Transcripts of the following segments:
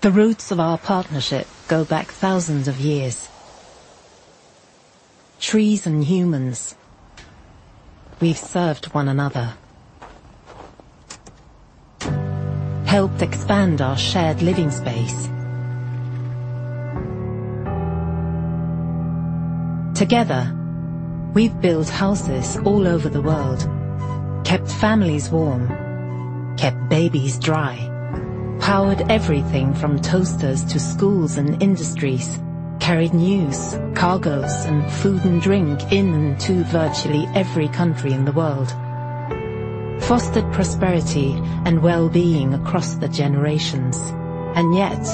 The roots of our partnership go back thousands of years. Trees and humans, we've served one another. Helped expand our shared living space. Together, we've built houses all over the world, kept families warm, kept babies dry, powered everything from toasters to schools and industries, carried news, cargos, and food and drink in to virtually every country in the world, fostered prosperity and wellbeing across the generations. Yet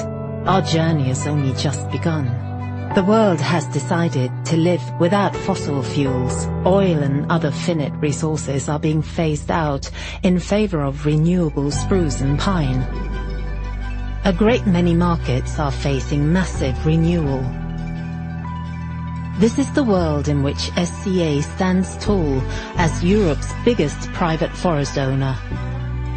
our journey has only just begun. The world has decided to live without fossil fuels. Oil and other finite resources are being phased out in favor of renewable spruce and pine. A great many markets are facing massive renewal. This is the world in which SCA stands tall as Europe's biggest private forest owner.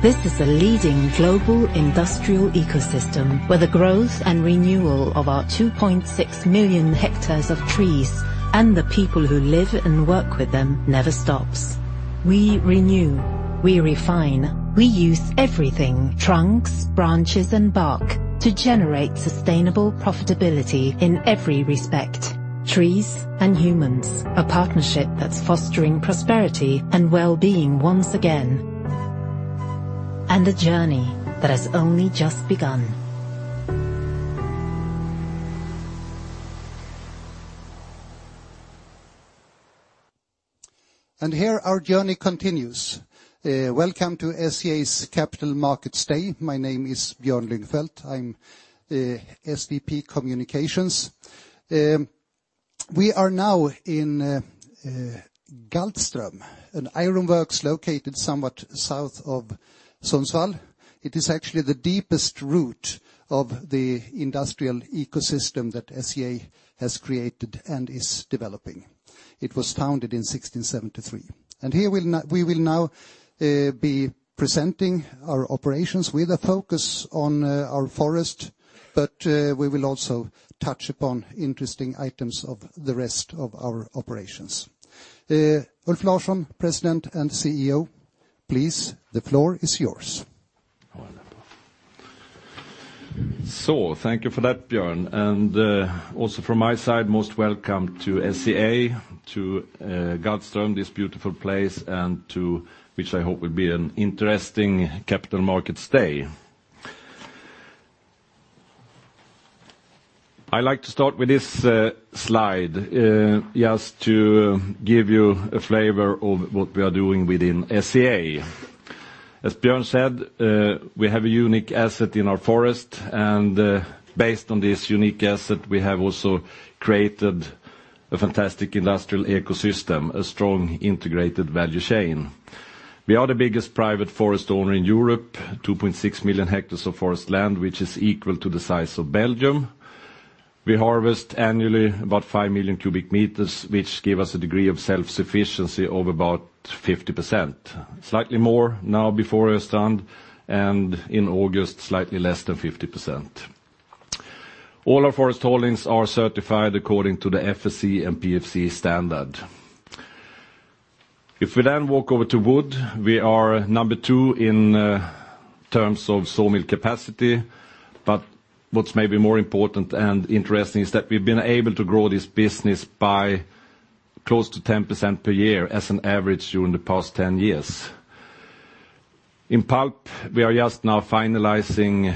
This is a leading global industrial ecosystem, where the growth and renewal of our 2.6 million hectares of trees and the people who live and work with them never stops. We renew, we refine, we use everything, trunks, branches, and bark, to generate sustainable profitability in every respect. Trees and humans, a partnership that's fostering prosperity and wellbeing once again. A journey that has only just begun. Here our journey continues. Welcome to SCA's Capital Markets Day. My name is Björn Lyngfelt. I'm the SVP Communications. We are now in Galtström, an ironworks located somewhat south of Sundsvall. It is actually the deepest root of the industrial ecosystem that SCA has created and is developing. It was founded in 1673. Here we will now be presenting our operations with a focus on our forest. We will also touch upon interesting items of the rest of our operations. Ulf Larsson, President and CEO, please, the floor is yours. Thank you for that, Björn. Also from my side, most welcome to SCA, to Galtström, this beautiful place. To which I hope will be an interesting Capital Markets Day. I like to start with this slide, just to give you a flavor of what we are doing within SCA. As Björn said, we have a unique asset in our forest. Based on this unique asset, we have also created a fantastic industrial ecosystem, a strong integrated value chain. We are the biggest private forest owner in Europe, 2.6 million hectares of forest land, which is equal to the size of Belgium. We harvest annually about 5 million cubic meters, which give us a degree of self-sufficiency of about 50%, slightly more now before Östrand. In August, slightly less than 50%. All our forest holdings are certified according to the FSC and PEFC standard. If we walk over to wood, we are number two in terms of sawmill capacity, but what's maybe more important and interesting is that we've been able to grow this business by close to 10% per year as an average during the past 10 years. In pulp, we are just now finalizing,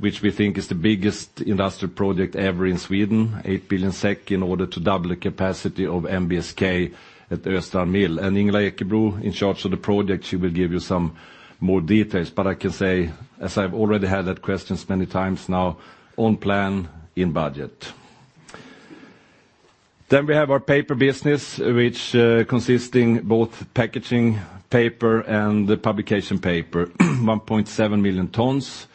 which we think is the biggest industrial project ever in Sweden, 8 billion SEK, in order to double the capacity of NBSK at Östrand mill. Ingela Ekebro, in charge of the project, she will give you some more details, but I can say, as I've already had that question many times now, on plan, in budget. We have our paper business, which consisting both packaging paper and the publication paper. 1.7 million tons,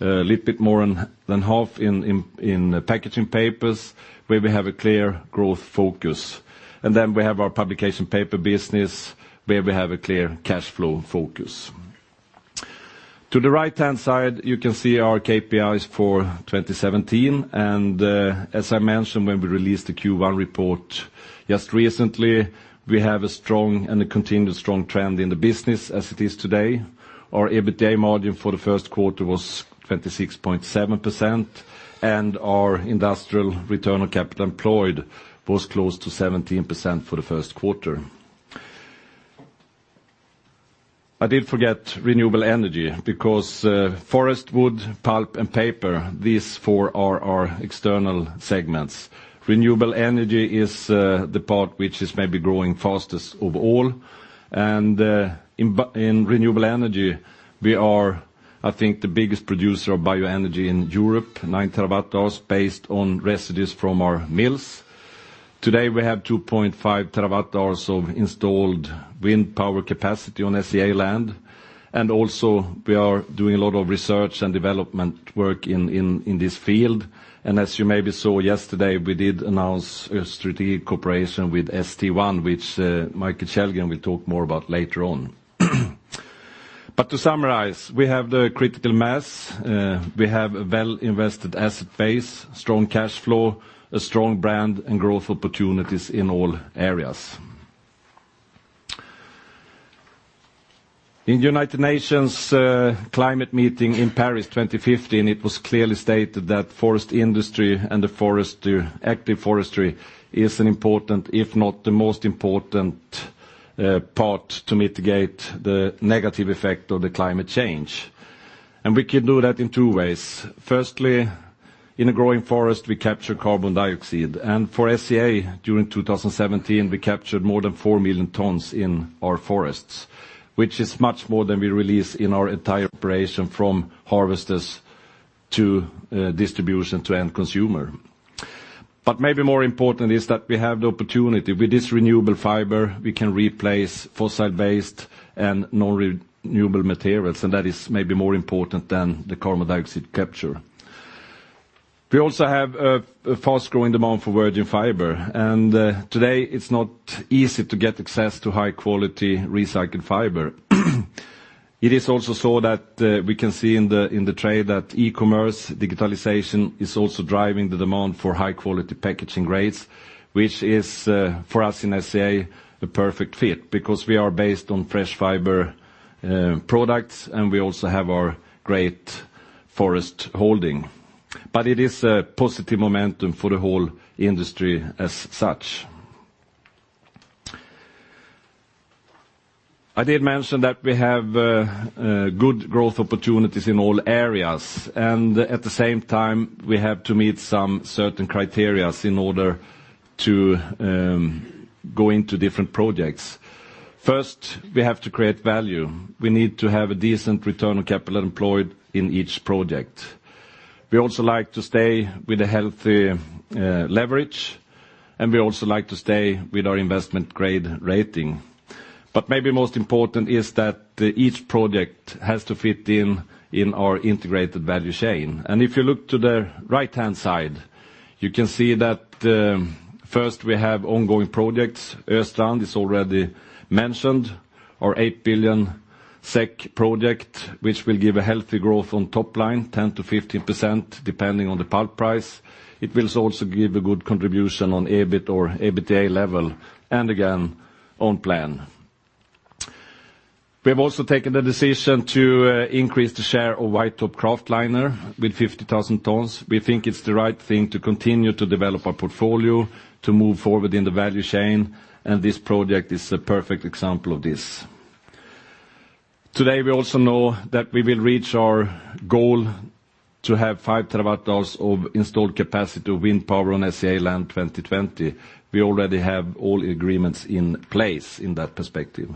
a little bit more than half in packaging papers, where we have a clear growth focus. We have our publication paper business, where we have a clear cash flow focus. To the right-hand side, you can see our KPIs for 2017. As I mentioned when we released the Q1 report just recently, we have a strong and a continued strong trend in the business as it is today. Our EBITDA margin for the first quarter was 26.7%, and our industrial return on capital employed was close to 17% for the first quarter. I did forget renewable energy because forest wood, pulp, and paper, these four are our external segments. Renewable energy is the part which is maybe growing fastest of all, and in renewable energy, we are, I think, the biggest producer of bioenergy in Europe, nine terawatt hours based on residues from our mills. Today, we have 2.5 terawatt hours of installed wind power capacity on SCA land. Also we are doing a lot of research and development work in this field. As you maybe saw yesterday, we did announce a strategic cooperation with St1, which Mikael Källgren will talk more about later on. To summarize, we have the critical mass, we have a well invested asset base, strong cash flow, a strong brand, and growth opportunities in all areas. In United Nations climate meeting in Paris 2015, it was clearly stated that forest industry and the active forestry is an important, if not the most important, part to mitigate the negative effect of the climate change. We can do that in two ways. Firstly, in a growing forest, we capture carbon dioxide. For SCA, during 2017, we captured more than 4 million tons in our forests, which is much more than we release in our entire operation from harvesters to distribution to end consumer. Maybe more important is that we have the opportunity, with this renewable fiber, we can replace fossil-based and non-renewable materials. That is maybe more important than the carbon dioxide capture. We also have a fast-growing demand for virgin fiber. Today it's not easy to get access to high-quality recycled fiber. It is also so that we can see in the trade that e-commerce, digitalization is also driving the demand for high-quality packaging grades, which is, for us in SCA, a perfect fit because we are based on fresh fiber products, and we also have our great forest holding. It is a positive momentum for the whole industry as such. I did mention that we have good growth opportunities in all areas, at the same time, we have to meet some certain criteria in order to go into different projects. First, we have to create value. We need to have a decent return on capital employed in each project. We also like to stay with a healthy leverage, and we also like to stay with our investment grade rating. Maybe most important is that each project has to fit in our integrated value chain. If you look to the right-hand side, you can see that first we have ongoing projects. Östrand is already mentioned, our 8 billion SEK project, which will give a healthy growth on top line, 10%-15% depending on the pulp price. It will also give a good contribution on EBIT or EBITDA level, and again, on plan. We have also taken the decision to increase the share of white top kraftliner with 50,000 tons. We think it's the right thing to continue to develop our portfolio, to move forward in the value chain, this project is a perfect example of this. Today, we also know that we will reach our goal to have five terawatts of installed capacity of wind power on SCA land 2020. We already have all the agreements in place in that perspective.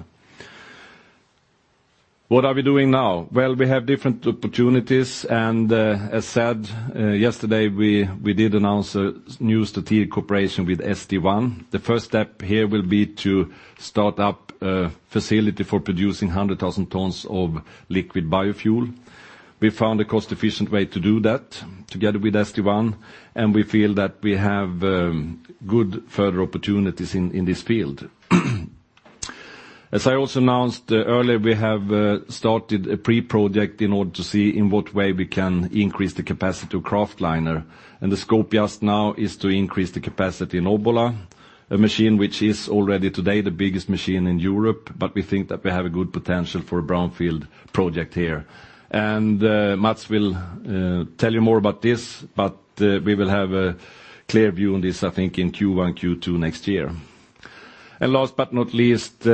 What are we doing now? We have different opportunities, as said, yesterday we did announce a new strategic cooperation with St1. The first step here will be to start up a facility for producing 100,000 tons of liquid biofuel. We found a cost-efficient way to do that together with St1, we feel that we have good further opportunities in this field. As I also announced earlier, we have started a pre-project in order to see in what way we can increase the capacity of kraftliner, the scope just now is to increase the capacity in Obbola, a machine which is already today the biggest machine in Europe, we think that we have a good potential for a brownfield project here. Mats will tell you more about this, we will have a clear view on this, I think, in Q1, Q2 next year. Last but not least,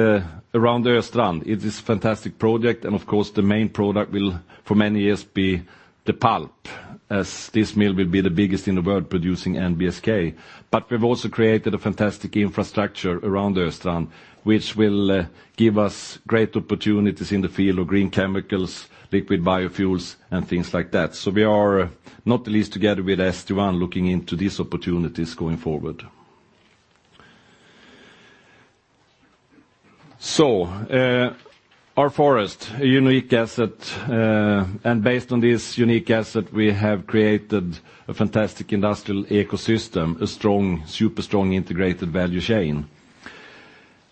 around Östrand. It is fantastic project, of course the main product will, for many years, be the pulp, as this mill will be the biggest in the world producing NBSK. We've also created a fantastic infrastructure around Östrand, which will give us great opportunities in the field of green chemicals, liquid biofuels, and things like that. We are not the least together with St1 looking into these opportunities going forward. Our forest, a unique asset, based on this unique asset, we have created a fantastic industrial ecosystem, a super strong integrated value chain.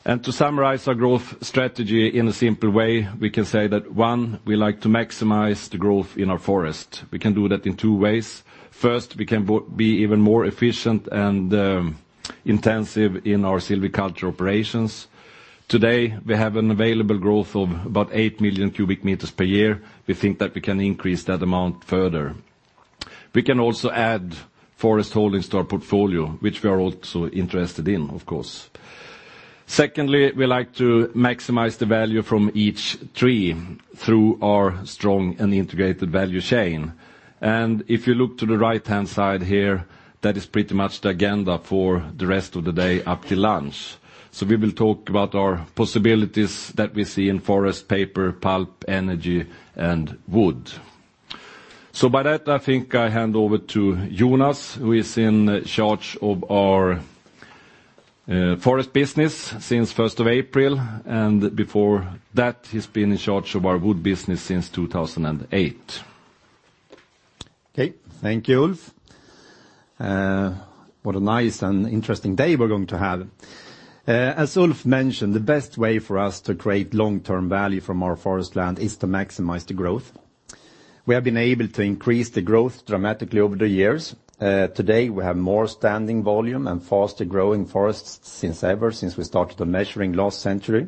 To summarize our growth strategy in a simple way, we can say that, one, we like to maximize the growth in our forest. We can do that in two ways. First, we can be even more efficient and intensive in our silviculture operations. Today, we have an available growth of about 8 million cubic meters per year. We think that we can increase that amount further. We can also add forest holdings to our portfolio, which we are also interested in, of course. Secondly, we like to maximize the value from each tree through our strong and integrated value chain. If you look to the right-hand side here, that is pretty much the agenda for the rest of the day up to lunch. We will talk about our possibilities that we see in forest, paper, pulp, energy, and wood. By that, I think I hand over to Jonas, who is in charge of our forest business since 1st of April, and before that, he's been in charge of our wood business since 2008. Okay. Thank you, Ulf. What a nice and interesting day we're going to have. As Ulf mentioned, the best way for us to create long-term value from our forest land is to maximize the growth. We have been able to increase the growth dramatically over the years. Today, we have more standing volume and faster-growing forests since ever since we started measuring last century.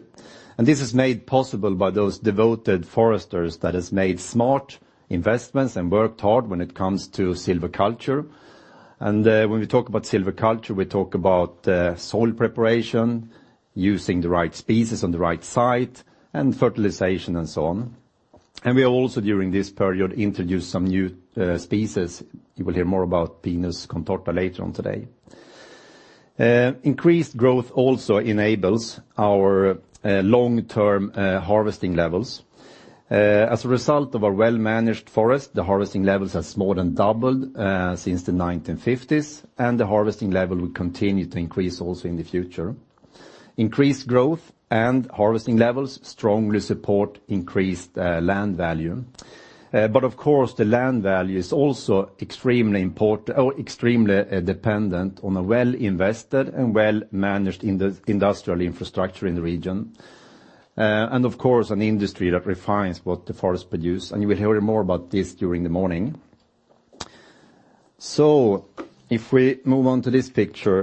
This is made possible by those devoted foresters that have made smart investments and worked hard when it comes to silviculture. When we talk about silviculture, we talk about soil preparation, using the right species on the right site, and fertilization and so on. We also, during this period, introduced some new species. You will hear more about Pinus contorta later on today. Increased growth also enables our long-term harvesting levels. As a result of a well-managed forest, the harvesting levels have more than doubled since the 1950s, the harvesting level will continue to increase also in the future. Increased growth and harvesting levels strongly support increased land value. Of course, the land value is also extremely dependent on a well-invested and well-managed industrial infrastructure in the region. Of course, an industry that refines what the forest produce, and you will hear more about this during the morning. If we move on to this picture,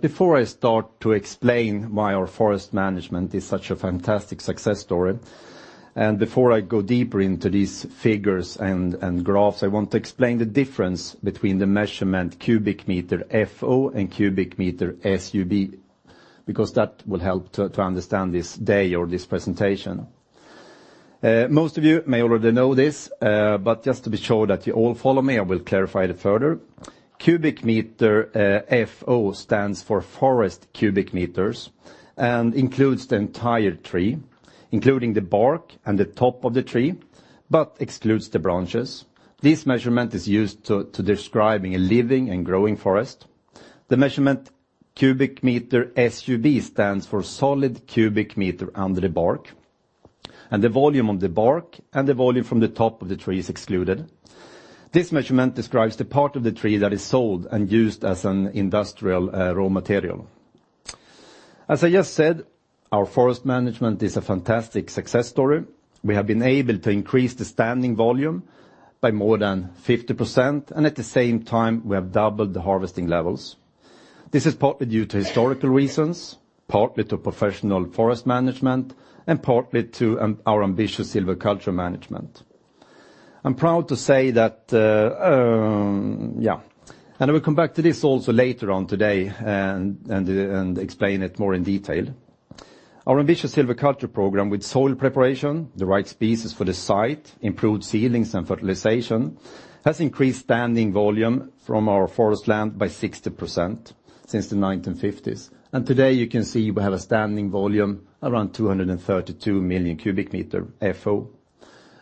before I start to explain why our forest management is such a fantastic success story, before I go deeper into these figures and graphs, I want to explain the difference between the measurement cubic meter FO and cubic meter SUB, because that will help to understand this day or this presentation. Most of you may already know this, just to be sure that you all follow me, I will clarify it further. Cubic meter FO stands for forest cubic meters and includes the entire tree, including the bark and the top of the tree, but excludes the branches. This measurement is used to describing a living and growing forest. The measurement cubic meter SUB stands for solid cubic meter under the bark, and the volume of the bark and the volume from the top of the tree is excluded. This measurement describes the part of the tree that is sold and used as an industrial raw material. As I just said, our forest management is a fantastic success story. We have been able to increase the standing volume by more than 50%, at the same time, we have doubled the harvesting levels. This is partly due to historical reasons, partly to professional forest management, and partly to our ambitious silviculture management. I'm proud to say that. I will come back to this also later on today and explain it more in detail. Our ambitious silviculture program with soil preparation, the right species for the site, improved seedlings and fertilization, has increased standing volume from our forest land by 60% since the 1950s. Today you can see we have a standing volume around 232 million cubic meter FO.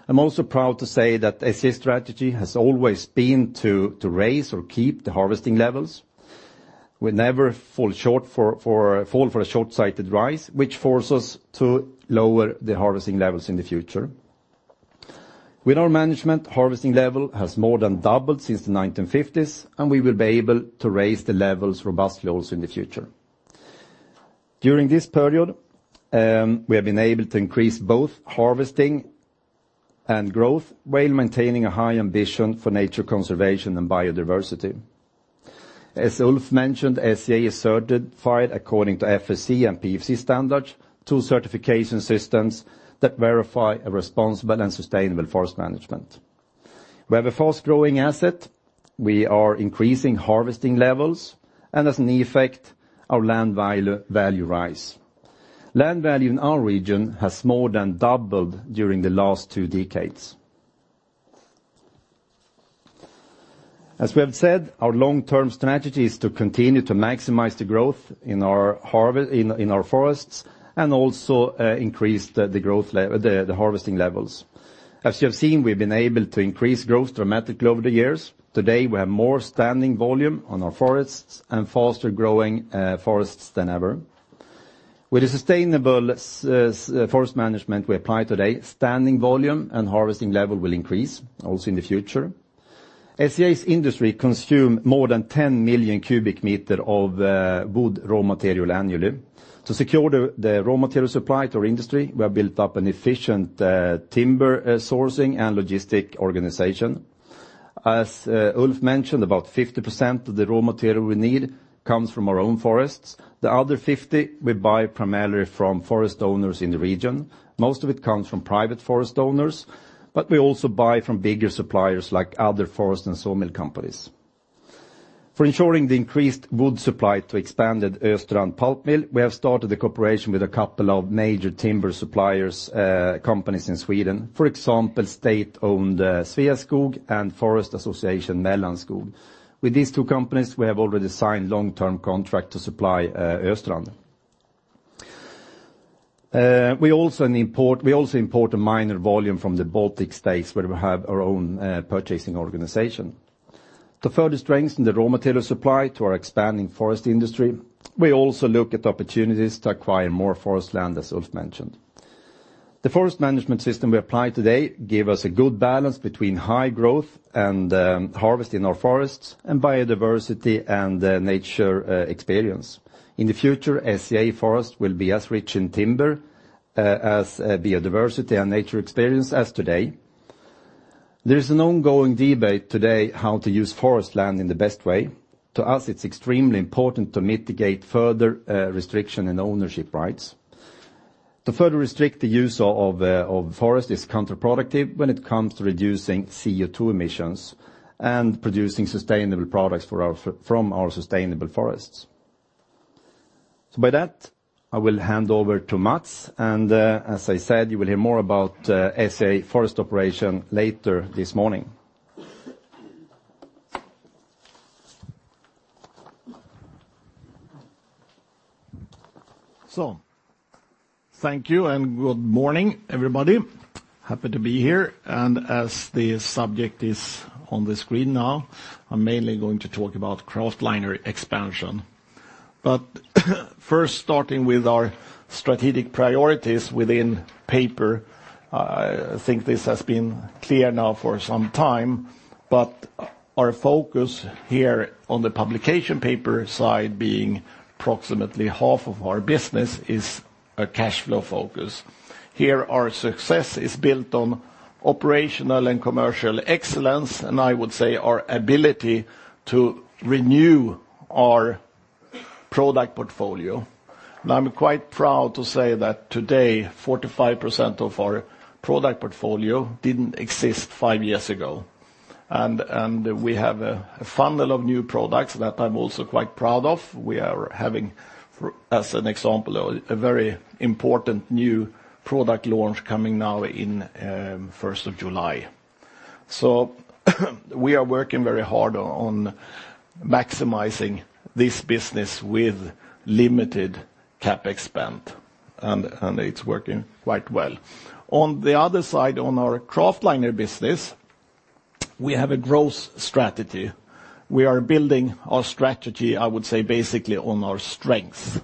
I'm also proud to say that SCA's strategy has always been to raise or keep the harvesting levels. We never fall for a short-sighted rise, which forces us to lower the harvesting levels in the future. With our management, harvesting level has more than doubled since the 1950s. We will be able to raise the levels robustly also in the future. During this period, we have been able to increase both harvesting and growth while maintaining a high ambition for nature conservation and biodiversity. As Ulf mentioned, SCA is certified according to FSC and PEFC standards, two certification systems that verify a responsible and sustainable forest management. We have a fast-growing asset. We are increasing harvesting levels. As an effect, our land value rise. Land value in our region has more than doubled during the last two decades. As we have said, our long-term strategy is to continue to maximize the growth in our forests. Also increase the harvesting levels. As you have seen, we've been able to increase growth dramatically over the years. Today, we have more standing volume on our forests. Faster-growing forests than ever. With the sustainable forest management we apply today, standing volume and harvesting level will increase also in the future. SCA's industry consume more than 10 million cubic meter of wood raw material annually. To secure the raw material supply to our industry, we have built up an efficient timber sourcing and logistic organization. As Ulf mentioned, about 50% of the raw material we need comes from our own forests. The other 50% we buy primarily from forest owners in the region. Most of it comes from private forest owners, but we also buy from bigger suppliers like other forest and sawmill companies. For ensuring the increased wood supply to expanded Östrand pulp mill, we have started a cooperation with a couple of major timber suppliers companies in Sweden. For example, state-owned Sveaskog and Forest Association Mellanskog. With these two companies, we have already signed long-term contract to supply Östrand. We also import a minor volume from the Baltic States where we have our own purchasing organization. To further strengthen the raw material supply to our expanding forest industry, we also look at opportunities to acquire more forest land, as Ulf mentioned. The forest management system we apply today give us a good balance between high growth and harvest in our forests, and biodiversity and nature experience. In the future, SCA Forest will be as rich in timber, as biodiversity and nature experience as today. There's an ongoing debate today how to use forest land in the best way. To us, it's extremely important to mitigate further restriction in ownership rights. To further restrict the use of forest is counterproductive when it comes to reducing CO2 emissions and producing sustainable products from our sustainable forests. By that, I will hand over to Mats, and as I said, you will hear more about SCA Forest operation later this morning. Thank you and good morning, everybody. Happy to be here, and as the subject is on the screen now, I'm mainly going to talk about kraftliner expansion. First, starting with our strategic priorities within paper, I think this has been clear now for some time, but our focus here on the publication paper side being approximately half of our business, is a cash flow focus. Here our success is built on operational and commercial excellence, and I would say our ability to renew our product portfolio, and I'm quite proud to say that today, 45% of our product portfolio didn't exist five years ago. We have a funnel of new products that I'm also quite proud of. We are having, as an example, a very important new product launch coming now in 1st of July. We are working very hard on maximizing this business with limited CapEx spend, and it's working quite well. On the other side, on our kraftliner business, we have a growth strategy. We are building our strategy, I would say, basically on our strength,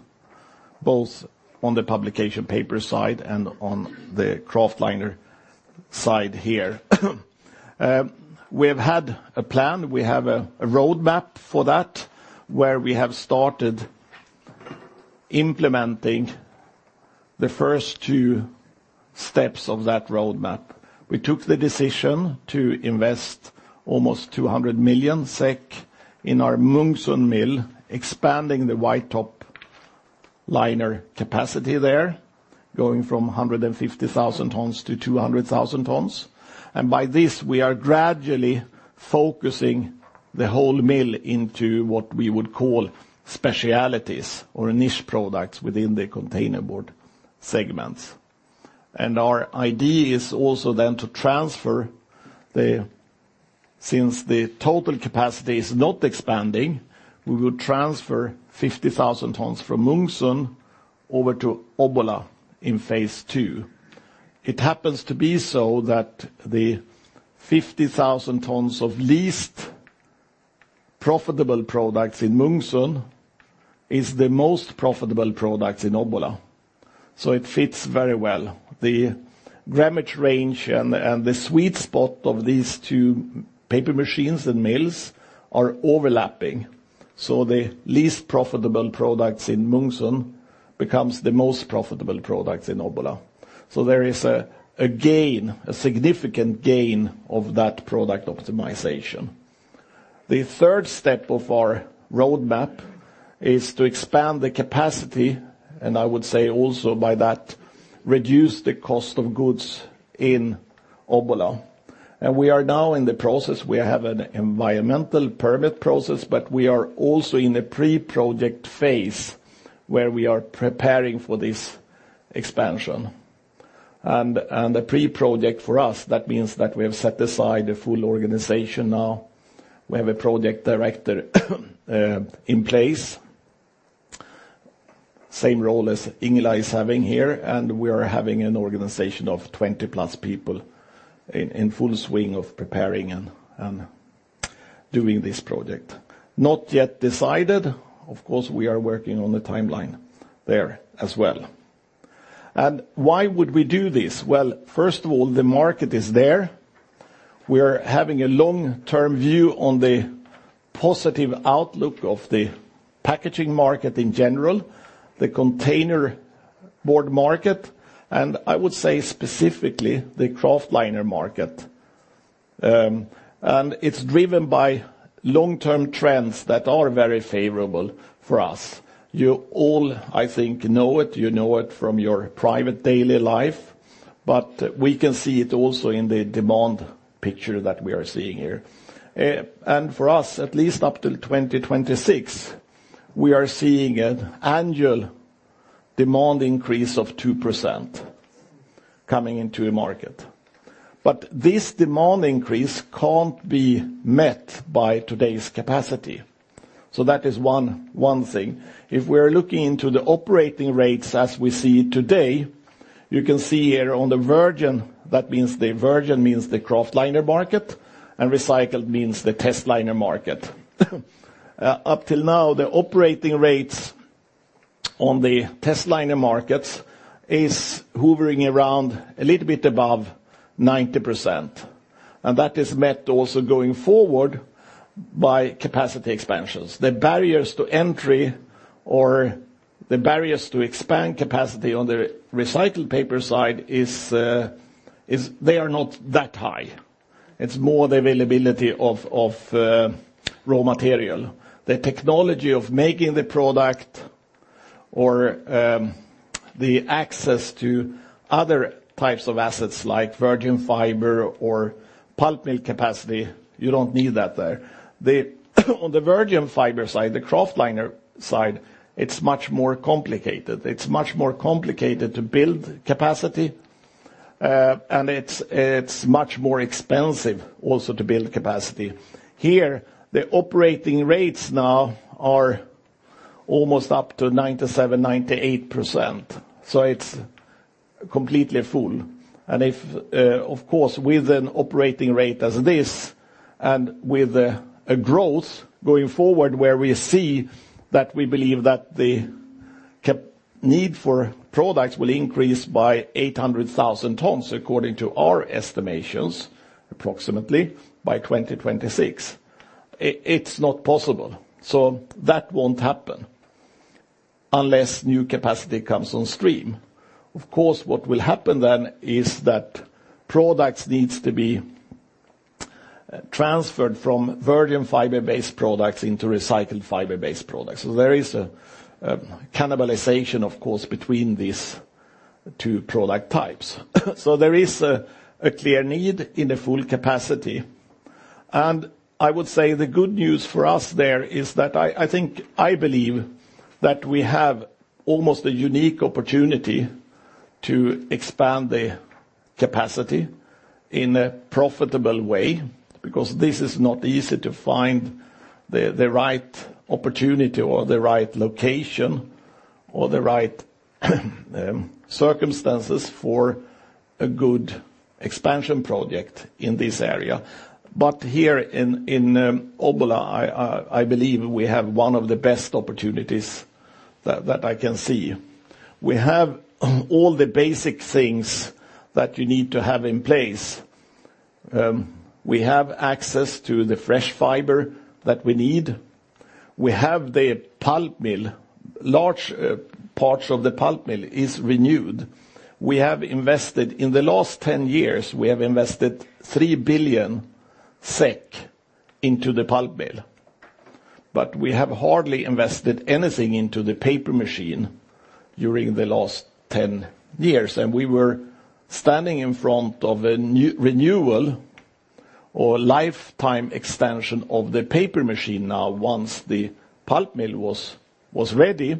both on the publication paper side and on the kraftliner side here. We have had a plan. We have a roadmap for that, where we have started implementing the first two steps of that roadmap. We took the decision to invest almost 200 million SEK in our Munksund mill, expanding the white top liner capacity there, going from 150,000 tons to 200,000 tons. By this, we are gradually focusing the whole mill into what we would call specialties or niche products within the containerboard segments. Our idea is also then to transfer. Since the total capacity is not expanding, we will transfer 50,000 tons from Munksund over to Obbola in phase 2. It happens to be so that the 50,000 tons of least profitable products in Munksund is the most profitable products in Obbola, so it fits very well. The grammage range and the sweet spot of these two paper machines and mills are overlapping, so the least profitable products in Munksund becomes the most profitable products in Obbola. There is a gain, a significant gain of that product optimization. The third step of our roadmap is to expand the capacity, and I would say also by that, reduce the cost of goods in Obbola. We are now in the process. We have an environmental permit process, but we are also in a pre-project phase where we are preparing for this expansion. The pre-project for us, that means that we have set aside a full organization now. We have a project director in place. Same role as Ingela is having here, and we are having an organization of 20-plus people in full swing of preparing and doing this project. Not yet decided. Of course, we are working on the timeline there as well. Why would we do this? Well, first of all, the market is there. We are having a long-term view on the positive outlook of the packaging market in general, the containerboard market, and I would say specifically, the kraftliner market. It's driven by long-term trends that are very favorable for us. You all, I think, know it. You know it from your private daily life, but we can see it also in the demand picture that we are seeing here. For us, at least up till 2026, we are seeing an annual demand increase of 2% coming into the market. This demand increase can't be met by today's capacity. That is one thing. If we're looking into the operating rates as we see today, you can see here on the virgin means the kraftliner market, and recycled means the test liner market. Up till now, the operating rates on the test liner markets is hovering around a little bit above 90%, and that is met also going forward by capacity expansions. The barriers to entry or the barriers to expand capacity on the recycled paper side are not that high. It's more the availability of raw material. The technology of making the product or the access to other types of assets like virgin fiber or pulp mill capacity, you don't need that there. On the virgin fiber side, the kraftliner side, it's much more complicated. It's much more complicated to build capacity, and it's much more expensive also to build capacity. Here, the operating rates now are almost up to 97%, 98%, so it's completely full. Of course, with an operating rate as this and with a growth going forward where we see that we believe that the need for products will increase by 800,000 tons, according to our estimations, approximately by 2026. It's not possible. That won't happen unless new capacity comes on stream. Of course, what will happen then is that products needs to be transferred from virgin fiber-based products into recycled fiber-based products. There is a cannibalization, of course, between these two product types. There is a clear need in the full capacity. I would say the good news for us there is that I believe that we have almost a unique opportunity to expand the capacity in a profitable way because this is not easy to find the right opportunity or the right location or the right circumstances for a good expansion project in this area. But here in Obbola, I believe we have one of the best opportunities that I can see. We have all the basic things that you need to have in place. We have access to the fresh fiber that we need. We have the pulp mill. Large parts of the pulp mill is renewed. We have invested 3 billion SEK into the pulp mill, but we have hardly invested anything into the paper machine during the last 10 years. We were standing in front of a renewal or lifetime extension of the paper machine now, once the pulp mill was ready.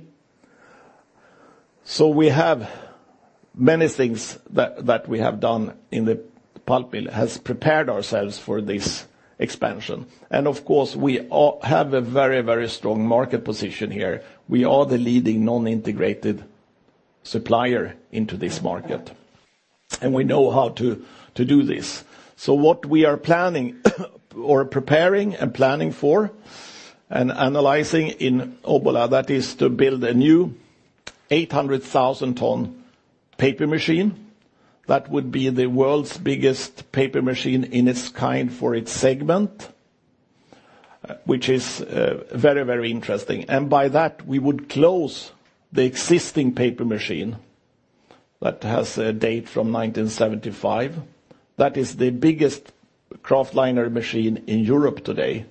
We have many things that we have done in the pulp mill, has prepared ourselves for this expansion. Of course, we have a very strong market position here. We are the leading non-integrated supplier into this market, and we know how to do this. What we are planning or preparing and planning for and analyzing in Obbola, that is to build a new 800,000 ton paper machine. That would be the world's biggest paper machine in its kind for its segment, which is very interesting. By that, we would close the existing paper machine that has a date from 1975. That is the biggest kraftliner machine in Europe today.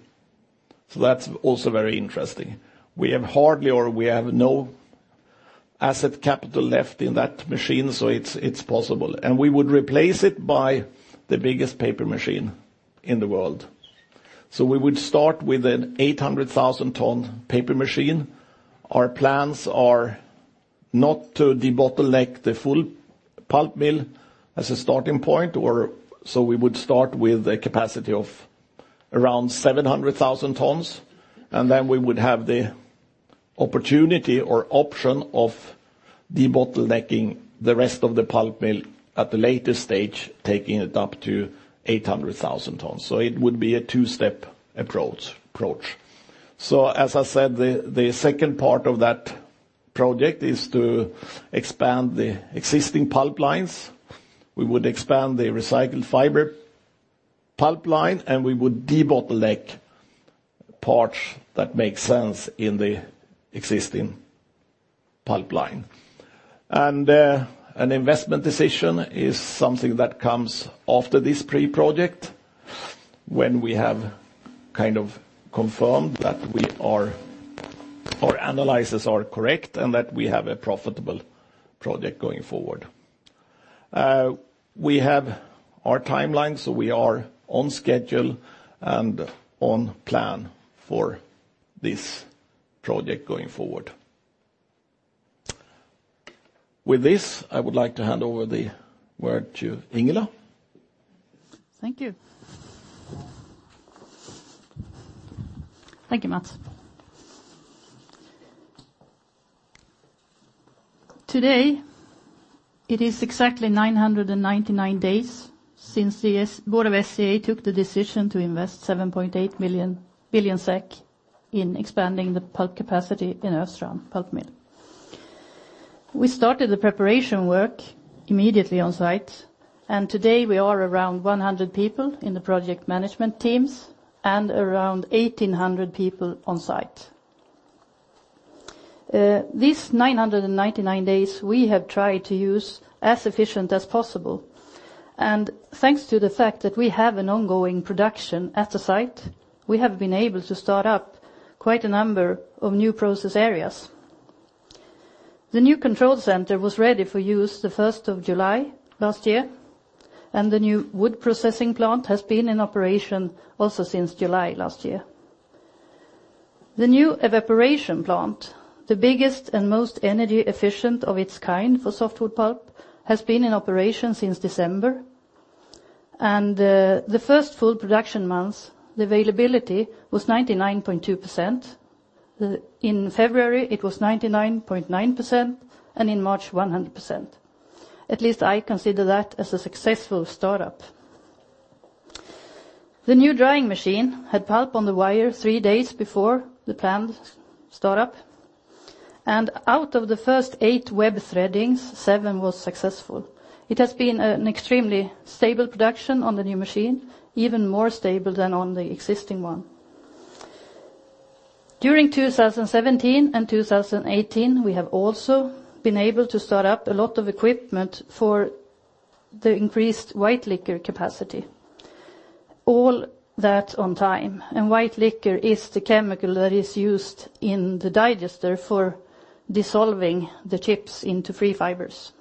That's also very interesting. We have hardly or we have no asset capital left in that machine, so it's possible. We would replace it by the biggest paper machine in the world. We would start with an 800,000 ton paper machine. Our plans are not to debottleneck the full pulp mill as a starting point, so we would start with a capacity of around 700,000 tons, and then we would have the opportunity or option of debottlenecking the rest of the pulp mill at a later stage, taking it up to 800,000 tons. It would be a 2-step approach. As I said, the second part of that project is to expand the existing pulp lines. We would expand the recycled fiber pulp line, and we would debottleneck parts that make sense in the existing pulp line. An investment decision is something that comes after this pre-project, when we have kind of confirmed that our analyses are correct and that we have a profitable project going forward. We have our timeline, so we are on schedule and on plan for this project going forward. With this, I would like to hand over the word to Ingela. Thank you. Thank you, Mats. Today, it is exactly 999 days since the board of SCA took the decision to invest 7.8 billion SEK in expanding the pulp capacity in Östrand pulp mill. We started the preparation work immediately on site, and today we are around 100 people in the project management teams and around 1,800 people on site. These 999 days, we have tried to use as efficient as possible, and thanks to the fact that we have an ongoing production at the site, we have been able to start up quite a number of new process areas. The new control center was ready for use the 1st of July last year, and the new wood processing plant has been in operation also since July last year. The new evaporation plant, the biggest and most energy efficient of its kind for softwood pulp, has been in operation since December, and the first full production month, the availability was 99.2%. In February, it was 99.9%, and in March, 100%. At least I consider that as a successful startup. The new drying machine had pulp on the wire three days before the planned startup, and out of the first eight web threadings, seven was successful. It has been an extremely stable production on the new machine, even more stable than on the existing one. During 2017 and 2018, we have also been able to start up a lot of equipment for the increased white liquor capacity, all that on time. White liquor is the chemical that is used in the digester for dissolving the chips into free fibers.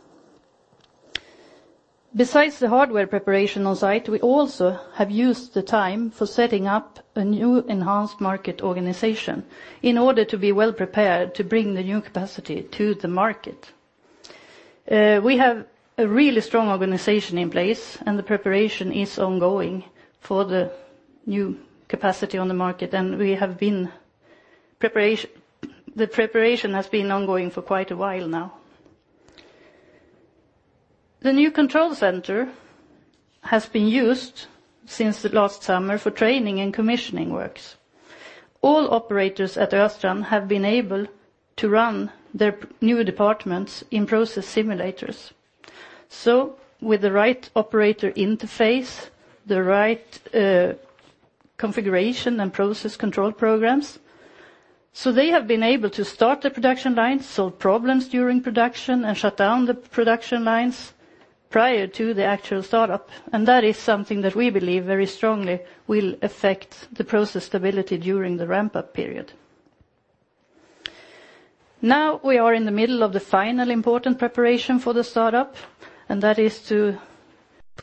Besides the hardware preparation on site, we also have used the time for setting up a new enhanced market organization in order to be well prepared to bring the new capacity to the market. We have a really strong organization in place and the preparation is ongoing for the new capacity on the market. The preparation has been ongoing for quite a while now. The new control center has been used since the last summer for training and commissioning works. All operators at Östrand have been able to run their new departments in process simulators. With the right operator interface, the right configuration, and process control programs, they have been able to start the production lines, solve problems during production, and shut down the production lines prior to the actual startup. That is something that we believe very strongly will affect the process stability during the ramp-up period. Now we are in the middle of the final important preparation for the startup, and that is to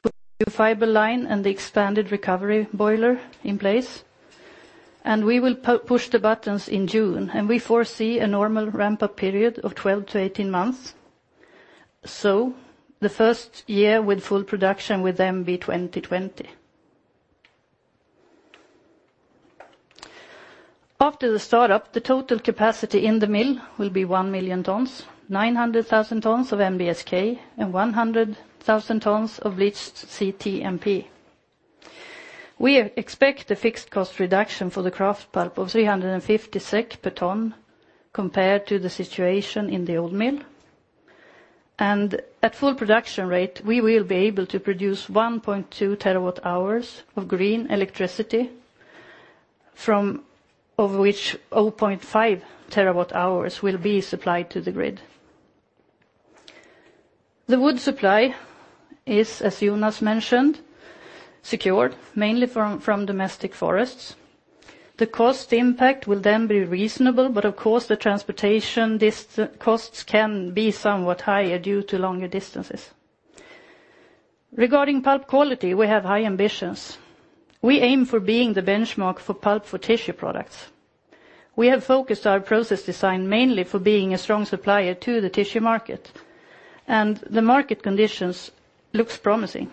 put the fiber line and the expanded recovery boiler in place. We will push the buttons in June, and we foresee a normal ramp-up period of 12-18 months. The first year with full production would then be 2020. After the startup, the total capacity in the mill will be 1 million tons, 900,000 tons of NBSK, and 100,000 tons of bleached CTMP. We expect the fixed cost reduction for the kraft pulp of 350 SEK per ton compared to the situation in the old mill. At full production rate, we will be able to produce 1.2 terawatt hours of green electricity, from of which 0.5 terawatt hours will be supplied to the grid. The wood supply is, as Jonas mentioned, secured mainly from domestic forests. The cost impact will then be reasonable, but of course the transportation costs can be somewhat higher due to longer distances. Regarding pulp quality, we have high ambitions. We aim for being the benchmark for pulp for tissue products. We have focused our process design mainly for being a strong supplier to the tissue market, and the market conditions looks promising.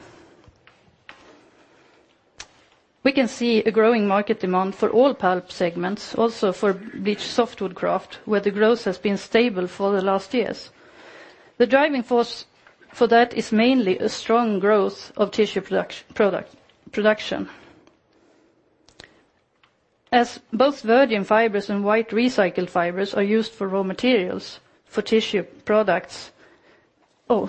We can see a growing market demand for all pulp segments, also for bleached softwood kraft, where the growth has been stable for the last years. The driving force for that is mainly a strong growth of tissue production. Oh,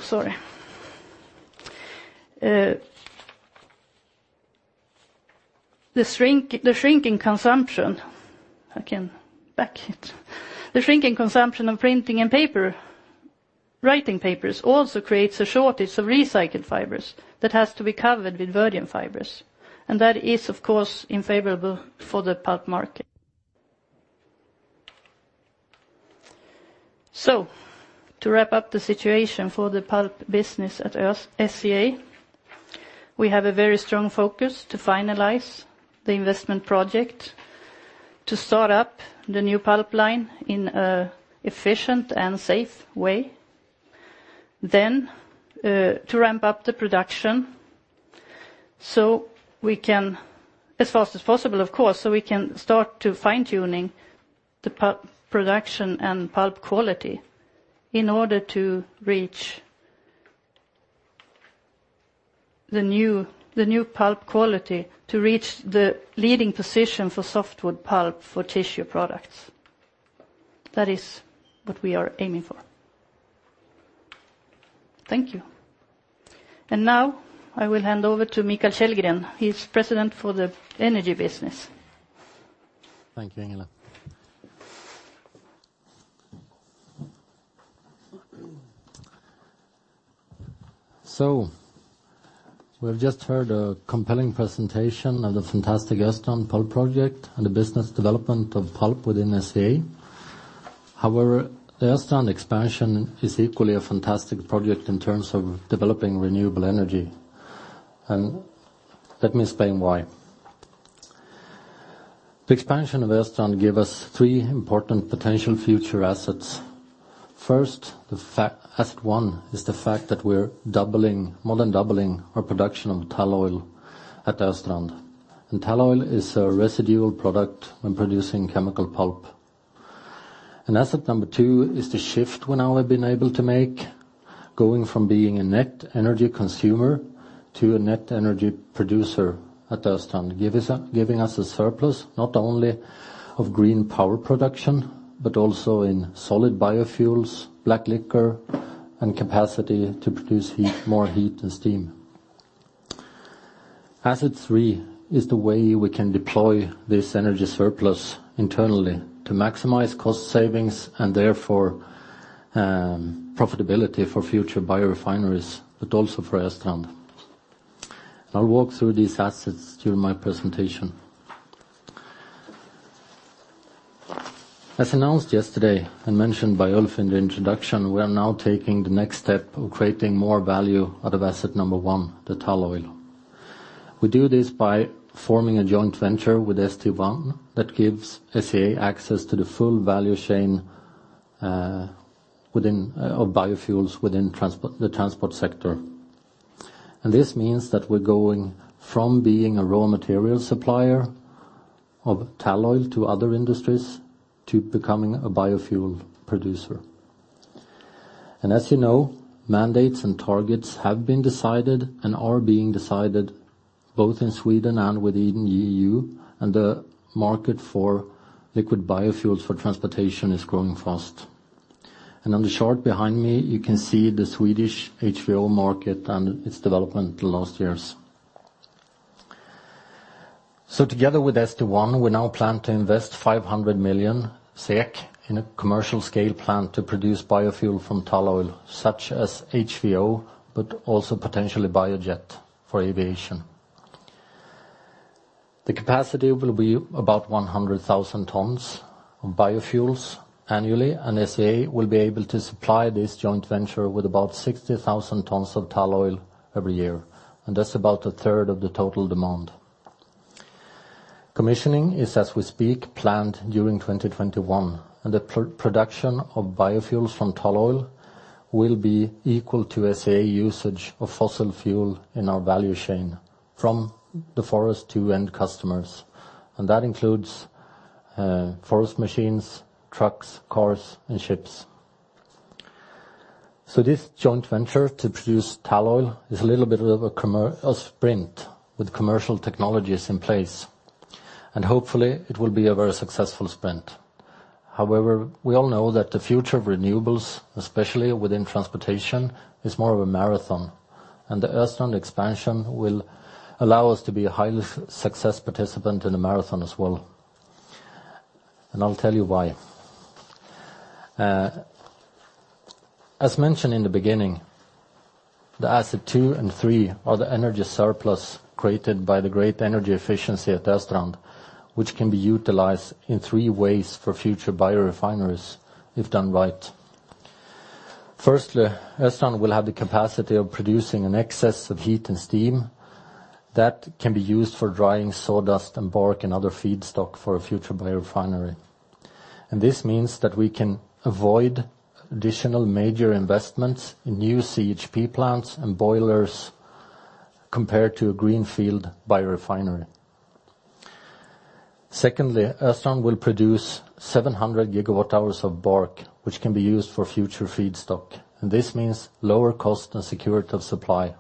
sorry. The shrinking consumption of printing and writing papers also creates a shortage of recycled fibers that has to be covered with virgin fibers, and that is, of course, unfavorable for the pulp market. To wrap up the situation for the pulp business at SCA, we have a very strong focus to finalize the investment project to start up the new pulp line in an efficient and safe way, then to ramp up the production as fast as possible, so we can start fine-tuning the production and pulp quality in order to reach the new pulp quality to reach the leading position for softwood pulp for tissue products. That is what we are aiming for. Thank you. Now I will hand over to Mikael Källgren. He is President for the Renewable Energy business. Thank you, Ingela. We've just heard a compelling presentation of the fantastic Östrand Pulp project and the business development of pulp within SCA. However, the Östrand expansion is equally a fantastic project in terms of developing renewable energy. Let me explain why. The expansion of Östrand give us three important potential future assets. First, asset 1 is the fact that we're more than doubling our production of tall oil at Östrand. Tall oil is a residual product when producing chemical pulp. Asset 2 is the shift we now have been able to make, going from being a net energy consumer to a net energy producer at Östrand, giving us a surplus, not only of green power production, but also in solid biofuels, black liquor, and capacity to produce more heat and steam. Asset 3 is the way we can deploy this energy surplus internally to maximize cost savings and therefore profitability for future biorefineries, but also for Östrand. I'll walk through these assets during my presentation. As announced yesterday and mentioned by Ulf in the introduction, we are now taking the next step of creating more value out of asset 1, the tall oil. We do this by forming a joint venture with St1 that gives SCA access to the full value chain of biofuels within the transport sector. This means that we're going from being a raw material supplier of tall oil to other industries to becoming a biofuel producer. As you know, mandates and targets have been decided and are being decided both in Sweden and within EU, and the market for liquid biofuels for transportation is growing fast. On the chart behind me, you can see the Swedish HVO market and its development in the last years. Together with St1, we now plan to invest 500 million SEK in a commercial scale plant to produce biofuel from tall oil such as HVO, but also potentially biojet for aviation. The capacity will be about 100,000 tons of biofuels annually, and SCA will be able to supply this joint venture with about 60,000 tons of tall oil every year, and that's about a third of the total demand. Commissioning is, as we speak, planned during 2021, and the production of biofuels from tall oil will be equal to SCA usage of fossil fuel in our value chain from the forest to end customers. That includes forest machines, trucks, cars, and ships. This joint venture to produce tall oil is a little bit of a sprint with commercial technologies in place. Hopefully it will be a very successful sprint. However, we all know that the future of renewables, especially within transportation, is more of a marathon, and the Östrand expansion will allow us to be a highly success participant in the marathon as well. I'll tell you why. As mentioned in the beginning, the asset 2 and 3 are the energy surplus created by the great energy efficiency at Östrand, which can be utilized in 3 ways for future biorefineries if done right. Firstly, Östrand will have the capacity of producing an excess of heat and steam that can be used for drying sawdust and bark and other feedstock for a future biorefinery. This means that we can avoid additional major investments in new CHP plants and boilers compared to a greenfield biorefinery. Secondly, Östrand will produce 700 gigawatt hours of bark, which can be used for future feedstock. This means lower cost and security of supply.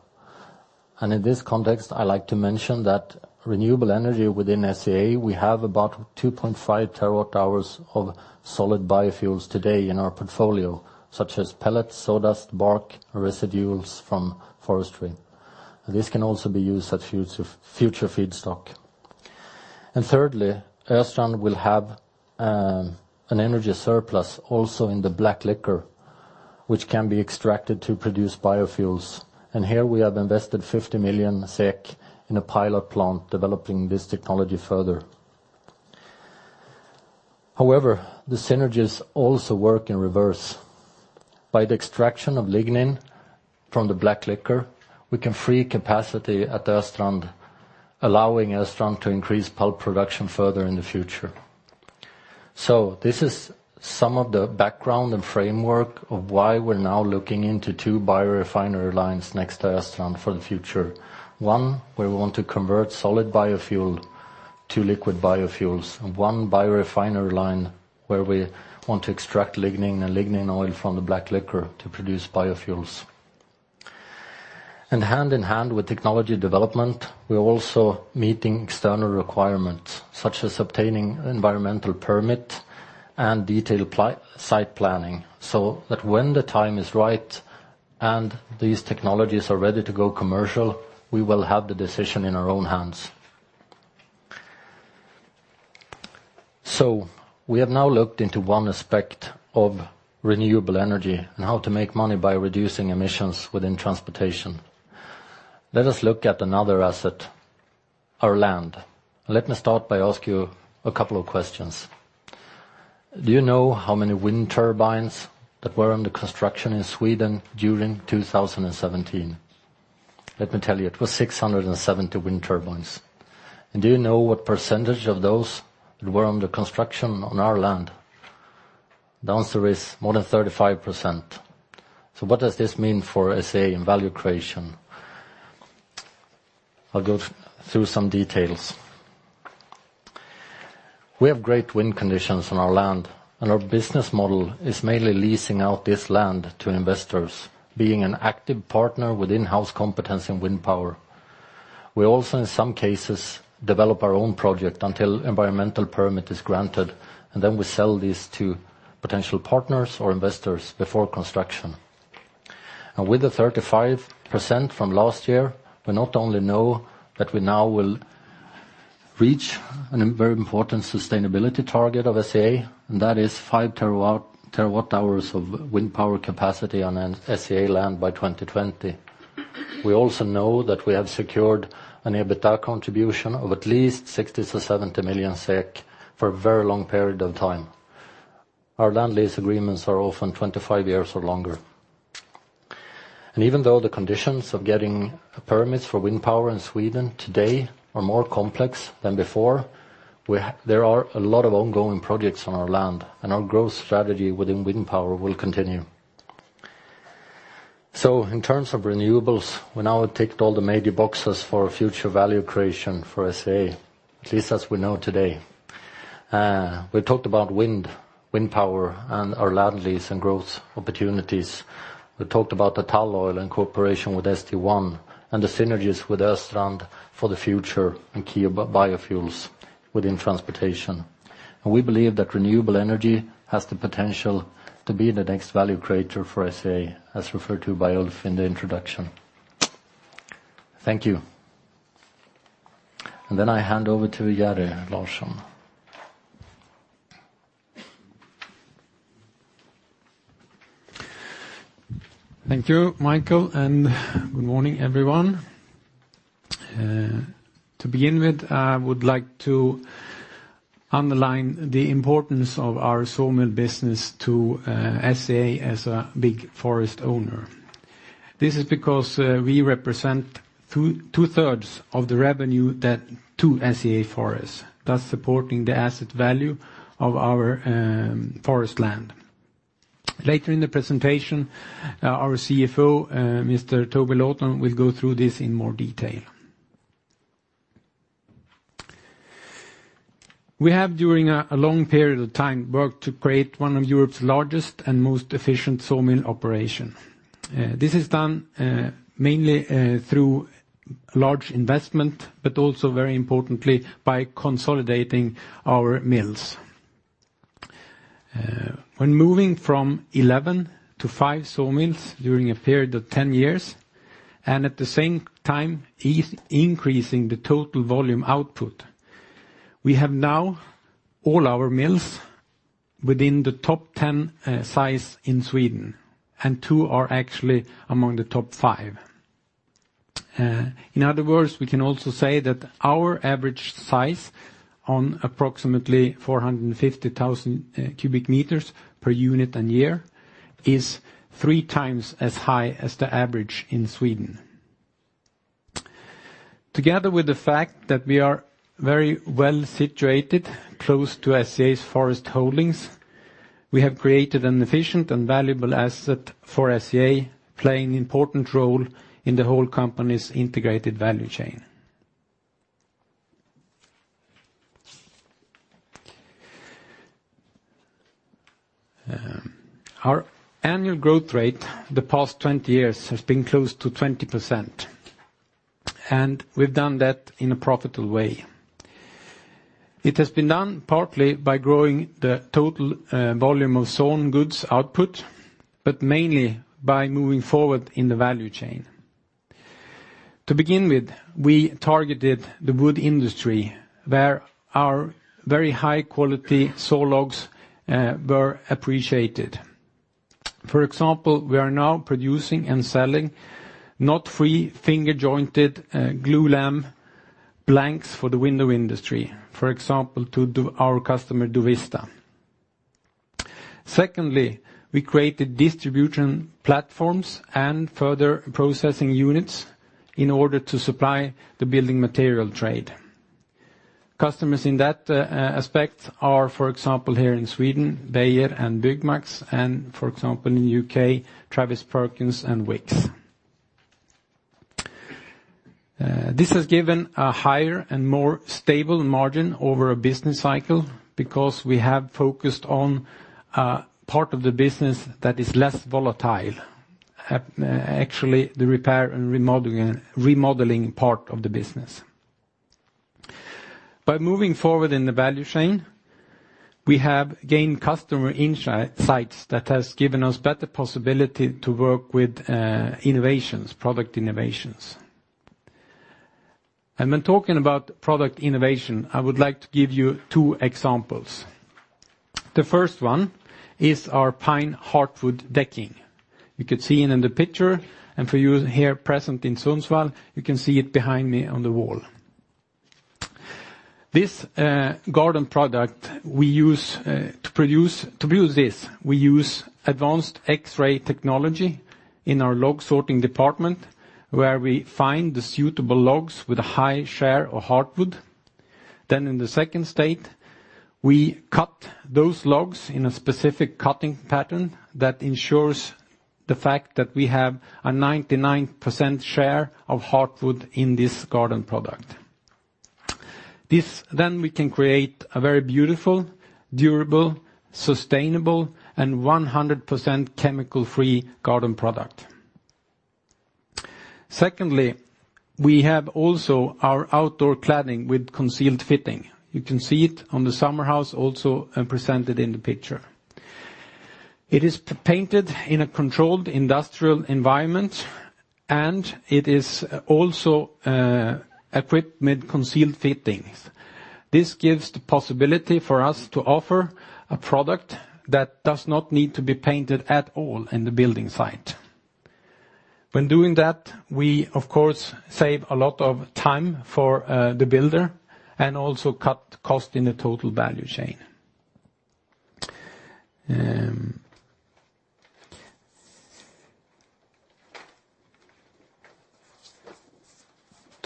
In this context, I like to mention that renewable energy within SCA, we have about 2.5 terawatt hours of solid biofuels today in our portfolio, such as pellets, sawdust, bark, residues from forestry. This can also be used as future feedstock. Thirdly, Östrand will have an energy surplus also in the black liquor, which can be extracted to produce biofuels. Here we have invested 50 million SEK in a pilot plant developing this technology further. However, the synergies also work in reverse. By the extraction of lignin from the black liquor, we can free capacity at Östrand, allowing Östrand to increase pulp production further in the future. This is some of the background and framework of why we're now looking into 2 biorefinery lines next to Östrand for the future. One where we want to convert solid biofuel to liquid biofuels, and one biorefinery line where we want to extract lignin and lignin oil from the black liquor to produce biofuels. Hand-in-hand with technology development, we're also meeting external requirements, such as obtaining environmental permit and detailed site planning, so that when the time is right and these technologies are ready to go commercial, we will have the decision in our own hands. We have now looked into one aspect of renewable energy and how to make money by reducing emissions within transportation. Let us look at another asset, our land. Let me start by asking you a couple of questions. Do you know how many wind turbines that were under construction in Sweden during 2017? Let me tell you. It was 670 wind turbines. Do you know what percentage of those that were under construction on our land? The answer is more than 35%. What does this mean for SCA in value creation? I'll go through some details. We have great wind conditions on our land, and our business model is mainly leasing out this land to investors, being an active partner with in-house competence in wind power. We also, in some cases, develop our own project until environmental permit is granted, and then we sell these to potential partners or investors before construction. With the 35% from last year, we not only know that we now will reach a very important sustainability target of SCA, and that is 5 terawatt-hours of wind power capacity on an SCA land by 2020. We also know that we have secured an EBITDA contribution of at least 60 million-70 million SEK for a very long period of time. Our land lease agreements are often 25 years or longer. Even though the conditions of getting permits for wind power in Sweden today are more complex than before, there are a lot of ongoing projects on our land, and our growth strategy within wind power will continue. In terms of renewables, we now have ticked all the major boxes for future value creation for SCA, at least as we know today. We've talked about wind power and our land lease and growth opportunities. We've talked about the tall oil in cooperation with St1 and the synergies with Östrand for the future and key biofuels within transportation. We believe that renewable energy has the potential to be the next value creator for SCA, as referred to by Ulf in the introduction. Thank you. Then I hand over to Jerry Larsson. Thank you, Mikael, and good morning, everyone. To begin with, I would like to underline the importance of our sawmill business to SCA as a big forest owner. This is because we represent two-thirds of the revenue that two SCA Forests, thus supporting the asset value of our forest land. Later in the presentation, our CFO, Mr. Toby Lawton, will go through this in more detail. We have during a long period of time worked to create one of Europe's largest and most efficient sawmill operation. This is done mainly through large investment, but also very importantly by consolidating our mills. When moving from 11 to 5 sawmills during a period of 10 years, and at the same time increasing the total volume output, we have now all our mills within the top 10 size in Sweden, and two are actually among the top 5. In other words, we can also say that our average size on approximately 450,000 cubic meters per unit and year is three times as high as the average in Sweden. Together with the fact that we are very well-situated close to SCA's forest holdings, we have created an efficient and valuable asset for SCA, playing an important role in the whole company's integrated value chain. Our annual growth rate the past 20 years has been close to 20%, and we've done that in a profitable way. It has been done partly by growing the total volume of sawn goods output, but mainly by moving forward in the value chain. To begin with, we targeted the wood industry, where our very high-quality saw logs were appreciated. For example, we are now producing and selling knot-free finger-jointed glulam blanks for the window industry. For example, to our customer DOVISTA. We created distribution platforms and further processing units in order to supply the building material trade. Customers in that aspect are, for example, here in Sweden, Beijer and Byggmax, and for example, in the U.K., Travis Perkins and Wickes. This has given a higher and more stable margin over a business cycle because we have focused on a part of the business that is less volatile, actually the repair and remodeling part of the business. By moving forward in the value chain, we have gained customer insights that has given us better possibility to work with product innovations. When talking about product innovation, I would like to give you two examples. The first one is our pine heartwood decking. You could see it in the picture, and for you here present in Sundsvall, you can see it behind me on the wall. This garden product, to produce this, we use advanced X-ray technology in our log sorting department where we find the suitable logs with a high share of heartwood. In the 2nd state, we cut those logs in a specific cutting pattern that ensures the fact that we have a 99% share of heartwood in this garden product. We can create a very beautiful, durable, sustainable, and 100% chemical-free garden product. We have also our outdoor cladding with concealed fitting. You can see it on the summer house also presented in the picture. It is painted in a controlled industrial environment, and it is also equipped with concealed fittings. This gives the possibility for us to offer a product that does not need to be painted at all in the building site. When doing that, we, of course, save a lot of time for the builder and also cut cost in the total value chain.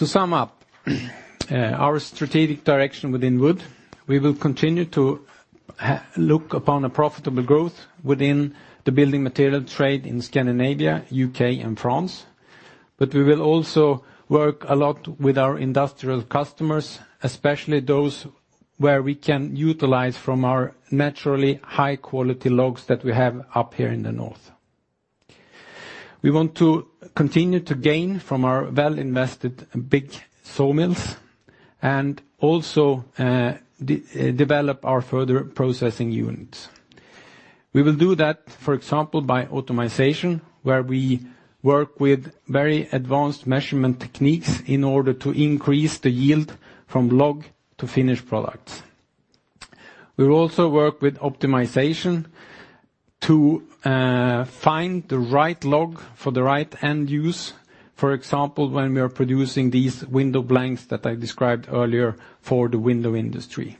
To sum up our strategic direction within wood, we will continue to look upon a profitable growth within the building material trade in Scandinavia, U.K., and France. We will also work a lot with our industrial customers, especially those where we can utilize from our naturally high-quality logs that we have up here in the north. We want to continue to gain from our well-invested big sawmills, and also develop our further processing units. We will do that, for example, by automation, where we work with very advanced measurement techniques in order to increase the yield from log to finished products. We will also work with optimization to find the right log for the right end use. For example, when we are producing these window blanks that I described earlier for the window industry.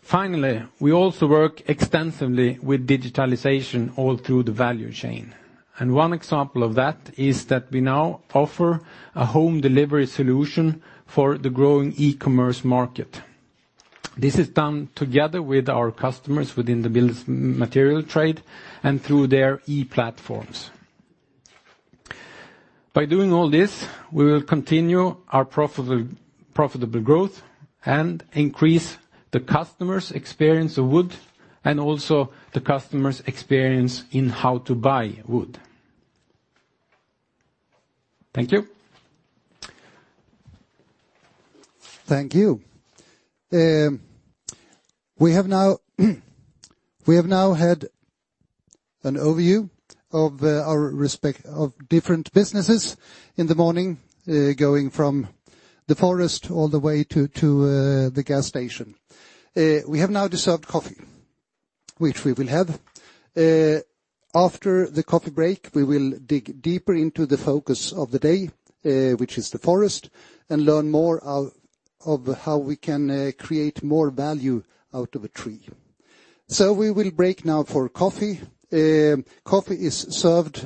Finally, we also work extensively with digitalization all through the value chain. One example of that is that we now offer a home delivery solution for the growing e-commerce market. This is done together with our customers within the building material trade and through their e-platforms. By doing all this, we will continue our profitable growth and increase the customer's experience of wood, and also the customer's experience in how to buy wood. Thank you. Thank you. We have now had an overview of different businesses in the morning, going from the forest all the way to the gas station. We have now deserved coffee, which we will have. After the coffee break, we will dig deeper into the focus of the day, which is the forest, and learn more of how we can create more value out of a tree. We will break now for coffee. Coffee is served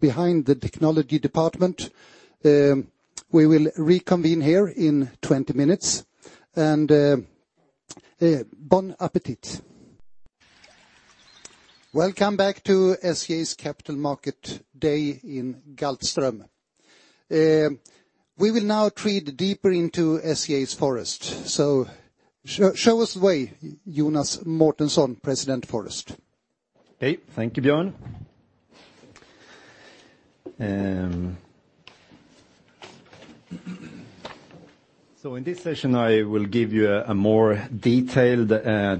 behind the technology department. We will reconvene here in 20 minutes, and bon appétit. Welcome back to SCA's Capital Market Day in Galtström. We will now tread deeper into SCA's forest. Show us the way, Jonas Mårtensson, President Forest. Okay. Thank you, Björn. In this session, I will give you a more detailed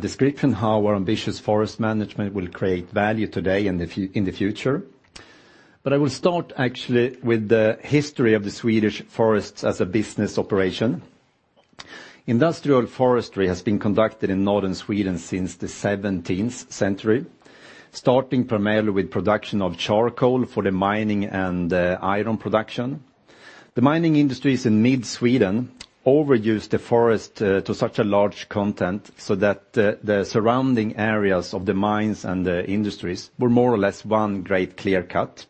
description how our ambitious forest management will create value today and in the future. I will start actually with the history of the Swedish forests as a business operation. Industrial forestry has been conducted in Northern Sweden since the 17th century, starting primarily with production of charcoal for the mining and iron production. The mining industries in mid-Sweden overused the forest to such a large content, so that the surrounding areas of the mines and the industries were more or less one great clear cut.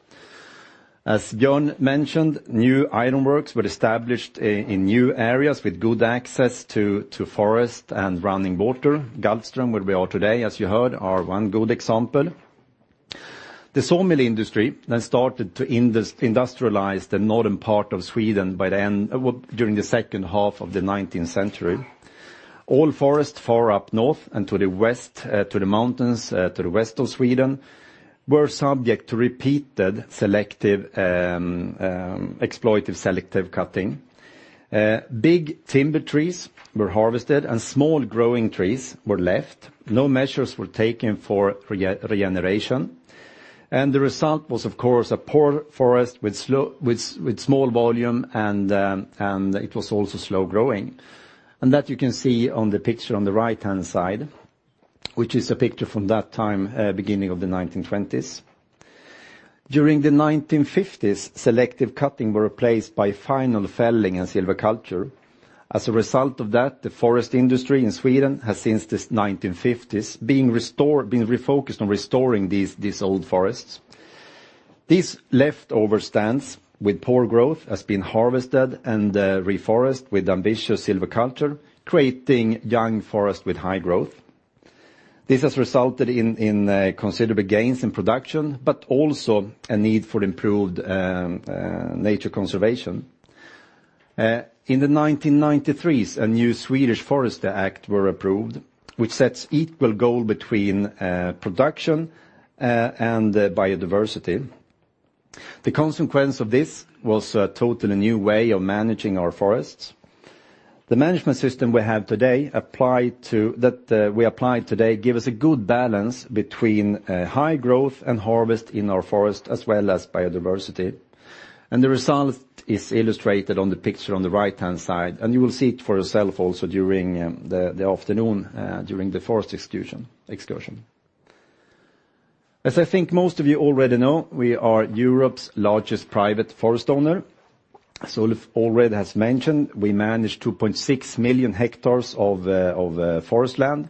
As John mentioned, new ironworks were established in new areas with good access to forest and running water. Galtström, where we are today, as you heard, are one good example. The sawmill industry then started to industrialize the northern part of Sweden during the second half of the 19th century. All forest far up north and to the west to the mountains to the west of Sweden, were subject to repeated exploitive selective cutting. Big timber trees were harvested and small growing trees were left. No measures were taken for regeneration, and the result was, of course, a poor forest with small volume, and it was also slow-growing. That you can see on the picture on the right-hand side, which is a picture from that time, beginning of the 1920s. During the 1950s, selective cutting was replaced by final felling and silviculture. As a result of that, the forest industry in Sweden has, since the 1950s, been refocused on restoring these old forests. These leftover stands with poor growth have been harvested and reforested with ambitious silviculture, creating young forests with high growth. This has resulted in considerable gains in production, but also a need for improved nature conservation. In 1993, a new Swedish Forestry Act was approved, which sets equal goals between production and biodiversity. The consequence of this was a totally new way of managing our forests. The management system that we apply today gives us a good balance between high growth and harvest in our forest, as well as biodiversity. The result is illustrated on the picture on the right-hand side, and you will see it for yourself also during the afternoon, during the forest excursion. As I think most of you already know, we are Europe's largest private forest owner. Ulf already has mentioned we manage 2.6 million hectares of forest land,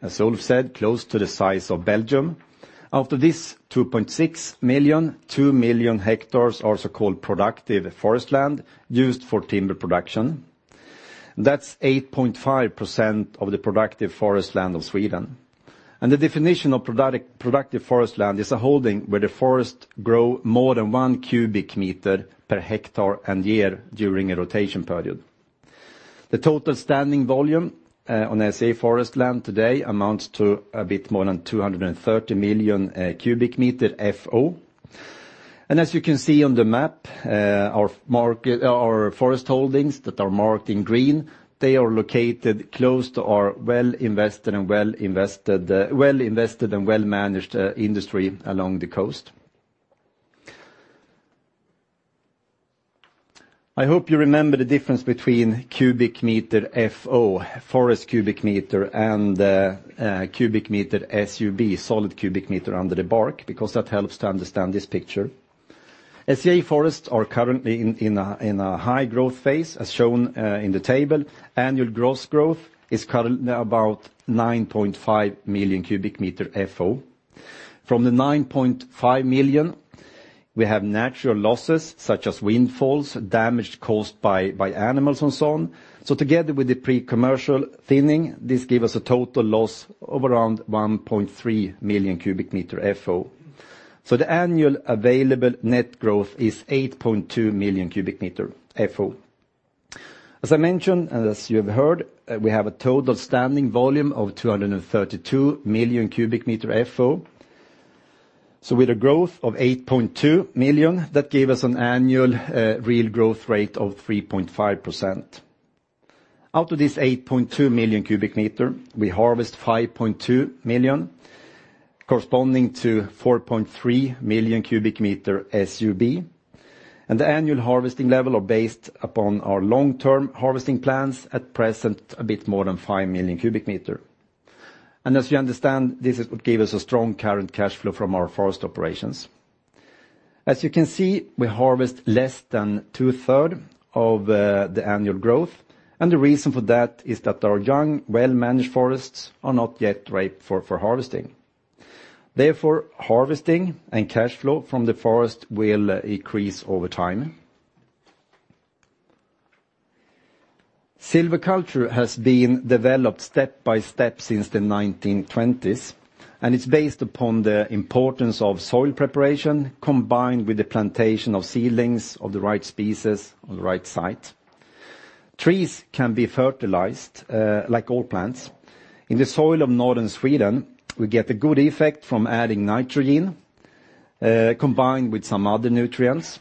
as Ulf said, close to the size of Belgium. After this 2.6 million, 2 million hectares are so-called productive forest land used for timber production. That's 8.5% of the productive forest land of Sweden. The definition of productive forest land is a holding where the forest grows more than one cubic meter per hectare and year during a rotation period. The total standing volume on SCA Forest land today amounts to a bit more than 230 million cubic meter FO. As you can see on the map, our forest holdings that are marked in green, they are located close to our well invested and well-managed industry along the coast. I hope you remember the difference between cubic meter FO, forest cubic meter, and cubic meter SUB, solid cubic meter under the bark, because that helps to understand this picture. SCA Forests are currently in a high growth phase, as shown in the table. Annual gross growth is currently about 9.5 million cubic meter FO. From the 9.5 million, we have natural losses such as windfalls, damage caused by animals, and so on. Together with the pre-commercial thinning, this gives us a total loss of around 1.3 million cubic meter FO. The annual available net growth is 8.2 million cubic meter FO. As I mentioned, and as you have heard, we have a total standing volume of 232 million cubic meter FO. With a growth of 8.2 million, that gave us an annual real growth rate of 3.5%. Out of this 8.2 million cubic meter, we harvest 5.2 million, corresponding to 4.3 million cubic meter SUB. The annual harvesting level is based upon our long-term harvesting plans, at present, a bit more than 5 million cubic meter. As you understand, this is what gave us a strong current cash flow from our forest operations. As you can see, we harvest less than two-thirds of the annual growth. The reason for that is that our young, well-managed forests are not yet ripe for harvesting. Harvesting and cash flow from the forest will increase over time. Silviculture has been developed step by step since the 1920s, and it's based upon the importance of soil preparation, combined with the plantation of seedlings of the right species on the right site. Trees can be fertilized, like all plants. In the soil of northern Sweden, we get a good effect from adding nitrogen, combined with some other nutrients.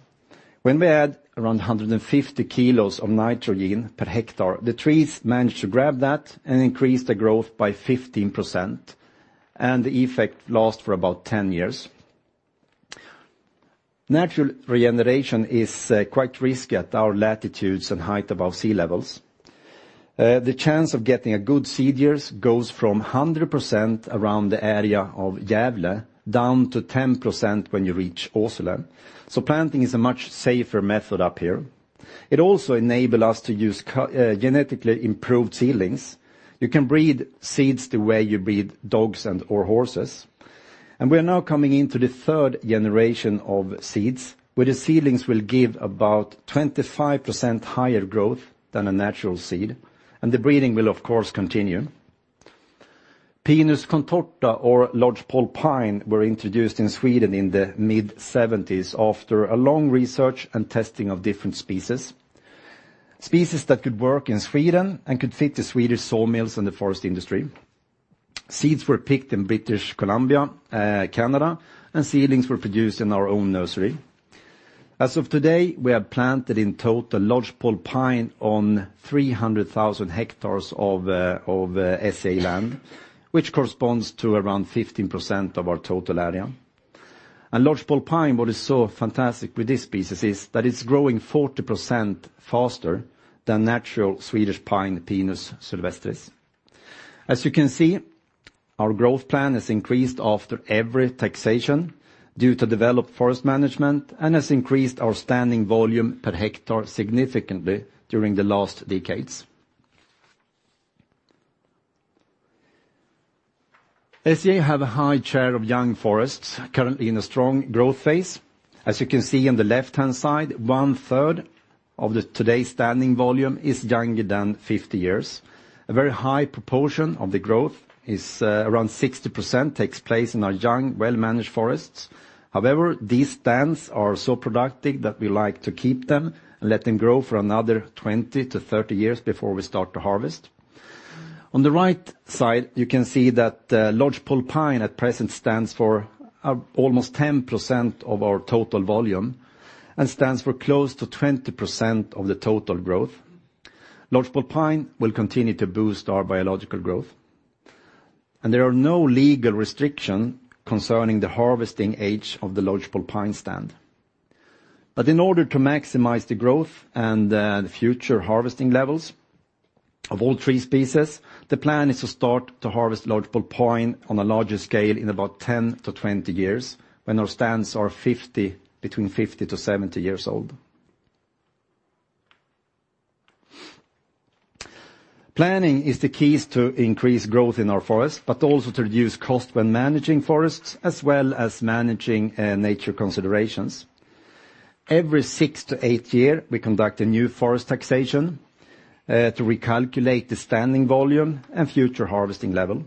When we add around 150 kilos of nitrogen per hectare, the trees manage to grab that and increase the growth by 15%, and the effect lasts for about 10 years. Natural regeneration is quite risky at our latitudes and height above sea levels. The chance of getting good seed years goes from 100% around the area of Gävle, down to 10% when you reach Åsele. Planting is a much safer method up here. It also enable us to use genetically improved seedlings. You can breed seeds the way you breed dogs and/or horses. We are now coming into the third generation of seeds, where the seedlings will give about 25% higher growth than a natural seed, and the breeding will of course continue. Pinus contorta, or lodgepole pine, were introduced in Sweden in the mid-1970s after a long research and testing of different species. Species that could work in Sweden and could fit the Swedish sawmills and the forest industry. Seeds were picked in British Columbia, Canada, and seedlings were produced in our own nursery. As of today, we have planted in total lodgepole pine on 300,000 hectares of SCA land, which corresponds to around 15% of our total area. Lodgepole pine, what is so fantastic with this species is that it's growing 40% faster than natural Swedish pine, Pinus sylvestris. As you can see, our growth plan has increased after every taxation due to developed forest management, and has increased our standing volume per hectare significantly during the last decades. SCA have a high share of young forests currently in a strong growth phase. As you can see on the left-hand side, one third of today's standing volume is younger than 50 years. A very high proportion of the growth is around 60%, takes place in our young, well-managed forests. These stands are so productive that we like to keep them and let them grow for another 20 to 30 years before we start to harvest. On the right side, you can see that lodgepole pine at present stands for almost 10% of our total volume, and stands for close to 20% of the total growth. Lodgepole pine will continue to boost our biological growth, There are no legal restriction concerning the harvesting age of the lodgepole pine stand. In order to maximize the growth and the future harvesting levels of all tree species, the plan is to start to harvest lodgepole pine on a larger scale in about 10 to 20 years when our stands are between 50 to 70 years old. Planning is the keys to increase growth in our forest, also to reduce cost when managing forests, as well as managing nature considerations. Every 6 to 8 years, we conduct a new forest taxation to recalculate the standing volume and future harvesting level.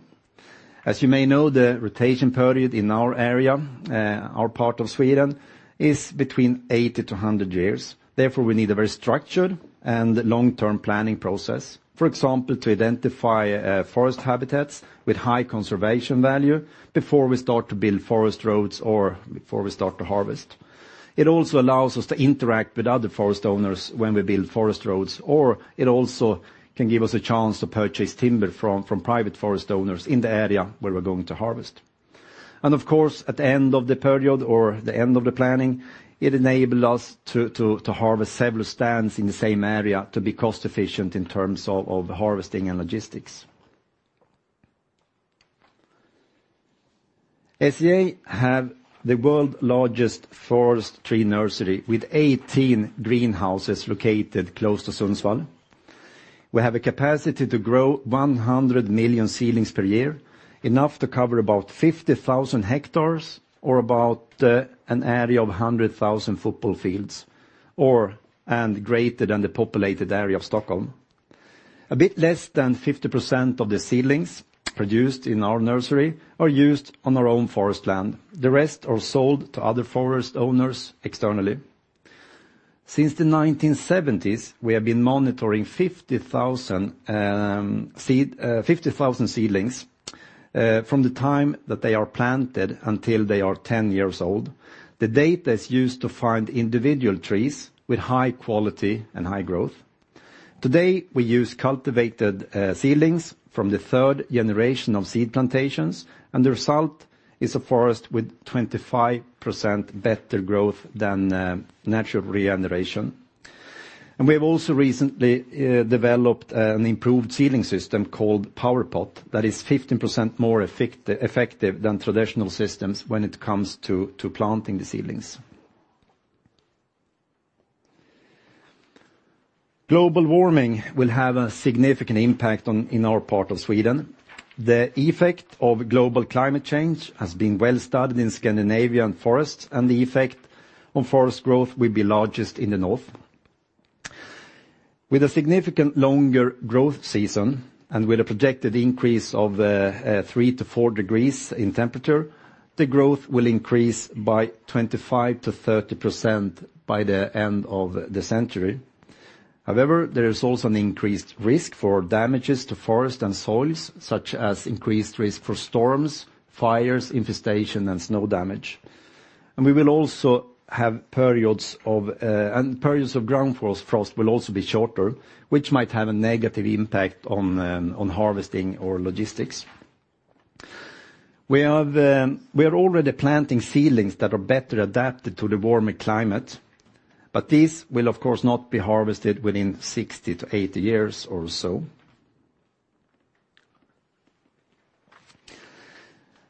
As you may know, the rotation period in our area, our part of Sweden, is between 80-100 years. Therefore, we need a very structured and long-term planning process. For example, to identify forest habitats with high conservation value before we start to build forest roads or before we start to harvest. It also allows us to interact with other forest owners when we build forest roads, or it also can give us a chance to purchase timber from private forest owners in the area where we're going to harvest. Of course, at the end of the period or the end of the planning, it enable us to harvest several stands in the same area to be cost-efficient in terms of harvesting and logistics. SCA have the world's largest forest tree nursery with 18 greenhouses located close to Sundsvall. We have a capacity to grow 100 million seedlings per year, enough to cover about 50,000 hectares or about an area of 100,000 football fields, or/and greater than the populated area of Stockholm. A bit less than 50% of the seedlings produced in our nursery are used on our own forest land. The rest are sold to other forest owners externally. Since the 1970s, we have been monitoring 50,000 seedlings from the time that they are planted until they are 10 years old. The data is used to find individual trees with high quality and high growth. Today, we use cultivated seedlings from the third generation of seed plantations, and the result is a forest with 25% better growth than natural regeneration. We have also recently developed an improved seedling system called PowerPot that is 15% more effective than traditional systems when it comes to planting the seedlings. Global warming will have a significant impact in our part of Sweden. The effect of global climate change has been well studied in Scandinavian forests, and the effect on forest growth will be largest in the north. With a significant longer growth season and with a projected increase of three to four degrees in temperature, the growth will increase by 25%-30% by the end of the century. However, there is also an increased risk for damages to forest and soils, such as increased risk for storms, fires, infestation, and snow damage. Periods of ground frost will also be shorter, which might have a negative impact on harvesting or logistics. We are already planting seedlings that are better adapted to the warmer climate, but these will of course not be harvested within 60-80 years or so.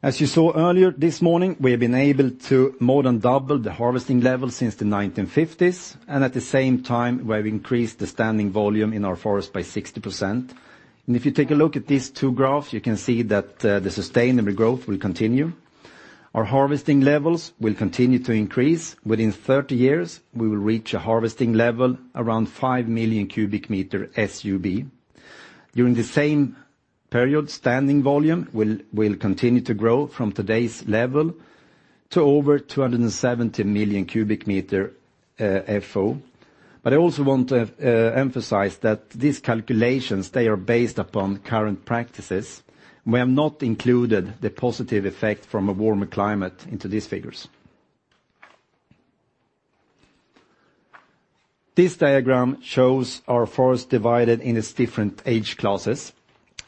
As you saw earlier this morning, we have been able to more than double the harvesting level since the 1950s, and at the same time, we have increased the standing volume in our forest by 60%. If you take a look at these two graphs, you can see that the sustainable growth will continue. Our harvesting levels will continue to increase. Within 30 years, we will reach a harvesting level around 5 million cubic meter SUB. During the same period, standing volume will continue to grow from today's level to over 270 million cubic meter FO. I also want to emphasize that these calculations, they are based upon current practices. We have not included the positive effect from a warmer climate into these figures. This diagram shows our forest divided into different age classes.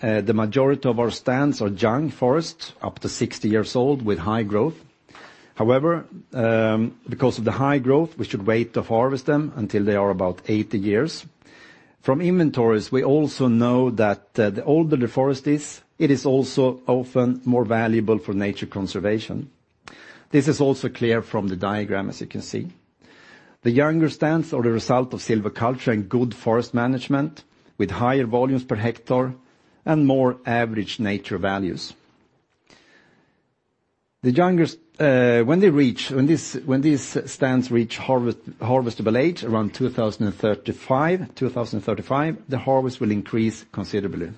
The majority of our stands are young forest, up to 60 years old with high growth. Because of the high growth, we should wait to harvest them until they are about 80 years. From inventories, we also know that the older the forest is, it is also often more valuable for nature conservation. This is also clear from the diagram, as you can see. The younger stands are the result of silviculture and good forest management with higher volumes per hectare and more average nature values. When these stands reach harvestable age around 2035, the harvest will increase considerably.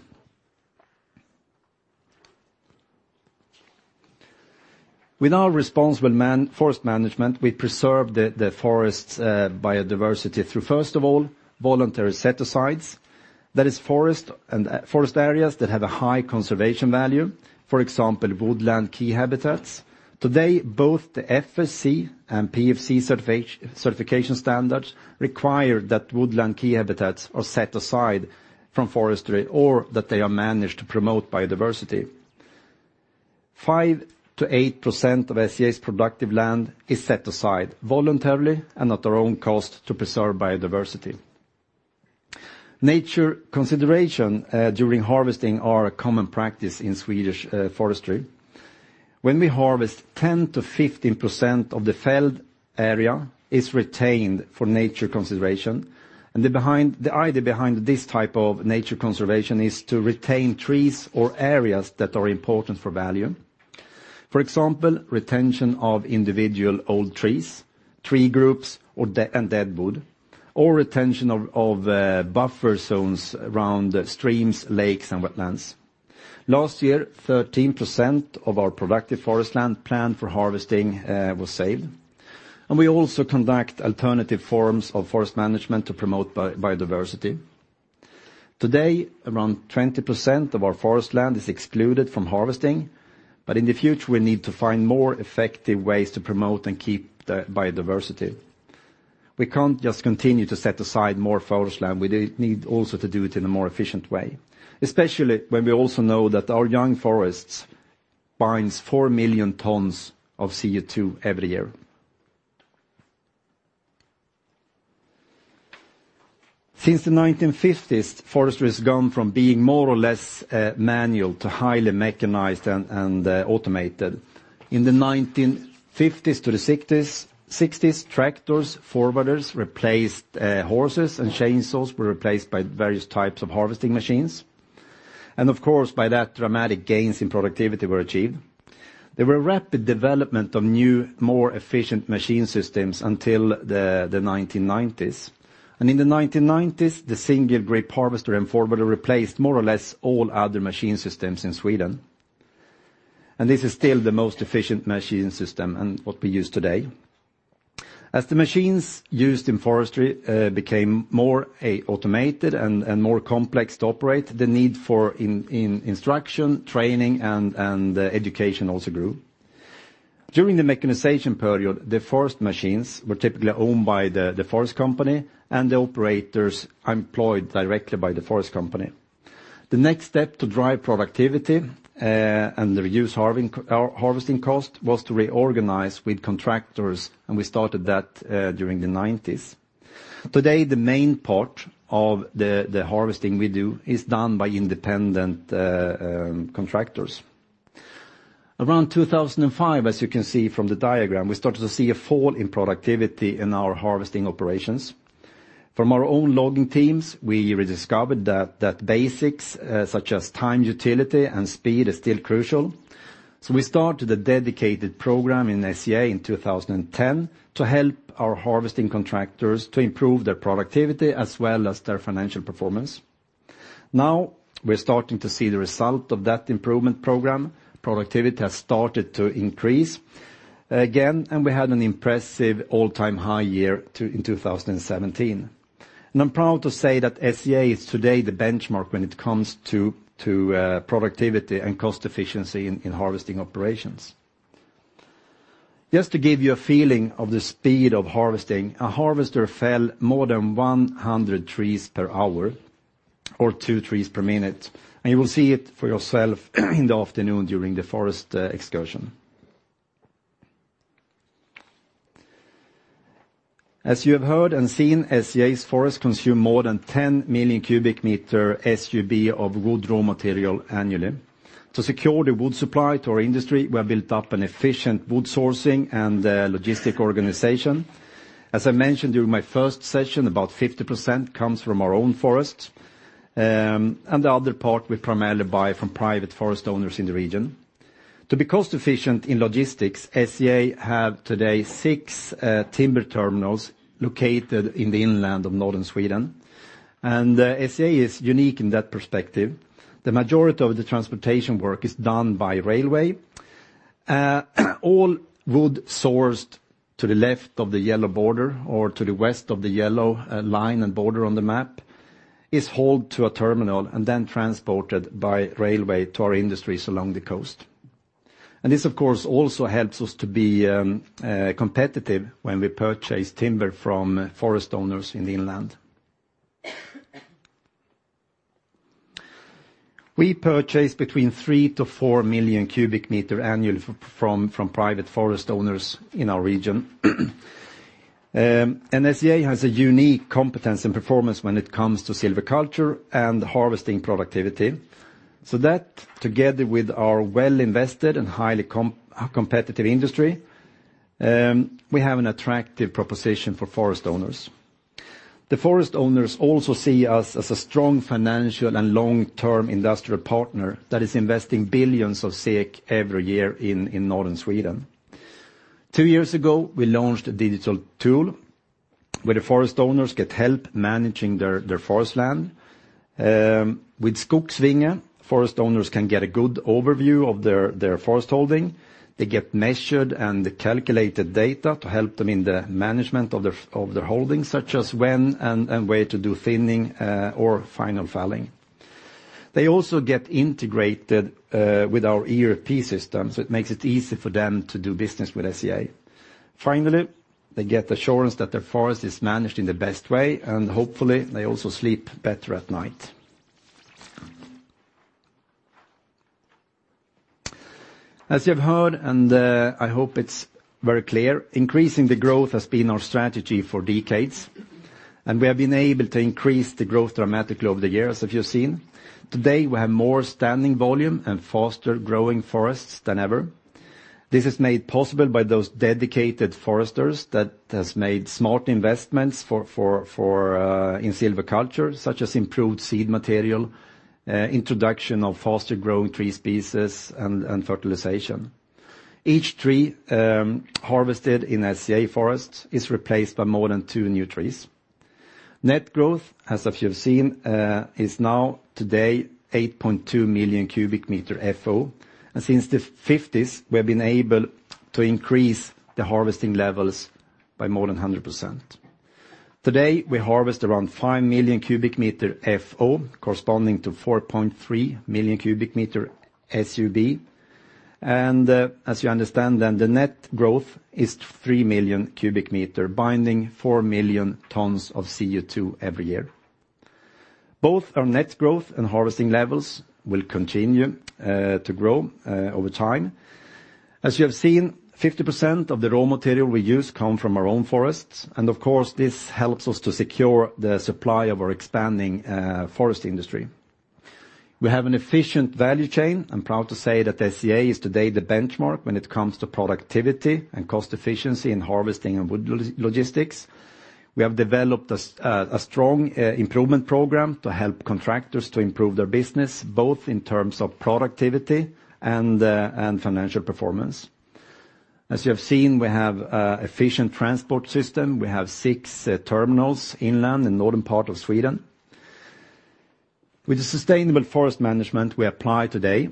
With our responsible forest management, we preserve the forest's biodiversity through, first of all, voluntary set-asides. That is forest areas that have a high conservation value. For example, woodland key habitats. Today, both the FSC and PEFC certification standards require that woodland key habitats are set aside from forestry or that they are managed to promote biodiversity. 5%-8% of SCA's productive land is set aside voluntarily and at our own cost to preserve biodiversity. Nature consideration during harvesting are a common practice in Swedish forestry. When we harvest, 10%-15% of the felled area is retained for nature consideration. The idea behind this type of nature conservation is to retain trees or areas that are important for value. For example, retention of individual old trees, tree groups, and deadwood, or retention of buffer zones around streams, lakes, and wetlands. Last year, 13% of our productive forest land planned for harvesting was saved. We also conduct alternative forms of forest management to promote biodiversity. Today, around 20% of our forest land is excluded from harvesting. In the future, we need to find more effective ways to promote and keep the biodiversity. We can't just continue to set aside more forest land. We need also to do it in a more efficient way, especially when we also know that our young forests binds 4 million tons of CO2 every year. Since the 1950s, forestry has gone from being more or less manual to highly mechanized and automated. In the 1950s to the 1960s, tractors, forwarders replaced horses, and chainsaws were replaced by various types of harvesting machines. Of course, by that, dramatic gains in productivity were achieved. There were rapid development of new, more efficient machine systems until the 1990s. In the 1990s, the single-grip harvester and forwarder replaced more or less all other machine systems in Sweden. This is still the most efficient machine system and what we use today. As the machines used in forestry became more automated and more complex to operate, the need for instruction, training, and education also grew. During the mechanization period, the forest machines were typically owned by the forest company, and the operators employed directly by the forest company. The next step to drive productivity and reduce harvesting cost was to reorganize with contractors, and we started that during the 1990s. Today, the main part of the harvesting we do is done by independent contractors. Around 2005, as you can see from the diagram, we started to see a fall in productivity in our harvesting operations. From our own logging teams, we rediscovered that basics such as time utility and speed is still crucial. We started a dedicated program in SCA in 2010 to help our harvesting contractors to improve their productivity as well as their financial performance. We're starting to see the result of that improvement program. Productivity has started to increase again, we had an impressive all-time high year in 2017. I'm proud to say that SCA is today the benchmark when it comes to productivity and cost efficiency in harvesting operations. Just to give you a feeling of the speed of harvesting, a harvester fell more than 100 trees per hour or two trees per minute, and you will see it for yourself in the afternoon during the forest excursion. As you have heard and seen, SCA's forest consume more than 10 million cubic meter SUB of wood raw material annually. To secure the wood supply to our industry, we have built up an efficient wood sourcing and logistics organization. As I mentioned during my first session, about 50% comes from our own forests, and the other part we primarily buy from private forest owners in the region. To be cost efficient in logistics, SCA has today six timber terminals located in the inland of Northern Sweden, and SCA is unique in that perspective. The majority of the transportation work is done by railway. All wood sourced to the left of the yellow border or to the west of the yellow line and border on the map is hauled to a terminal and then transported by railway to our industries along the coast. This, of course, also helps us to be competitive when we purchase timber from forest owners in the inland. We purchase between 3 million-4 million cubic meter annually from private forest owners in our region. SCA has a unique competence and performance when it comes to silviculture and harvesting productivity. That, together with our well-invested and highly competitive industry, we have an attractive proposition for forest owners. The forest owners also see us as a strong financial and long-term industrial partner that is investing billions of SEK every year in Northern Sweden. Two years ago, we launched a digital tool where the forest owners get help managing their forest land. With Skogsvingen, forest owners can get a good overview of their forest holding. They get measured and calculated data to help them in the management of their holdings, such as when and where to do thinning or final felling. They also get integrated with our ERP system, it makes it easy for them to do business with SCA. Finally, they get assurance that their forest is managed in the best way, hopefully, they also sleep better at night. As you have heard, I hope it's very clear, increasing the growth has been our strategy for decades, we have been able to increase the growth dramatically over the years as you have seen. Today, we have more standing volume and faster-growing forests than ever. This is made possible by those dedicated foresters that has made smart investments in silviculture, such as improved seed material, introduction of faster-growing tree species, and fertilization. Each tree harvested in SCA forests is replaced by more than two new trees. Net growth, as you have seen, is now today 8.2 million cubic meter FO. Since the '50s we have been able to increase the harvesting levels by more than 100%. Today we harvest around 5 million cubic meter FO, corresponding to 4.3 million cubic meter SUB. As you understand then, the net growth is 3 million cubic meter, binding 4 million tons of CO2 every year. Both our net growth and harvesting levels will continue to grow over time. As you have seen, 50% of the raw material we use come from our own forests, and of course, this helps us to secure the supply of our expanding forest industry. We have an efficient value chain. I'm proud to say that SCA is today the benchmark when it comes to productivity and cost efficiency in harvesting and wood logistics. We have developed a strong improvement program to help contractors to improve their business, both in terms of productivity and financial performance. As you have seen, we have efficient transport system. We have six terminals inland in northern part of Sweden. With the sustainable forest management we apply today,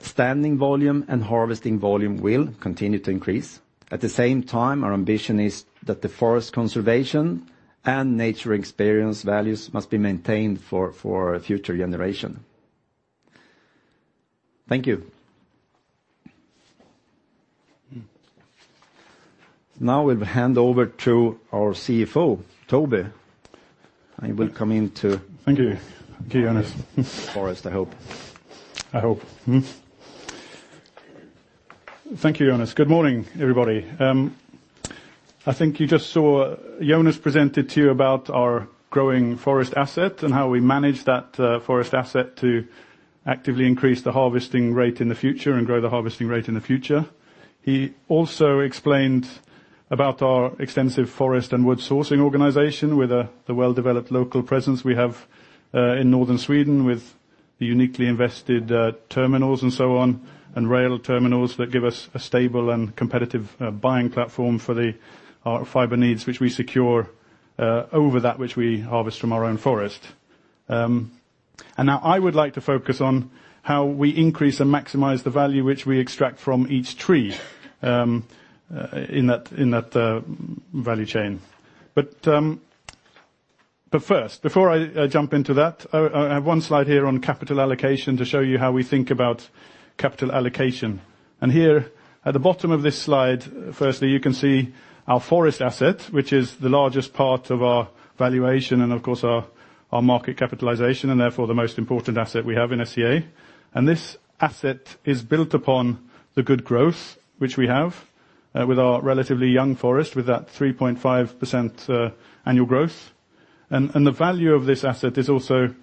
standing volume and harvesting volume will continue to increase. At the same time, our ambition is that the forest conservation and nature experience values must be maintained for future generation. Thank you. Now we'll hand over to our CFO, Toby, and he will come in. Thank you the forest, I hope. Thank you, Jonas. Good morning, everybody. I think you just saw Jonas presented to you about our growing forest asset and how we manage that forest asset to actively increase the harvesting rate in the future and grow the harvesting rate in the future. He also explained about our extensive forest and wood sourcing organization with the well-developed local presence we have in Northern Sweden with the uniquely invested terminals and so on, and rail terminals that give us a stable and competitive buying platform for our fiber needs, which we secure over that which we harvest from our own forest. Now I would like to focus on how we increase and maximize the value which we extract from each tree in that value chain. First, before I jump into that, I have one slide here on capital allocation to show you how we think about capital allocation. Here at the bottom of this slide, firstly, you can see our forest asset, which is the largest part of our valuation and of course our market capitalization, and therefore the most important asset we have in SCA. This asset is built upon the good growth which we have with our relatively young forest, with that 3.5% annual growth. The value of this asset is also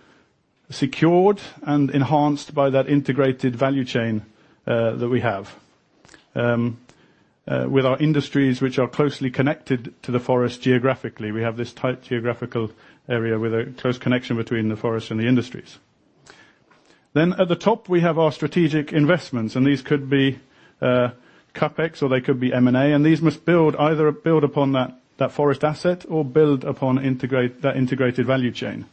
secured and enhanced by that integrated value chain that we have. With our industries, which are closely connected to the forest geographically, we have this tight geographical area with a close connection between the forest and the industries. At the top, we have our strategic investments, these could be CapEx or they could be M&A, and these must either build upon that forest asset or build upon that integrated value chain.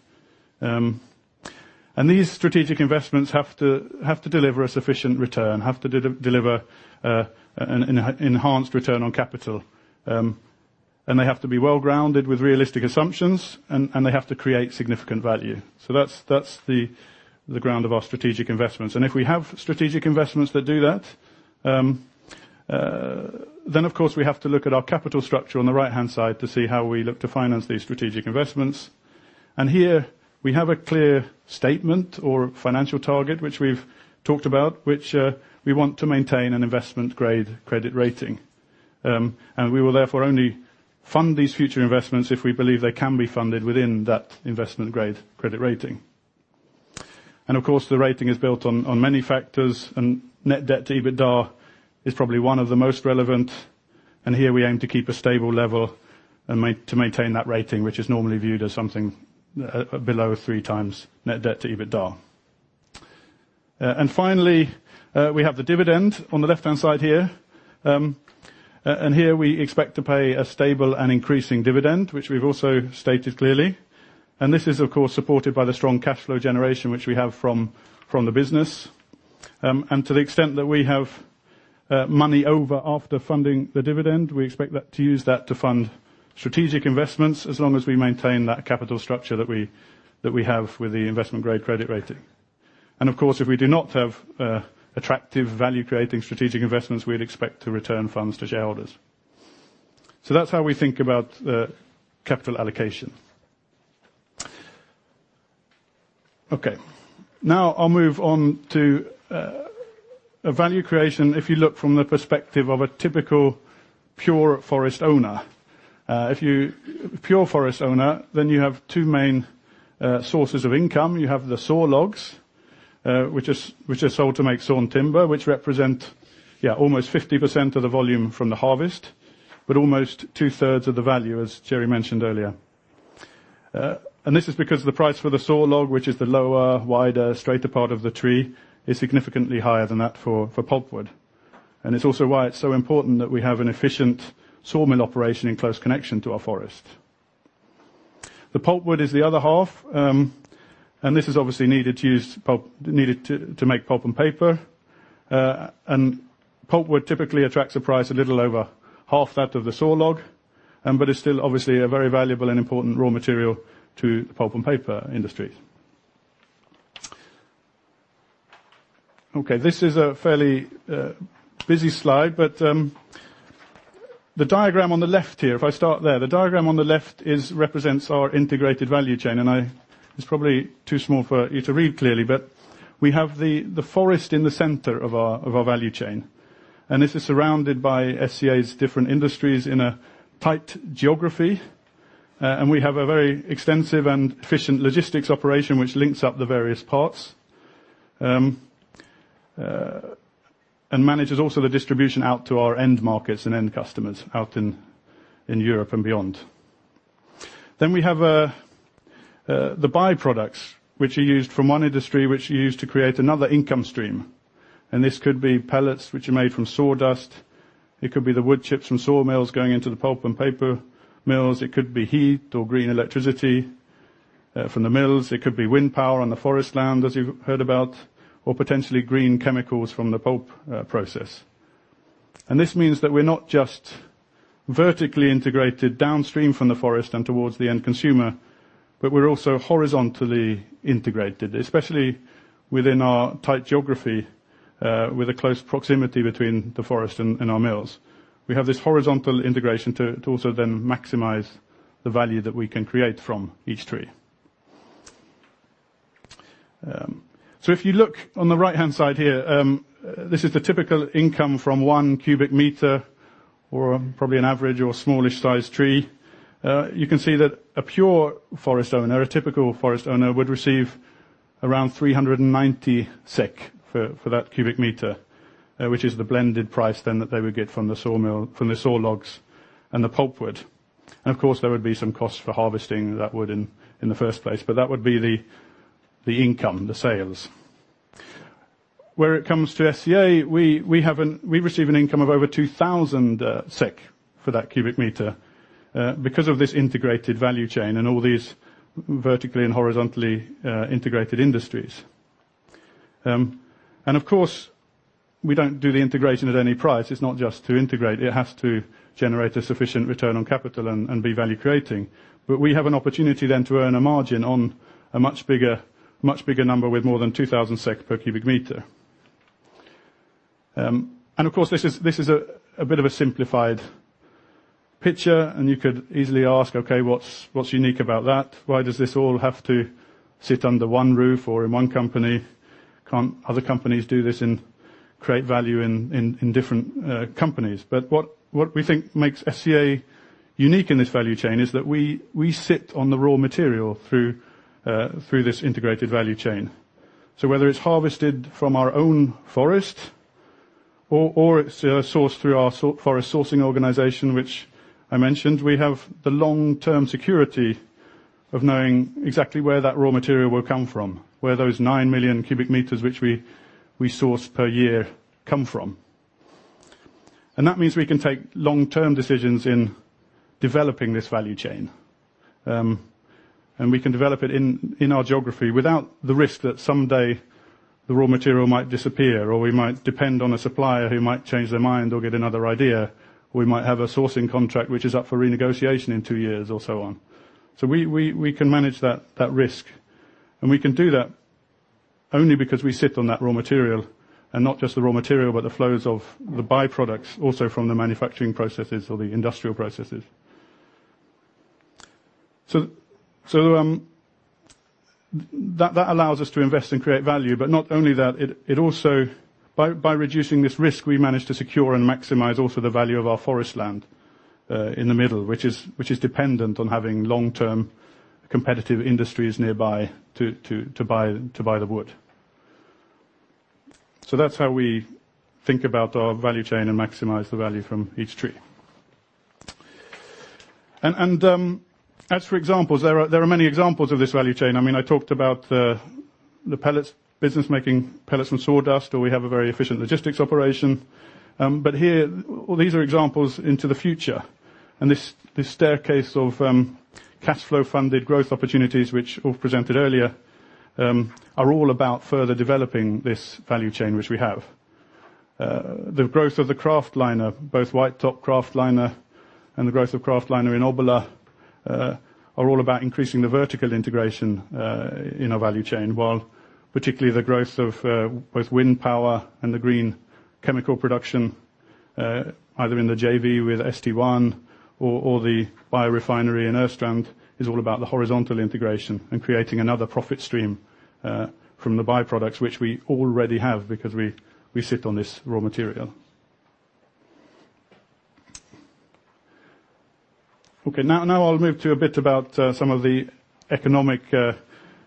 These strategic investments have to deliver a sufficient return, have to deliver an enhanced return on capital. They have to be well-grounded with realistic assumptions, and they have to create significant value. That's the ground of our strategic investments. If we have strategic investments that do that, of course, we have to look at our capital structure on the right-hand side to see how we look to finance these strategic investments. Here we have a clear statement or financial target, which we've talked about, which we want to maintain an investment-grade credit rating. We will therefore only fund these future investments if we believe they can be funded within that investment-grade credit rating. Of course, the rating is built on many factors, and net debt to EBITDA is probably one of the most relevant. Here we aim to keep a stable level and to maintain that rating, which is normally viewed as something below three times net debt to EBITDA. Finally, we have the dividend on the left-hand side here. Here we expect to pay a stable and increasing dividend, which we've also stated clearly. This is, of course, supported by the strong cash flow generation, which we have from the business. To the extent that we have money over after funding the dividend, we expect to use that to fund strategic investments as long as we maintain that capital structure that we have with the investment-grade credit rating. Of course, if we do not have attractive value-creating strategic investments, we'd expect to return funds to shareholders. That's how we think about capital allocation. Okay. I'll move on to value creation if you look from the perspective of a typical pure forest owner. If you're a pure forest owner, you have two main sources of income. You have the sawlogs, which are sold to make sawn timber, which represent almost 50% of the volume from the harvest, but almost two-thirds of the value, as Jerry mentioned earlier. This is because the price for the sawlog, which is the lower, wider, straighter part of the tree, is significantly higher than that for pulpwood. It's also why it's so important that we have an efficient sawmill operation in close connection to our forest. The pulpwood is the other half, this is obviously needed to make pulp and paper. Pulpwood typically attracts a price a little over half that of the sawlog, but it's still obviously a very valuable and important raw material to the pulp and paper industry. Okay, this is a fairly busy slide, the diagram on the left here, if I start there. The diagram on the left represents our integrated value chain, it's probably too small for you to read clearly, but we have the forest in the center of our value chain. This is surrounded by SCA's different industries in a tight geography. We have a very extensive and efficient logistics operation which links up the various parts, and manages also the distribution out to our end markets and end customers out in Europe and beyond. We have the byproducts, which are used from one industry, which are used to create another income stream. This could be pellets, which are made from sawdust. It could be the wood chips from sawmills going into the pulp and paper mills. It could be heat or green electricity from the mills. It could be wind power on the forest land, as you've heard about, or potentially green chemicals from the pulp process. This means that we're not just vertically integrated downstream from the forest and towards the end consumer, but we're also horizontally integrated, especially within our tight geography, with a close proximity between the forest and our mills. We have this horizontal integration to also then maximize the value that we can create from each tree. If you look on the right-hand side here, this is the typical income from one cubic meter or probably an average or smallish size tree. You can see that a pure forest owner, a typical forest owner, would receive around 390 SEK for that cubic meter, which is the blended price then that they would get from the sawlogs and the pulpwood. Of course, there would be some costs for harvesting that wood in the first place, but that would be the income, the sales. Where it comes to SCA, we receive an income of over 2,000 SEK for that cubic meter because of this integrated value chain and all these vertically and horizontally integrated industries. Of course, we don't do the integration at any price. It's not just to integrate. It has to generate a sufficient return on capital and be value-creating. We have an opportunity then to earn a margin on a much bigger number with more than 2,000 SEK per cubic meter. Of course, this is a bit of a simplified picture, and you could easily ask, 'Okay, what's unique about that? Why does this all have to sit under one roof or in one company?' Can't other companies do this and create value in different companies? What we think makes SCA unique in this value chain is that we sit on the raw material through this integrated value chain. Whether it's harvested from our own forest or it's sourced through our forest sourcing organization, which I mentioned, we have the long-term security of knowing exactly where that raw material will come from, where those 9 million cubic meters which we source per year come from. That means we can take long-term decisions in developing this value chain. We can develop it in our geography without the risk that someday the raw material might disappear, or we might depend on a supplier who might change their mind or get another idea. We might have a sourcing contract which is up for renegotiation in 2 years, or so on. We can manage that risk. We can do that only because we sit on that raw material, and not just the raw material, but the flows of the byproducts also from the manufacturing processes or the industrial processes. That allows us to invest and create value. Not only that, by reducing this risk, we manage to secure and maximize also the value of our forest land in the middle, which is dependent on having long-term competitive industries nearby to buy the wood. That's how we think about our value chain and maximize the value from each tree. As for examples, there are many examples of this value chain. I talked about the pellets business making pellets from sawdust, or we have a very efficient logistics operation. Here, these are examples into the future, and this staircase of cash flow funded growth opportunities, which Ulf presented earlier, are all about further developing this value chain which we have. The growth of the kraftliner, both white top kraftliner and the growth of kraftliner in Obbola, are all about increasing the vertical integration in our value chain. While particularly the growth of both wind power and the green chemical production, either in the JV with St1 or the biorefinery in Östrand, is all about the horizontal integration and creating another profit stream from the byproducts which we already have because we sit on this raw material. Okay. Now I'll move to a bit about some of the economics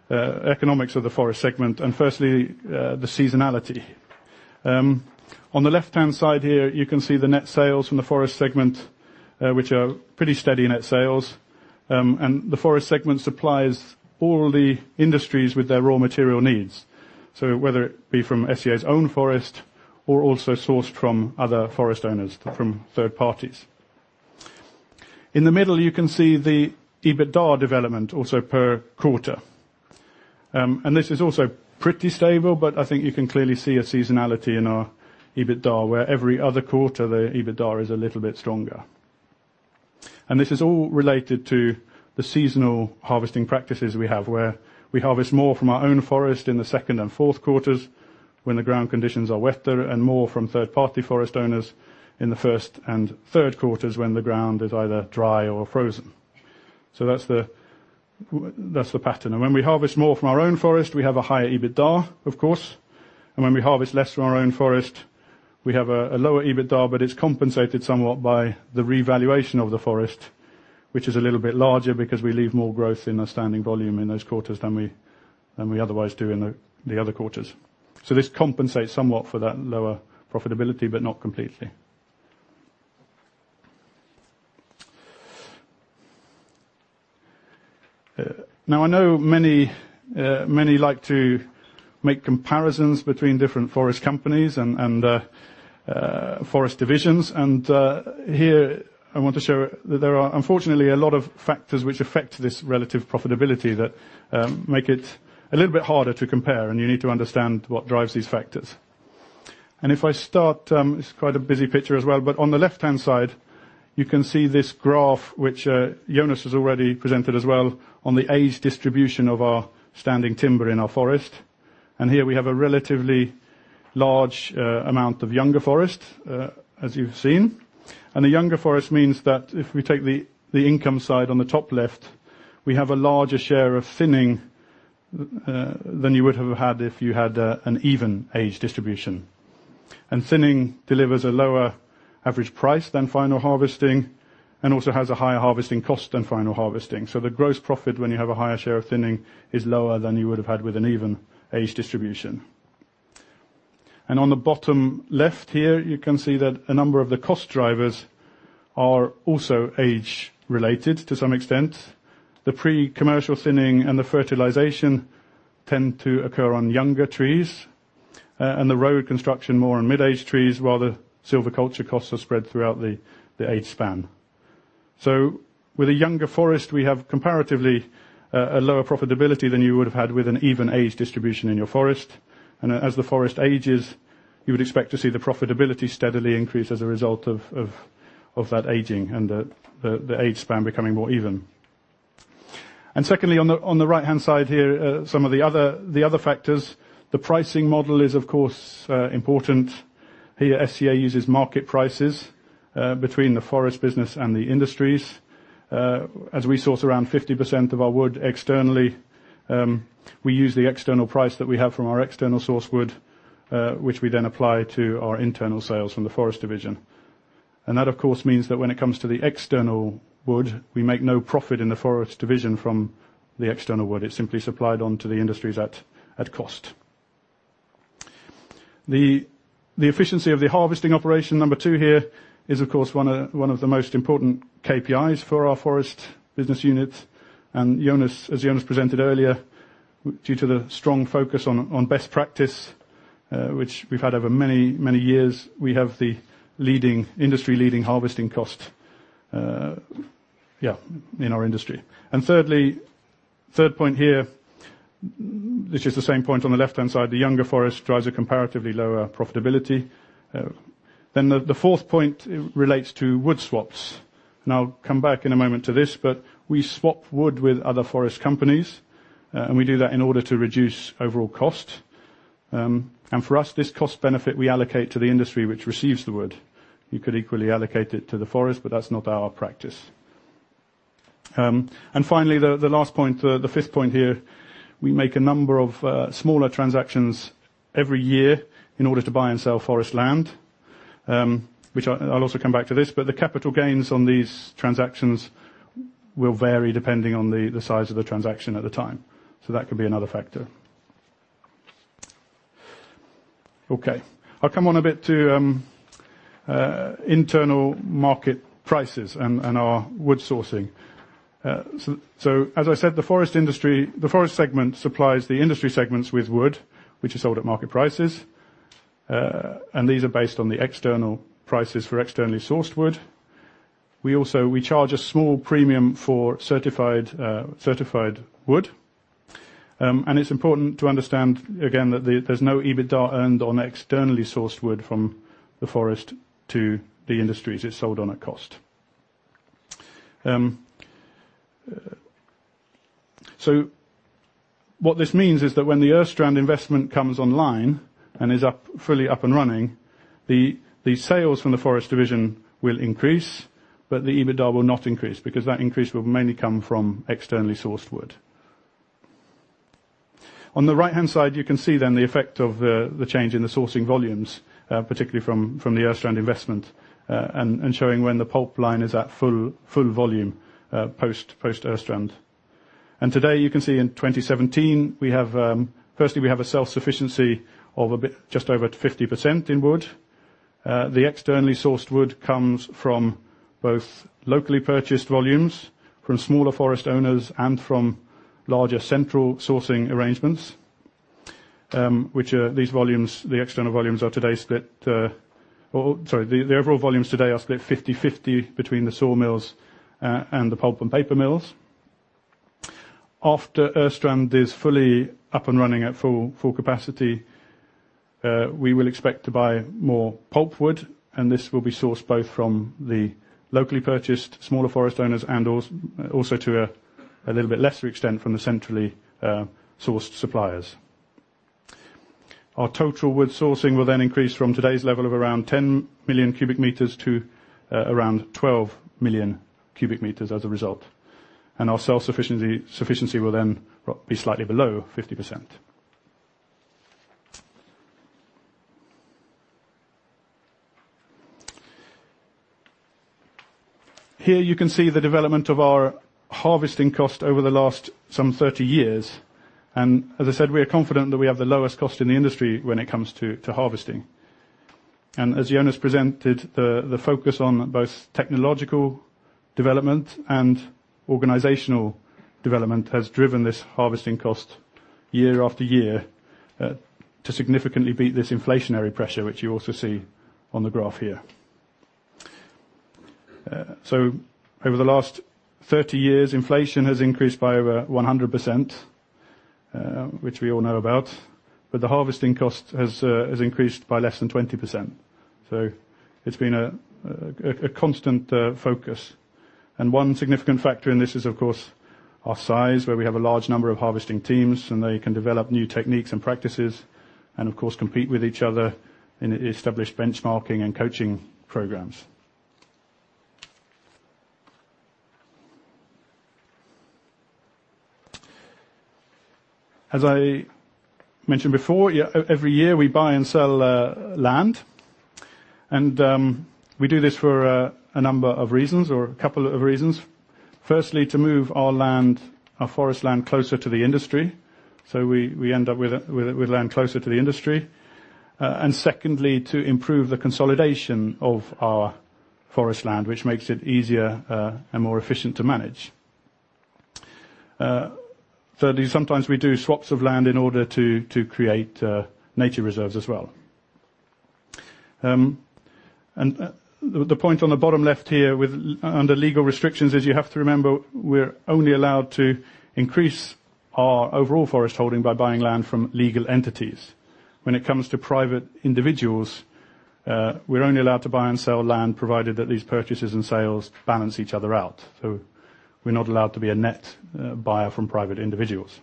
of the forest segment and firstly, the seasonality. On the left-hand side here, you can see the net sales from the forest segment, which are pretty steady net sales. The forest segment supplies all the industries with their raw material needs. Whether it be from SCA's own forest or also sourced from other forest owners, from third parties. In the middle, you can see the EBITDA development also per quarter. This is also pretty stable, but I think you can clearly see a seasonality in our EBITDA, where every other quarter, the EBITDA is a little bit stronger. This is all related to the seasonal harvesting practices we have, where we harvest more from our own forest in the second and fourth quarters when the ground conditions are wetter, and more from third-party forest owners in the first and third quarters when the ground is either dry or frozen. That's the pattern. When we harvest more from our own forest, we have a higher EBITDA, of course. When we harvest less from our own forest, we have a lower EBITDA, but it's compensated somewhat by the revaluation of the forest, which is a little bit larger because we leave more growth in the standing volume in those quarters than we otherwise do in the other quarters. This compensates somewhat for that lower profitability, but not completely. Now, I know many like to make comparisons between different forest companies and forest divisions. Here I want to show that there are unfortunately a lot of factors which affect this relative profitability that make it a little bit harder to compare, and you need to understand what drives these factors. If I start, it's quite a busy picture as well, but on the left-hand side, you can see this graph, which Jonas has already presented as well, on the age distribution of our standing timber in our forest. Here we have a relatively large amount of younger forest, as you've seen. A younger forest means that if we take the income side on the top left, we have a larger share of thinning, than you would have had if you had an even age distribution. Thinning delivers a lower average price than final harvesting and also has a higher harvesting cost than final harvesting. The gross profit when you have a higher share of thinning is lower than you would have had with an even age distribution. On the bottom left here, you can see that a number of the cost drivers are also age-related to some extent. The pre-commercial thinning and the fertilization tend to occur on younger trees, and the road construction more on mid-age trees, while the silviculture costs are spread throughout the age span. With a younger forest, we have comparatively a lower profitability than you would have had with an even age distribution in your forest. As the forest ages, you would expect to see the profitability steadily increase as a result of that aging and the age span becoming more even. Secondly, on the right-hand side here, some of the other factors. The pricing model is, of course, important. Here, SCA uses market prices between the forest business and the industries. As we source around 50% of our wood externally, we use the external price that we have from our external source wood, which we then apply to our internal sales from the forest division. That, of course, means that when it comes to the external wood, we make no profit in the forest division from the external wood. It's simply supplied on to the industries at cost. The efficiency of the harvesting operation, number 2 here, is, of course, one of the most important KPIs for our forest business unit. As Jonas presented earlier, due to the strong focus on best practice, which we've had over many years, we have the industry-leading harvesting cost in our industry. Thirdly, third point here, which is the same point on the left-hand side, the younger forest drives a comparatively lower profitability. The fourth point relates to wood swaps. I'll come back in a moment to this, but we swap wood with other forest companies, and we do that in order to reduce overall cost. For us, this cost benefit we allocate to the industry which receives the wood. You could equally allocate it to the forest, but that's not our practice. Finally, the last point, the fifth point here, we make a number of smaller transactions every year in order to buy and sell forest land, which I'll also come back to this, but the capital gains on these transactions will vary depending on the size of the transaction at the time. That could be another factor. Okay. I'll come on a bit to internal market prices and our wood sourcing. As I said, the forest segment supplies the industry segments with wood, which is sold at market prices. These are based on the external prices for externally sourced wood. We charge a small premium for certified wood. It's important to understand, again, that there's no EBITDA earned on externally sourced wood from the forest to the industries. It's sold on at cost. What this means is that when the Östrand investment comes online and is fully up and running, the sales from the forest division will increase, but the EBITDA will not increase, because that increase will mainly come from externally sourced wood. On the right-hand side, you can see then the effect of the change in the sourcing volumes, particularly from the Östrand investment, and showing when the pulp line is at full volume post Östrand. Today you can see in 2017, firstly, we have a self-sufficiency of just over 50% in wood. The externally sourced wood comes from both locally purchased volumes from smaller forest owners and from larger central sourcing arrangements. The overall volumes today are split 50/50 between the sawmills and the pulp and paper mills. After Östrand is fully up and running at full capacity, we will expect to buy more pulpwood, and this will be sourced both from the locally purchased smaller forest owners and also to a little bit lesser extent from the centrally sourced suppliers. Our total wood sourcing will then increase from today's level of around 10 million cubic meters to around 12 million cubic meters as a result. Our self-sufficiency will then be slightly below 50%. Here you can see the development of our harvesting cost over the last some 30 years. As I said, we are confident that we have the lowest cost in the industry when it comes to harvesting. As Jonas presented, the focus on both technological development and organizational development has driven this harvesting cost year after year to significantly beat this inflationary pressure, which you also see on the graph here. Over the last 30 years, inflation has increased by over 100%, which we all know about, but the harvesting cost has increased by less than 20%. It's been a constant focus. One significant factor in this is, of course, our size, where we have a large number of harvesting teams, and they can develop new techniques and practices and, of course, compete with each other in established benchmarking and coaching programs. As I mentioned before, every year we buy and sell land. We do this for a number of reasons, or a couple of reasons. Firstly, to move our forest land closer to the industry, so we end up with land closer to the industry. Secondly, to improve the consolidation of our forest land, which makes it easier and more efficient to manage. Thirdly, sometimes we do swaps of land in order to create nature reserves as well. The point on the bottom left here under legal restrictions is you have to remember we're only allowed to increase our overall forest holding by buying land from legal entities. When it comes to private individuals, we're only allowed to buy and sell land provided that these purchases and sales balance each other out. We're not allowed to be a net buyer from private individuals.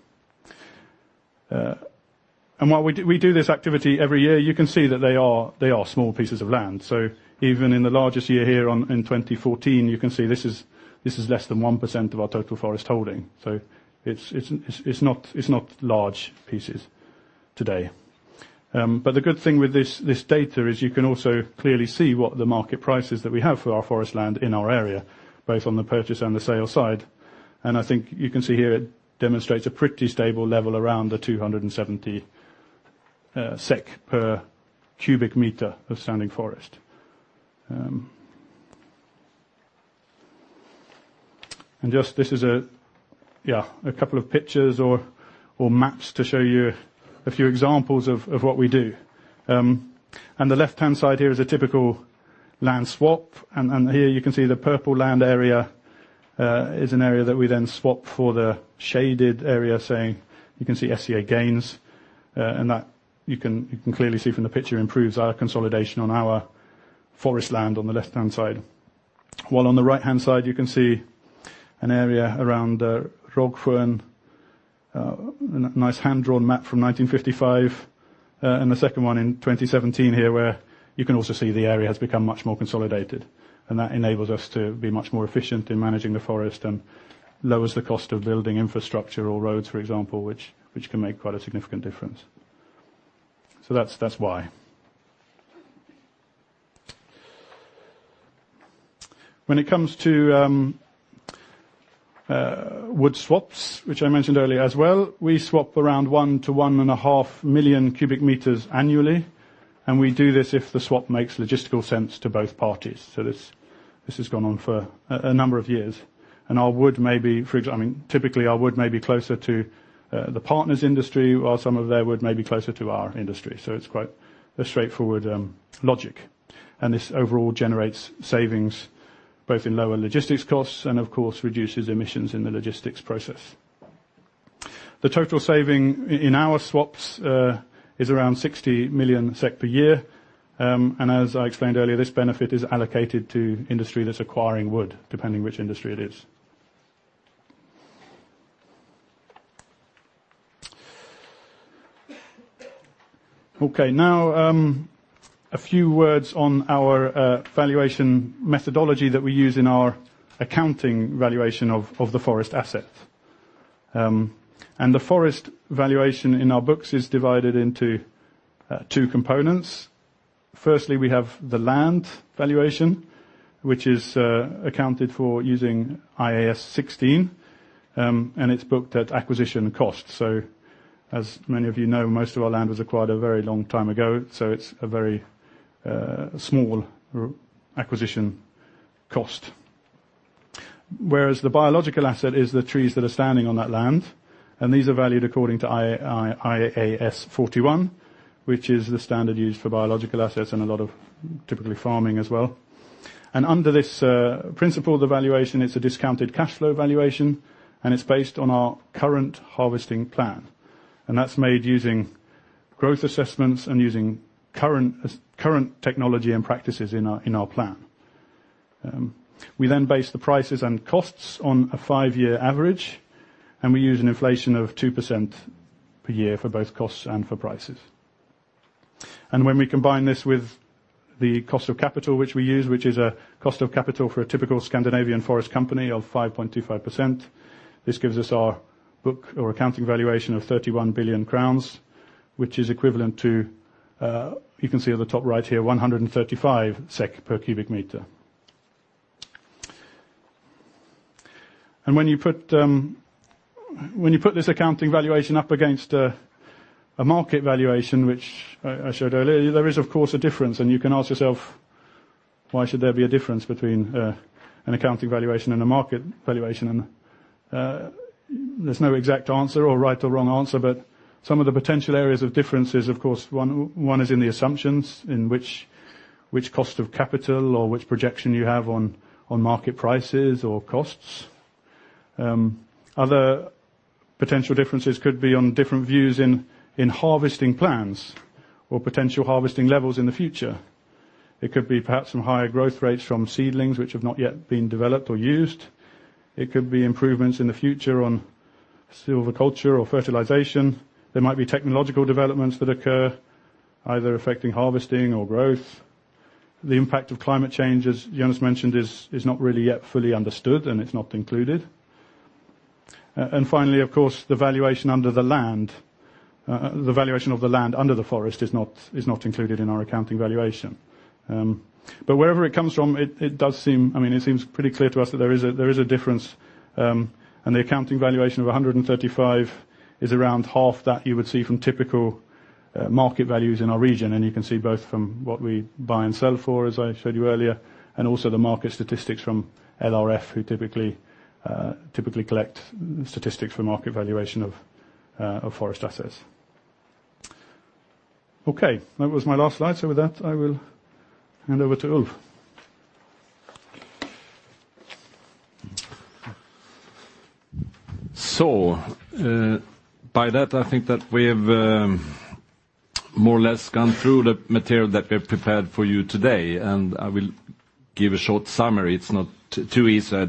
While we do this activity every year, you can see that they are small pieces of land. Even in the largest year here in 2014, you can see this is less than 1% of our total forest holding. It's not large pieces today. The good thing with this data is you can also clearly see what the market prices that we have for our forest land in our area, both on the purchase and the sale side. I think you can see here it demonstrates a pretty stable level around the 270 SEK per cubic meter of standing forest. Just this is a couple of pictures or maps to show you a few examples of what we do. On the left-hand side here is a typical land swap, here you can see the purple land area is an area that we then swap for the shaded area, saying you can see SCA gains, that you can clearly see from the picture improves our consolidation on our forest land on the left-hand side. While on the right-hand side, you can see an area around Rogån, a nice hand-drawn map from 1955, a second one in 2017 here, where you can also see the area has become much more consolidated, that enables us to be much more efficient in managing the forest and lowers the cost of building infrastructure or roads, for example, which can make quite a significant difference. That's why. When it comes to wood swaps, which I mentioned earlier as well, we swap around 1 to 1.5 million cubic meters annually. We do this if the swap makes logistical sense to both parties. This has gone on for a number of years. Our wood maybe, for example, typically our wood may be closer to the partner's industry or some of their wood may be closer to our industry, so it is quite a straightforward logic. This overall generates savings both in lower logistics costs and of course reduces emissions in the logistics process. The total saving in our swaps is around 60 million SEK per year. As I explained earlier, this benefit is allocated to industry that is acquiring wood, depending which industry it is. Okay. Now, a few words on our valuation methodology that we use in our accounting valuation of the forest asset. The forest valuation in our books is divided into 2 components. Firstly, we have the land valuation, which is accounted for using IAS 16. It is booked at acquisition cost. As many of you know, most of our land was acquired a very long time ago, so it is a very small acquisition cost. Whereas the biological asset is the trees that are standing on that land. These are valued according to IAS 41, which is the standard used for biological assets and a lot of typically farming as well. Under this principle of the valuation, it is a discounted cash flow valuation. It is based on our current harvesting plan. That is made using growth assessments and using current technology and practices in our plan. We then base the prices and costs on a 5-year average. We use an inflation of 2% per year for both costs and for prices. When we combine this with the cost of capital, which we use, which is a cost of capital for a typical Scandinavian forest company of 5.25%, this gives us our book or accounting valuation of 31 billion crowns, which is equivalent to, you can see at the top right here, 135 SEK per cubic meter. When you put this accounting valuation up against a market valuation, which I showed earlier, there is of course a difference. You can ask yourself, why should there be a difference between an accounting valuation and a market valuation? There is no exact answer or right or wrong answer, but some of the potential areas of difference is, of course, one is in the assumptions in which cost of capital or which projection you have on market prices or costs. Other potential differences could be on different views in harvesting plans or potential harvesting levels in the future. It could be perhaps some higher growth rates from seedlings which have not yet been developed or used. It could be improvements in the future on silviculture or fertilization. There might be technological developments that occur either affecting harvesting or growth. The impact of climate change, as Jonas mentioned, is not really yet fully understood, and it is not included. Finally, of course, the valuation under the land. The valuation of the land under the forest is not included in our accounting valuation. Wherever it comes from, it seems pretty clear to us that there is a difference, and the accounting valuation of 135 is around half that you would see from typical market values in our region. You can see both from what we buy and sell for, as I showed you earlier, and also the market statistics from LRF, who typically collect statistics for market valuation of forest assets. That was my last slide. With that, I will hand over to Ulf. By that, I think that we have more or less gone through the material that we have prepared for you today, and I will give a short summary. It's not too easy. I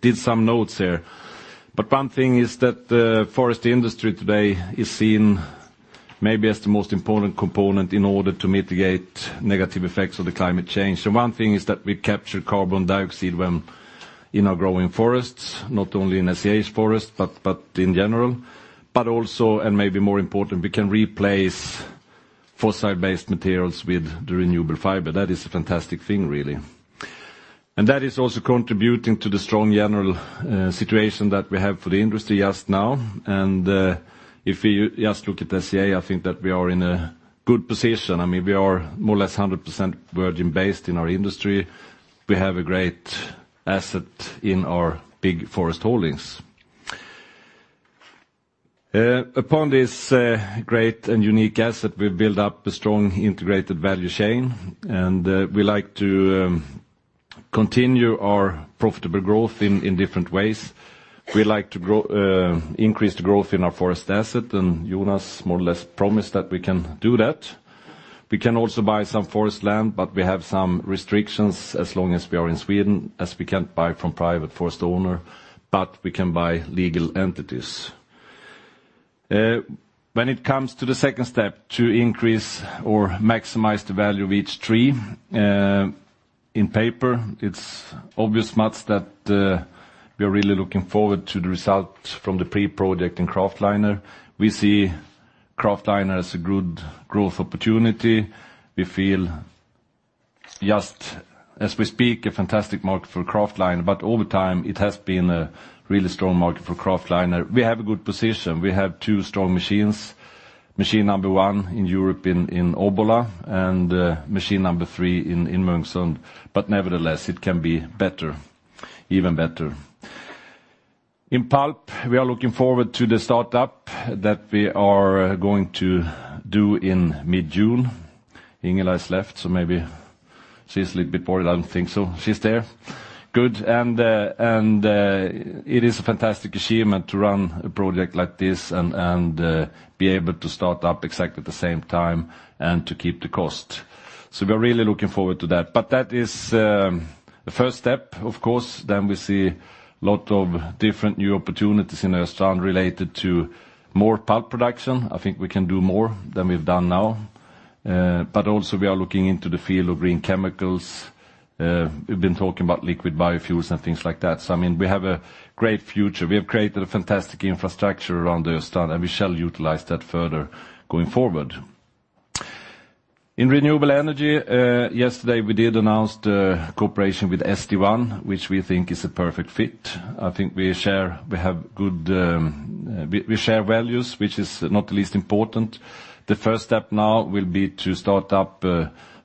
did some notes here. One thing is that the forest industry today is seen maybe as the most important component in order to mitigate negative effects of the climate change. One thing is that we capture carbon dioxide in our growing forests, not only in SCA's forest, but in general. Also, and maybe more important, we can replace fossil-based materials with renewable fiber. That is a fantastic thing, really. That is also contributing to the strong general situation that we have for the industry just now. If we just look at SCA, I think that we are in a good position. We are more or less 100% virgin based in our industry. We have a great asset in our big forest holdings. Upon this great and unique asset, we've built up a strong integrated value chain, and we like to continue our profitable growth in different ways. We like to increase the growth in our forest asset, and Jonas more or less promised that we can do that. We can also buy some forest land, but we have some restrictions as long as we are in Sweden, as we can't buy from private forest owner, but we can buy legal entities. When it comes to the second step, to increase or maximize the value of each tree in paper, it's obvious, Mats, that we are really looking forward to the results from the pre-project in kraftliner. We see kraftliner as a good growth opportunity. We feel just as we speak, a fantastic market for kraftliner, but over time it has been a really strong market for kraftliner. We have a good position. We have 2 strong machines, machine number 1 in Europe in Obbola, and machine number three in Munksund, but nevertheless, it can be better, even better. In pulp, we are looking forward to the startup that we are going to do in mid-June. Ingela has left, so maybe she's a little bit bored. I don't think so. She's there. Good. It is a fantastic achievement to run a project like this and be able to start up exactly the same time and to keep the cost. We are really looking forward to that. That is the first step, of course. We see lot of different new opportunities in Östrand related to more pulp production. I think we can do more than we've done now. Also we are looking into the field of green chemicals. We've been talking about liquid biofuels and things like that. We have a great future. We have created a fantastic infrastructure around Östrand, and we shall utilize that further going forward. In renewable energy, yesterday we did announce the cooperation with St1, which we think is a perfect fit. I think we share values, which is not the least important. The first step now will be to start up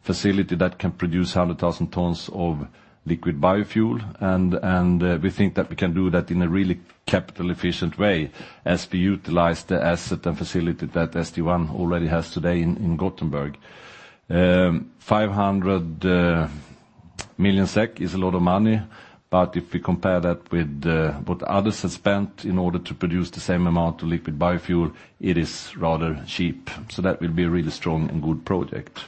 a facility that can produce 100,000 tons of liquid biofuel, and we think that we can do that in a really capital efficient way as we utilize the asset and facility that St1 already has today in Gothenburg. 500 million SEK is a lot of money, if we compare that with what others have spent in order to produce the same amount of liquid biofuel, it is rather cheap. That will be a really strong and good project.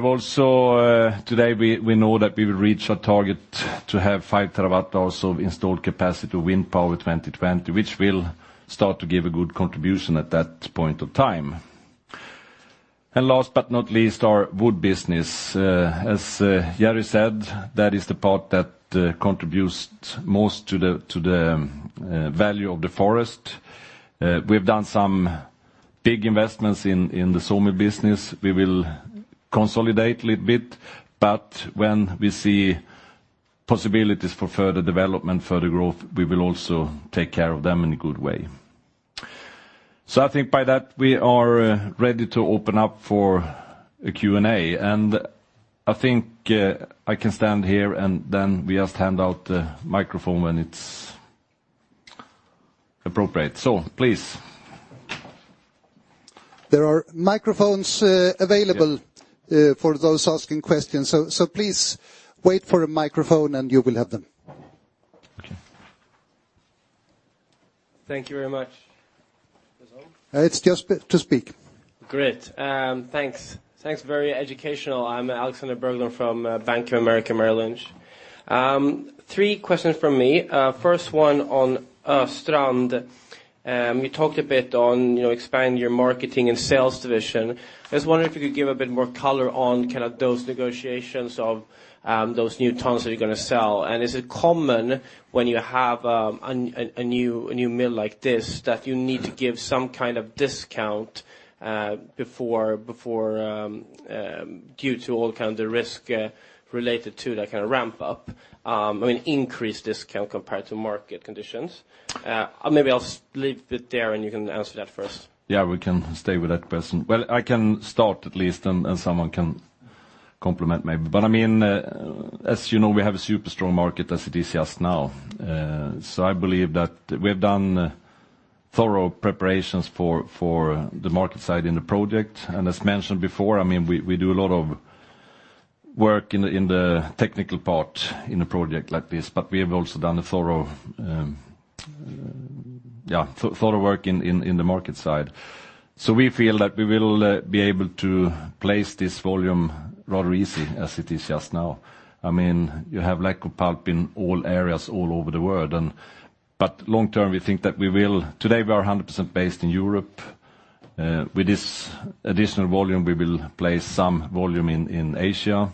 Also today, we know that we will reach our target to have 5 terawatt hours of installed capacity wind power 2020, which will start to give a good contribution at that point of time. Last but not least, our wood business. As Jerry said, that is the part that contributes most to the value of the forest. We've done some big investments in the sawmill business. We will consolidate a little bit, when we see possibilities for further development, further growth, we will also take care of them in a good way. I think by that we are ready to open up for a Q&A, I think I can stand here, then we just hand out the microphone when it's appropriate. Please. There are microphones available for those asking questions. Please wait for a microphone and you will have them Thank you very much. It is just to speak. Great. Thanks, very educational. I'm Alexander Berglund from Bank of America Merrill Lynch. 3 questions from me. First one on Östrand. You talked a bit on expanding your marketing and sales division. I was wondering if you could give a bit more color on those negotiations of those new tons that you are going to sell. Is it common when you have a new mill like this that you need to give some kind of discount due to all the risk related to that kind of ramp up? I mean, increased discount compared to market conditions. Maybe I'll leave it there, you can answer that first. Yeah, we can stay with that person. Well, I can start at least, someone can complement maybe. As you know, we have a super strong market as it is just now. I believe that we've done thorough preparations for the market side in the project. As mentioned before, we do a lot of work in the technical part in a project like this, but we have also done a thorough work in the market side. We feel that we will be able to place this volume rather easy as it is just now. You have lack of pulp in all areas all over the world. Long term, we think that today, we are 100% based in Europe. With this additional volume, we will place some volume in Asia,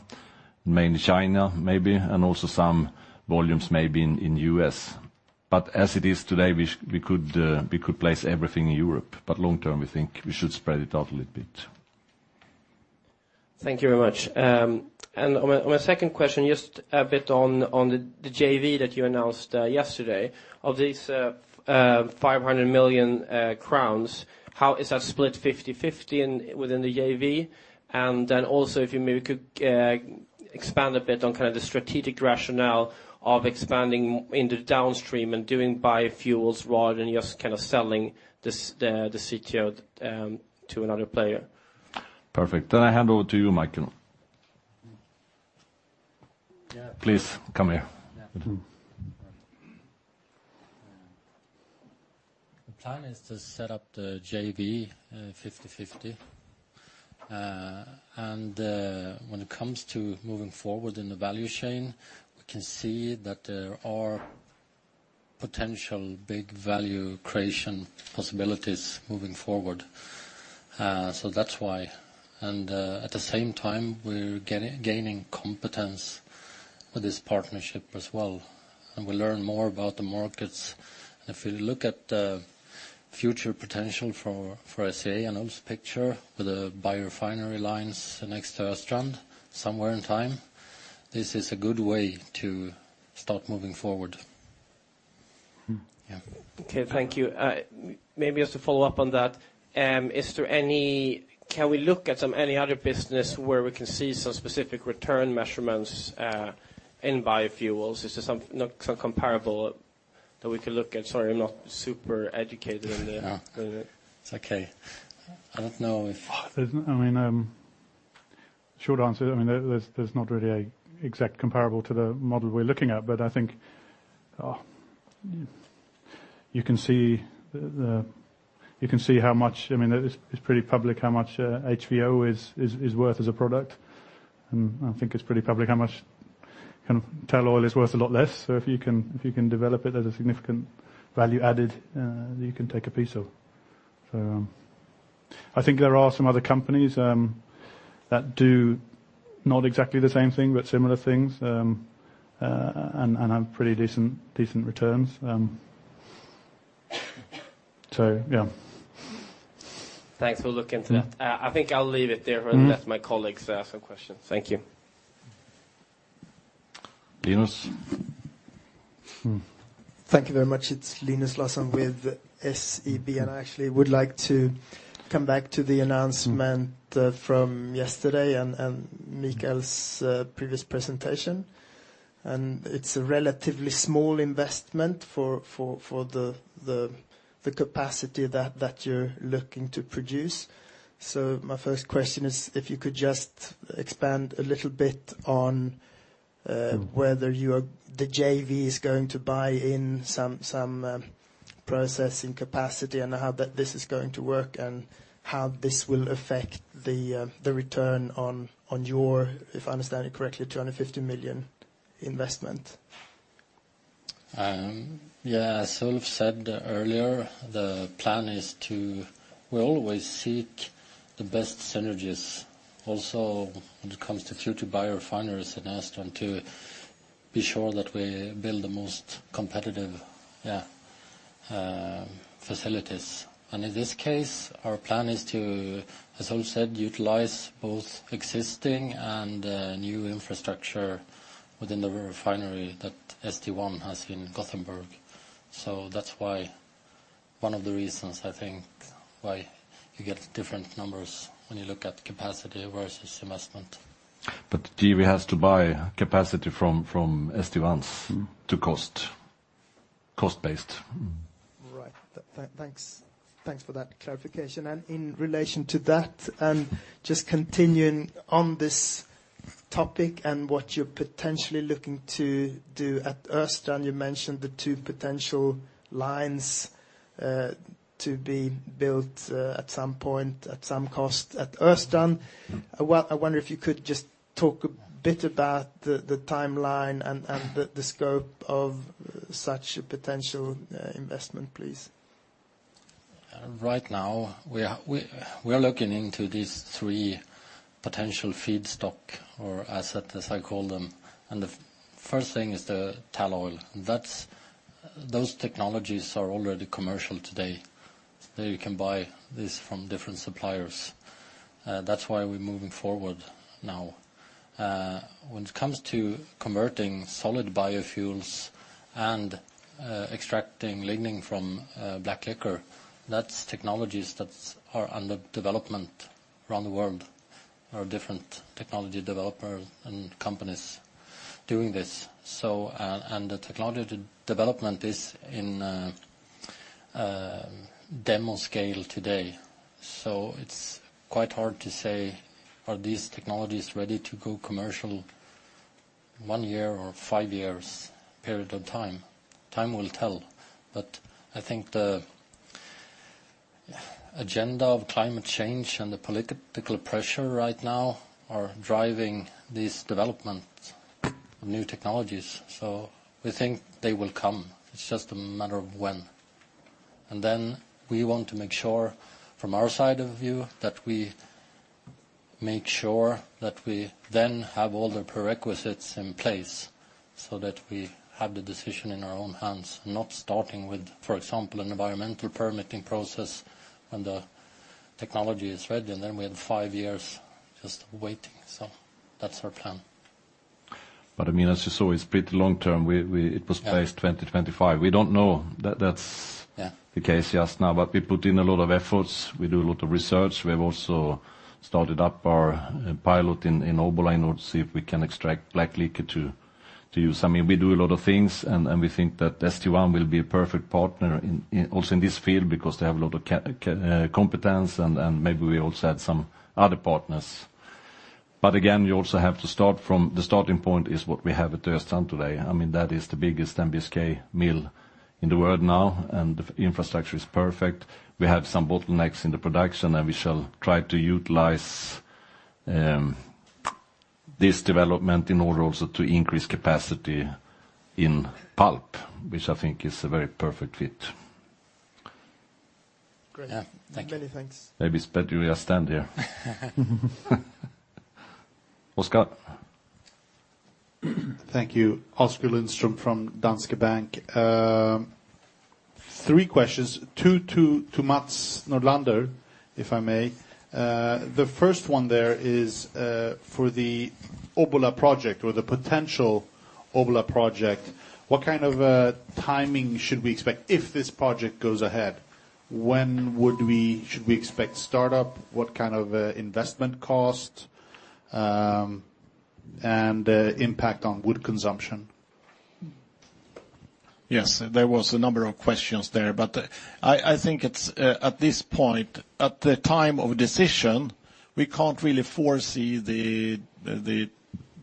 mainly China maybe, and also some volumes maybe in U.S. As it is today, we could place everything in Europe, but long term, we think we should spread it out a little bit. Thank you very much. My second question, just a bit on the JV that you announced yesterday. Of these 500 million crowns, how is that split 50/50 within the JV? Then also, if you maybe could expand a bit on kind of the strategic rationale of expanding in the downstream and doing biofuels rather than just selling the CTO to another player. Perfect. I hand over to you, Mikael. Yeah. Please come here. The plan is to set up the JV 50/50. When it comes to moving forward in the value chain, we can see that there are potential big value creation possibilities moving forward. That is why. At the same time, we are gaining competence with this partnership as well, and we learn more about the markets. If you look at the future potential for SCA and Ulf's picture with the biorefinery lines next to Östrand somewhere in time, this is a good way to start moving forward. Okay, thank you. Maybe just to follow up on that. Can we look at any other business where we can see some specific return measurements in biofuels? Is there some comparable that we can look at? Sorry, I am not super educated in the- It is okay. Short answer, there is not really an exact comparable to the model we are looking at. I think you can see how much, it is pretty public how much HVO is worth as a product. I think it is pretty public how much tall oil is worth a lot less. If you can develop it as a significant value added, you can take a piece of. I think there are some other companies that do not exactly the same thing, but similar things, and have pretty decent returns. Thanks. We'll look into that. I think I'll leave it there and let my colleagues ask some questions. Thank you. Linus. Thank you very much. It's Linus Larsson with SEB. I actually would like to come back to the announcement from yesterday and Mikael's previous presentation. It's a relatively small investment for the capacity that you're looking to produce. My first question is if you could just expand a little bit on whether the JV is going to buy in some processing capacity and how this is going to work and how this will affect the return on your, if I understand it correctly, 250 million investment. Yeah. As Ulf said earlier, the plan is to, we always seek the best synergies also when it comes to future biorefineries in Östrand to be sure that we build the most competitive facilities. In this case, our plan is to, as Ulf said, utilize both existing and new infrastructure within the refinery that St1 has in Gothenburg. That's one of the reasons I think why you get different numbers when you look at capacity versus investment. JV has to buy capacity from St1's to cost. Cost based. Right. Thanks for that clarification. In relation to that, just continuing on this topic and what you are potentially looking to do at Östrand. You mentioned the two potential lines to be built at some point, at some cost at Östrand. I wonder if you could just talk a bit about the timeline and the scope of such a potential investment, please. Right now, we are looking into these three potential feedstock or asset, as I call them. The first thing is the tall oil. Those technologies are already commercial today. Today you can buy this from different suppliers. That's why we are moving forward now. When it comes to converting solid biofuels and extracting lignin from black liquor, that's technologies that are under development around the world. There are different technology developers and companies doing this. The technology development is in demo scale today. It's quite hard to say, are these technologies ready to go commercial in one year or five years period of time? Time will tell. I think the agenda of climate change and the political pressure right now are driving this development of new technologies. We think they will come. It's just a matter of when. We want to make sure from our side of view, that we make sure that we then have all the prerequisites in place so that we have the decision in our own hands, not starting with, for example, an environmental permitting process when the technology is ready, then we have five years just waiting. That's our plan. As you saw, it's pretty long-term. Yeah phased 2025. We don't know that that's. Yeah The case just now. We put in a lot of efforts. We do a lot of research. We have also started up our pilot in Östrand to see if we can extract black liquor to use. We do a lot of things. We think that St1 will be a perfect partner, also in this field, because they have a lot of competence, and maybe we also add some other partners. Again, the starting point is what we have at Östrand today. That is the biggest NBSK mill in the world now. The infrastructure is perfect. We have some bottlenecks in the production. We shall try to utilize this development in order also to increase capacity in pulp, which I think is a very perfect fit. Great. Yeah. Thank you. Many thanks. Maybe it's better we stand here. Oskar. Thank you. Oskar Lindström from Danske Bank. Three questions, two to Mats Nordlander, if I may. The first one there is for the Östrand project or the potential Östrand project, what kind of a timing should we expect if this project goes ahead? When should we expect startup? What kind of investment cost, and impact on wood consumption? Yes, there was a number of questions there. I think at this point, at the time of decision, we can't really foresee the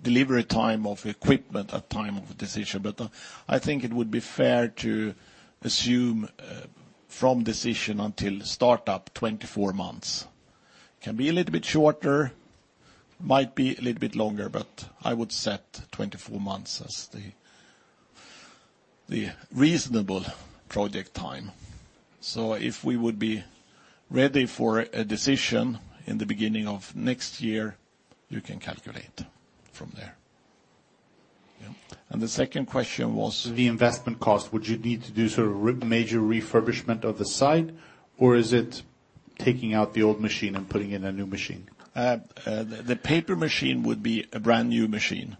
delivery time of equipment at time of decision. I think it would be fair to assume from decision until startup, 24 months. Can be a little bit shorter, might be a little bit longer, but I would set 24 months as the reasonable project time. If we would be ready for a decision in the beginning of next year, you can calculate from there. Yeah. The second question was- The investment cost. Would you need to do sort of major refurbishment of the site, or is it taking out the old machine and putting in a new machine? The paper machine would be a brand-new machine.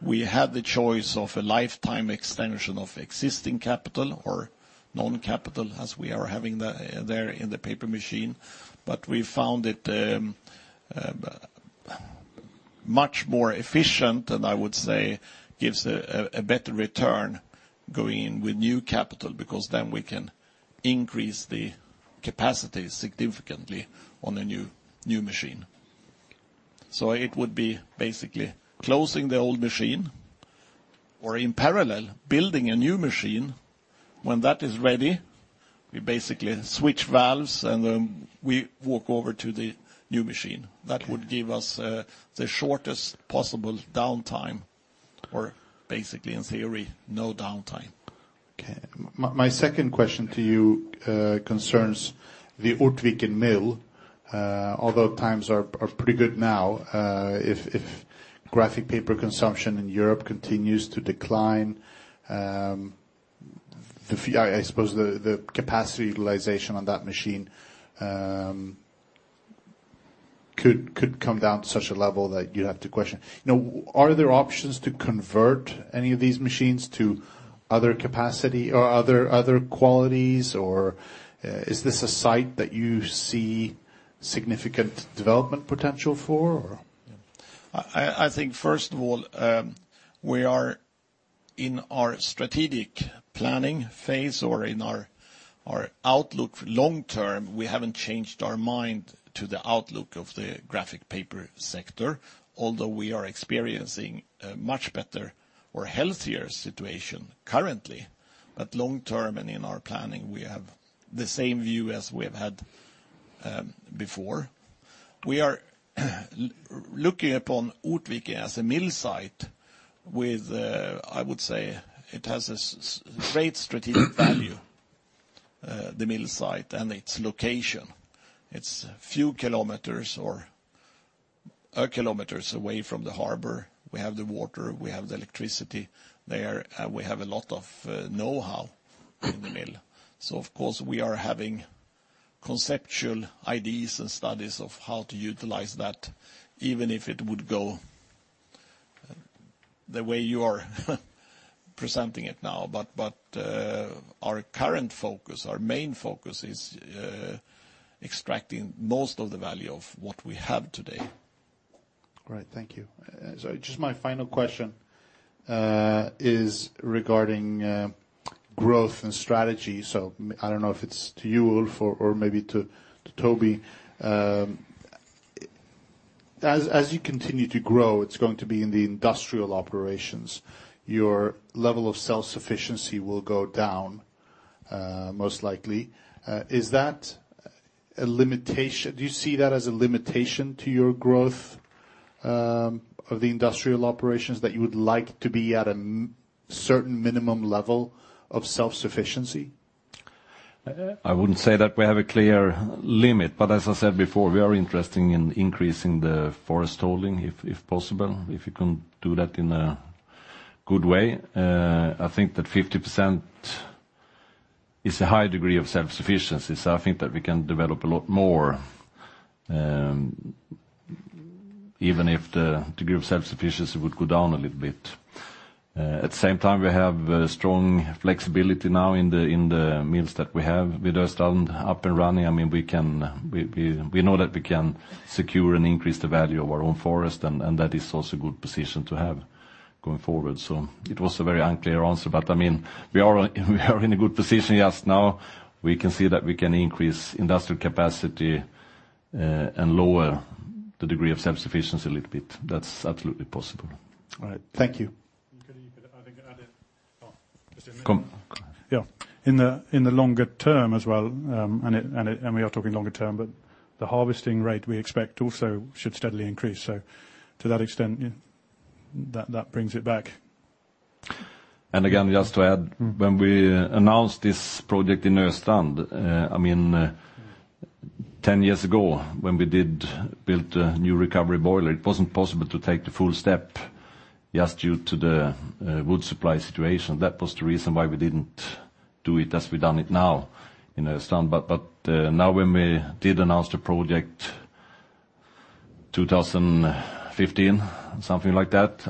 We had the choice of a lifetime extension of existing capital or non-capital as we are having there in the paper machine. We found it much more efficient, and I would say gives a better return going in with new capital because then we can increase the capacity significantly on a new machine. It would be basically closing the old machine or in parallel, building a new machine. When that is ready, we basically switch valves, we walk over to the new machine. That would give us the shortest possible downtime or basically in theory, no downtime. Okay. My second question to you concerns the Ortviken mill. Although times are pretty good now, if graphic paper consumption in Europe continues to decline, I suppose the capacity utilization on that machine could come down to such a level that you'd have to question. Are there options to convert any of these machines to other capacity or other qualities, or is this a site that you see significant development potential for? I think, first of all, we are In our strategic planning phase or in our outlook long term, we haven't changed our mind to the outlook of the graphic paper sector, although we are experiencing a much better or healthier situation currently. Long term and in our planning, we have the same view as we've had before. We are looking upon Ortviken as a mill site with, I would say it has a great strategic value, the mill site and its location. It's a few kilometers or a kilometers away from the harbor. We have the water, we have the electricity there. We have a lot of knowhow in the mill. Of course, we are having conceptual ideas and studies of how to utilize that, even if it would go the way you are presenting it now. Our current focus, our main focus is extracting most of the value of what we have today. Thank you. Just my final question is regarding growth and strategy. I don't know if it's to you, Ulf, or maybe to Toby. As you continue to grow, it's going to be in the industrial operations. Your level of self-sufficiency will go down, most likely. Do you see that as a limitation to your growth of the industrial operations, that you would like to be at a certain minimum level of self-sufficiency? I wouldn't say that we have a clear limit, but as I said before, we are interested in increasing the forest holding if possible, if you can do that in a good way. I think that 50% is a high degree of self-sufficiency. I think that we can develop a lot more, even if the degree of self-sufficiency would go down a little bit. At the same time, we have strong flexibility now in the mills that we have with Östrand up and running. We know that we can secure and increase the value of our own forest, and that is also a good position to have going forward. It was a very unclear answer, but we are in a good position just now. We can see that we can increase industrial capacity, and lower the degree of self-sufficiency a little bit. That's absolutely possible. All right. Thank you. You could add it. Just a minute. Go ahead. In the longer term as well, we are talking longer term, the harvesting rate we expect also should steadily increase. To that extent, that brings it back. Again, just to add, when we announced this project in Östrand, 10 years ago, when we did build a new recovery boiler, it wasn't possible to take the full step just due to the wood supply situation. That was the reason why we didn't do it as we done it now in Östrand. Now when we did announce the project 2015, something like that,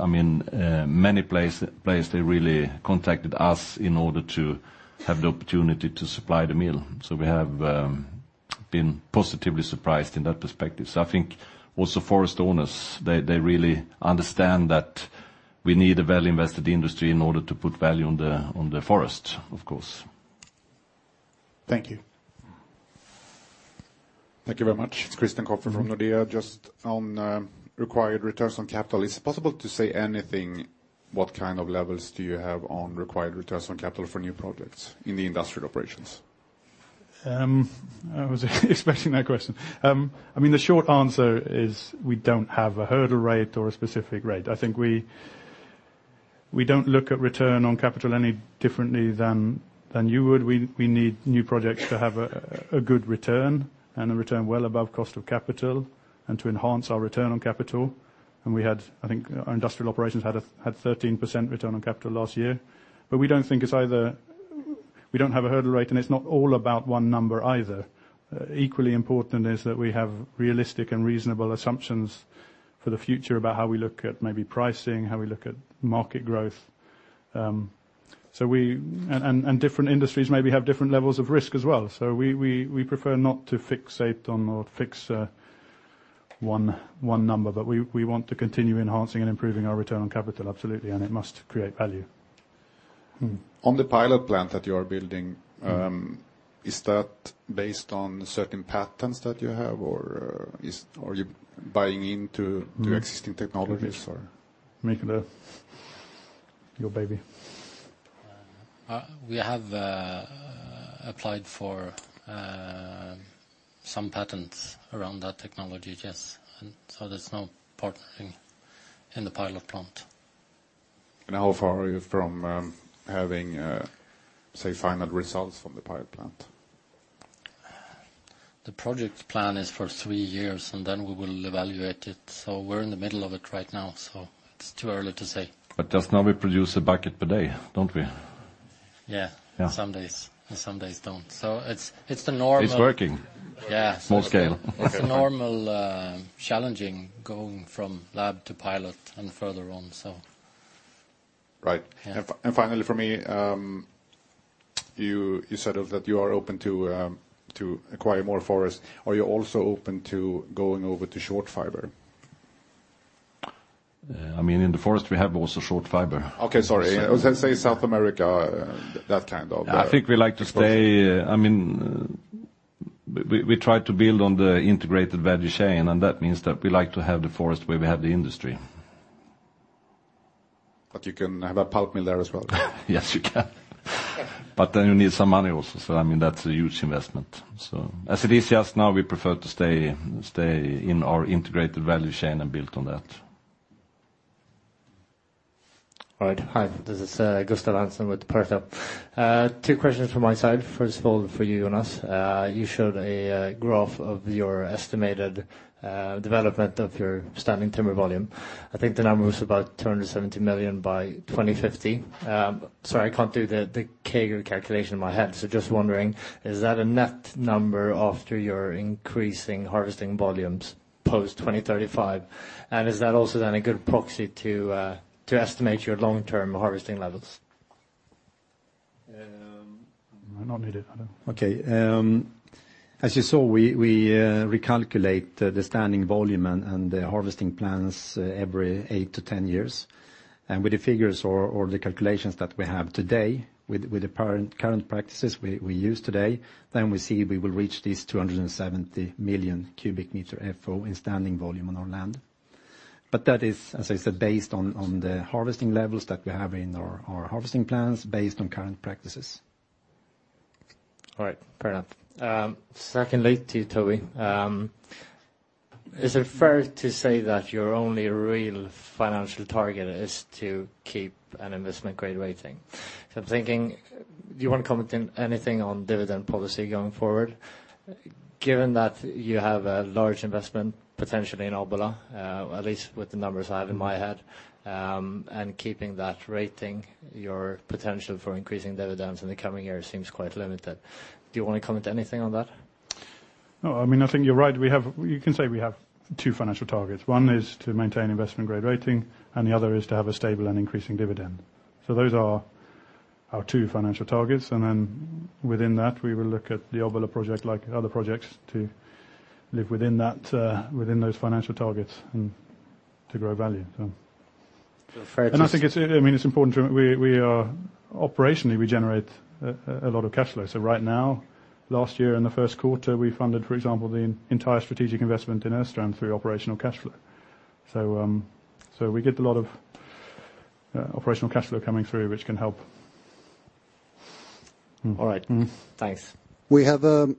many place they really contacted us in order to have the opportunity to supply the mill. We have been positively surprised in that perspective. I think also forest owners, they really understand that we need a well-invested industry in order to put value on the forest, of course. Thank you. Thank you very much. It's Christian Kopfer from Nordea. Just on required returns on capital. Is it possible to say anything what kind of levels do you have on required returns on capital for new projects in the industrial operations? I was expecting that question. The short answer is we don't have a hurdle rate or a specific rate. I think we don't look at return on capital any differently than you would. We need new projects to have a good return and a return well above cost of capital and to enhance our return on capital. I think our industrial operations had 13% return on capital last year. We don't have a hurdle rate, and it's not all about one number either. Equally important is that we have realistic and reasonable assumptions for the future about how we look at maybe pricing, how we look at market growth. Different industries maybe have different levels of risk as well. We prefer not to fixate on or fix one number, but we want to continue enhancing and improving our return on capital, absolutely. It must create value. On the pilot plant that you are building, is that based on certain patents that you have, or are you buying into existing technologies or making that your baby? We have applied for some patents around that technology, yes. There's no partnering in the pilot plant. How far are you from having, say, final results from the pilot plant? The project plan is for three years, and then we will evaluate it. We're in the middle of it right now, so it's too early to say. Just now we produce a bucket per day, don't we? Yeah. Yeah. Some days. Some days don't. It's the normal. It's working. Yeah. Small scale. Okay. It's the normal challenging going from lab to pilot and further on. Right. Yeah. Finally for me. You said that you are open to acquire more forest. Are you also open to going over to short fiber? In the forest, we have also short fiber. Okay, sorry. I was going to say South America. I think we like to stay. We try to build on the integrated value chain, and that means that we like to have the forest where we have the industry. You can have a pulp mill there as well. Yes, you can. Then you need some money also. That's a huge investment. As it is, yes, now we prefer to stay in our integrated value chain and build on that. All right. Hi, this is Gustav Hansson with Pareto. Two questions from my side. First of all, for you, Jonas. You showed a graph of your estimated development of your standing timber volume. I think the number was about 270 million by 2050. Sorry, I can't do the CAGR calculation in my head, so just wondering, is that a net number after your increasing harvesting volumes post 2035? Is that also then a good proxy to estimate your long-term harvesting levels? Not needed. Okay. As you saw, we recalculate the standing volume and the harvesting plans every 8-10 years. With the figures or the calculations that we have today with the current practices we use today, we see we will reach these 270 million cubic meter FO in standing volume on our land. That is, as I said, based on the harvesting levels that we have in our harvesting plans based on current practices. All right, fair enough. Secondly, to you, Toby, is it fair to say that your only real financial target is to keep an investment-grade rating? I'm thinking, do you want to comment anything on dividend policy going forward, given that you have a large investment potentially in Obbola, at least with the numbers I have in my head, and keeping that rating your potential for increasing dividends in the coming years seems quite limited. Do you want to comment anything on that? No, I think you're right. You can say we have two financial targets. One is to maintain investment grade rating, the other is to have a stable and increasing dividend. Those are our two financial targets, within that, we will look at the Obbola project, like other projects, to live within those financial targets and to grow value. Fair to say. I think it's important to remember, operationally, we generate a lot of cash flow. Right now, last year in the first quarter, we funded, for example, the entire strategic investment in Östrand through operational cash flow. We get a lot of operational cash flow coming through, which can help. All right. Thanks. We have a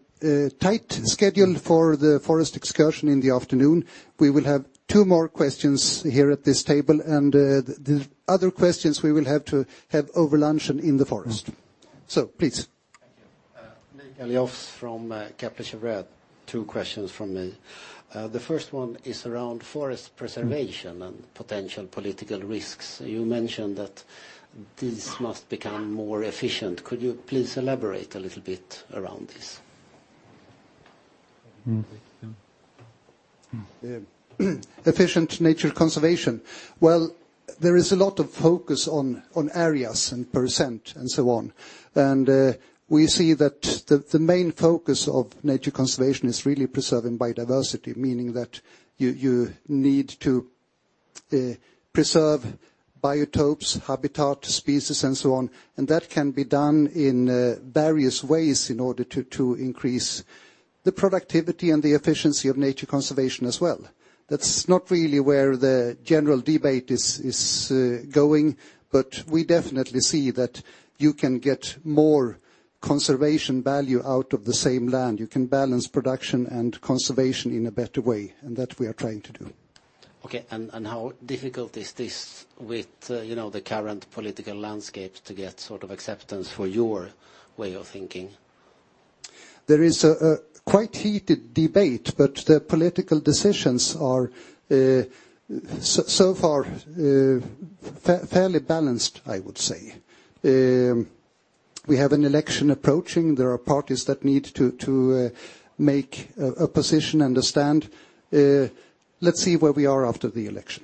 tight schedule for the forest excursion in the afternoon. We will have two more questions here at this table, and the other questions we will have to have over lunch and in the forest. Please. Thank you. Nick Aliofs from Kepler Cheuvreux. Two questions from me. The first one is around forest preservation and potential political risks. You mentioned that these must become more efficient. Could you please elaborate a little bit around this? Efficient nature conservation. Well, there is a lot of focus on areas and % and so on. We see that the main focus of nature conservation is really preserving biodiversity, meaning that you need to preserve biotopes, habitat, species, and so on. That can be done in various ways in order to increase the productivity and the efficiency of nature conservation as well. That's not really where the general debate is going, but we definitely see that you can get more conservation value out of the same land. You can balance production and conservation in a better way, and that we are trying to do. Okay, how difficult is this with the current political landscape to get sort of acceptance for your way of thinking? There is a quite heated debate, but the political decisions are so far fairly balanced, I would say. We have an election approaching. There are parties that need to make a position and a stand. Let's see where we are after the election.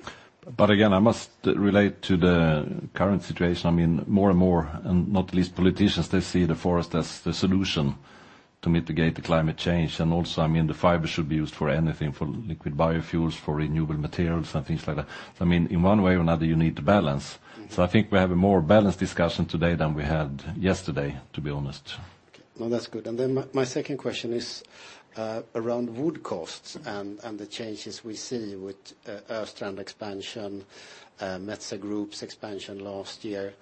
I must relate to the current situation. More and more, and not least politicians, they see the forest as the solution to mitigate the climate change. Also, the fiber should be used for anything, for liquid biofuels, for renewable materials and things like that. In one way or another, you need to balance. I think we have a more balanced discussion today than we had yesterday, to be honest. Okay. No, that's good. Then my second question is around wood costs and the changes we see with Östrand expansion, Metsä Group's expansion last year.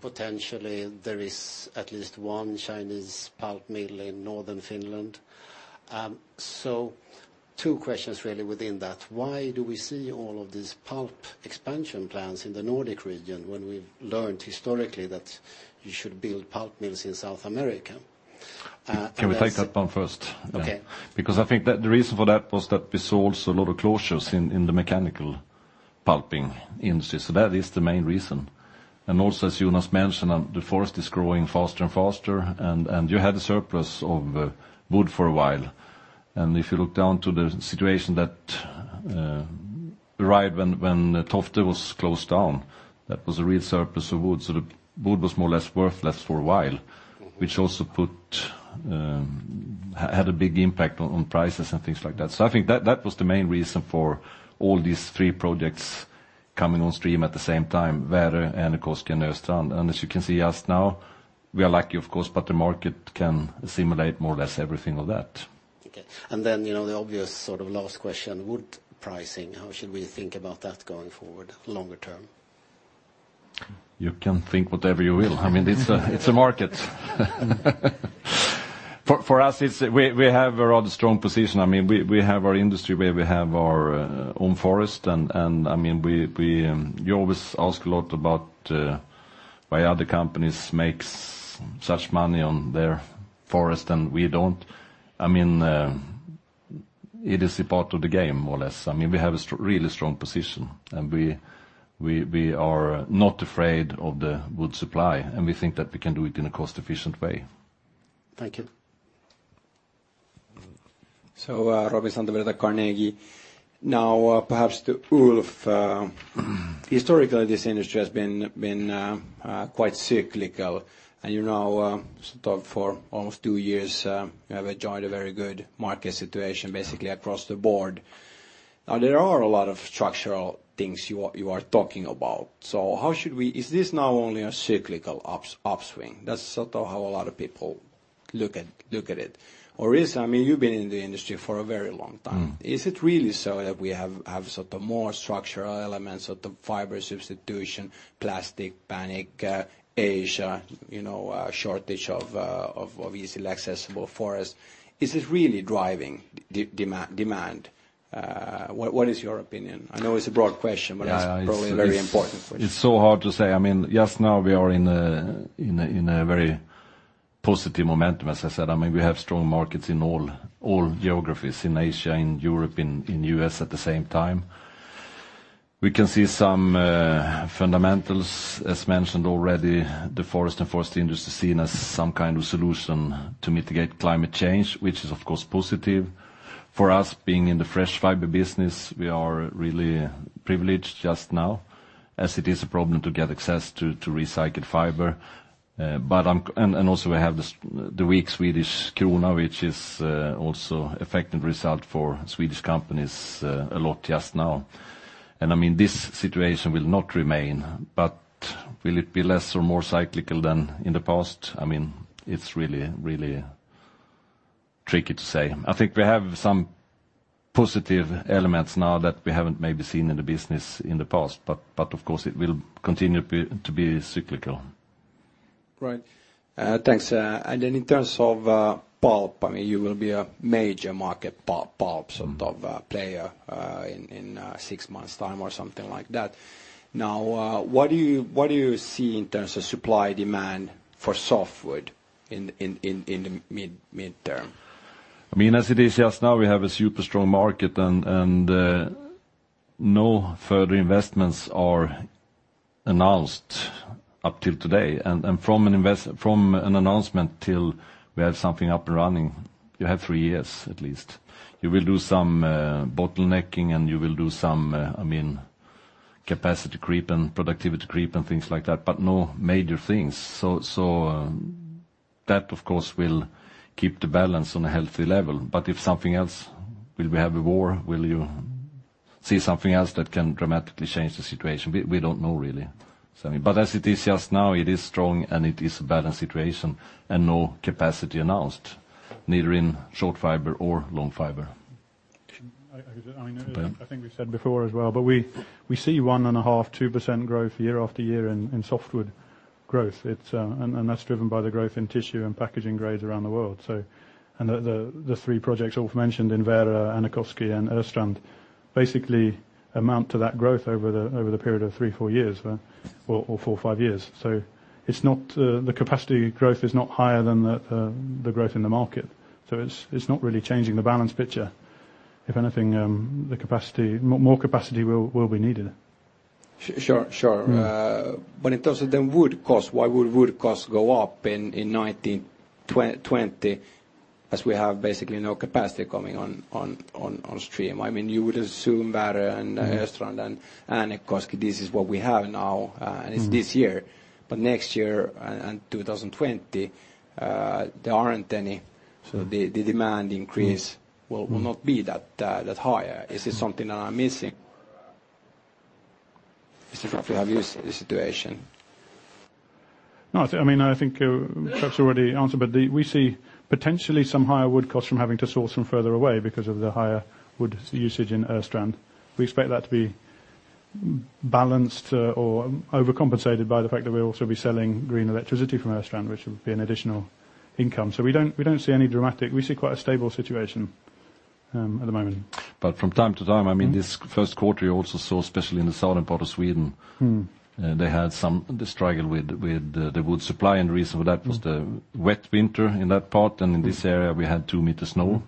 Potentially, there is at least one Chinese pulp mill in northern Finland. Two questions really within that. Why do we see all of these pulp expansion plans in the Nordic region when we've learned historically that you should build pulp mills in South America? Can we take that one first? Okay. I think that the reason for that was that we saw also a lot of closures in the mechanical pulping industry. That is the main reason. Also, as Jonas mentioned, the forest is growing faster and faster, and you had a surplus of wood for a while. If you look down to the situation that Right when Tofte was closed down, that was a real surplus of wood. The wood was more or less worthless for a while, which also had a big impact on prices and things like that. I think that was the main reason for all these three projects coming on stream at the same time, Värö, Äänekoski, and Östrand. As you can see us now, we are lucky, of course, but the market can assimilate more or less everything on that. Okay. The obvious sort of last question, wood pricing, how should we think about that going forward longer term? You can think whatever you will. I mean, it's a market. For us, we have a rather strong position. We have our industry where we have our own forest, and you always ask a lot about why other companies make such money on their forest and we don't. It is a part of the game, more or less. We have a really strong position, and we are not afraid of the wood supply, and we think that we can do it in a cost-efficient way. Thank you. Robin Sandell with Carnegie. Perhaps to Ulf. Historically, this industry has been quite cyclical. For almost two years now, we enjoyed a very good market situation basically across the board. There are a lot of structural things you are talking about. Is this now only a cyclical upswing? That's sort of how a lot of people look at it. You've been in the industry for a very long time. Is it really so that we have sort of more structural elements of the fiber substitution, plastic panic, Asia, a shortage of easily accessible forest? Is this really driving demand? What is your opinion? I know it's a broad question, but it's probably a very important question. It's so hard to say. Just now we are in a very positive momentum, as I said. We have strong markets in all geographies, in Asia, in Europe, in the U.S. at the same time. We can see some fundamentals, as mentioned already. The forest and forest industry is seen as some kind of solution to mitigate climate change, which is, of course, positive. For us, being in the fresh fiber business, we are really privileged just now as it is a problem to get access to recycled fiber. Also, we have the weak Swedish krona, which is also affecting result for Swedish companies a lot just now. This situation will not remain, but will it be less or more cyclical than in the past? It's really tricky to say. I think we have some positive elements now that we haven't maybe seen in the business in the past. Of course, it will continue to be cyclical. Right. Thanks. Then in terms of pulp, you will be a major market pulp sort of player in six months' time or something like that. Now, what do you see in terms of supply-demand for softwood in the midterm? As it is just now, we have a super strong market, no further investments are announced up till today. From an announcement till we have something up and running, you have three years at least. You will do some bottlenecking, and you will do some capacity creep and productivity creep and things like that, but no major things. That, of course, will keep the balance on a healthy level. If something else, will we have a war? Will you see something else that can dramatically change the situation? We don't know, really. As it is just now, it is strong, and it is a balanced situation, and no capacity announced, neither in short fiber or long fiber. I think we said before as well, we see 1.5%, 2% growth year after year in softwood growth. That's driven by the growth in tissue and packaging grades around the world. The three projects Ulf mentioned in Värö, Äänekoski, and Östrand basically amount to that growth over the period of three, four years, or four, five years. The capacity growth is not higher than the growth in the market. It's not really changing the balance picture. If anything, more capacity will be needed. Sure. In terms of the wood cost, why would wood cost go up in 2019, 2020, as we have basically no capacity coming on stream? You would assume Värö and Östrand and Äänekoski, this is what we have now, and it's this year. Next year, and 2020, there aren't any. The demand increase will not be that high. Is there something that I'm missing? Is the fact we have used the situation? No. I think perhaps you already answered, we see potentially some higher wood costs from having to source from further away because of the higher wood usage in Östrand. We expect that to be balanced or overcompensated by the fact that we'll also be selling green electricity from Östrand, which will be an additional income. We don't see any dramatic. We see quite a stable situation at the moment. From time to time, this first quarter, you also saw, especially in the southern part of Sweden. They had some struggle with the wood supply, and the reason for that was the wet winter in that part, and in this area, we had two meters snow.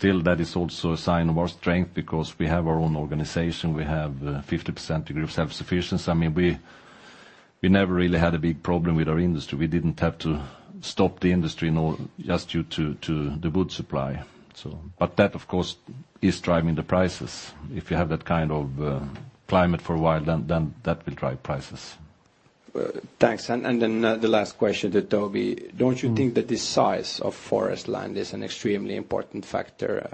That is also a sign of our strength because we have our own organization. We have 50% degree of self-sufficiency. We never really had a big problem with our industry. We didn't have to stop the industry, just due to the wood supply. That, of course, is driving the prices. If you have that kind of climate for a while, then that will drive prices. Thanks. Then the last question to Toby. Don't you think that the size of forest land is an extremely important factor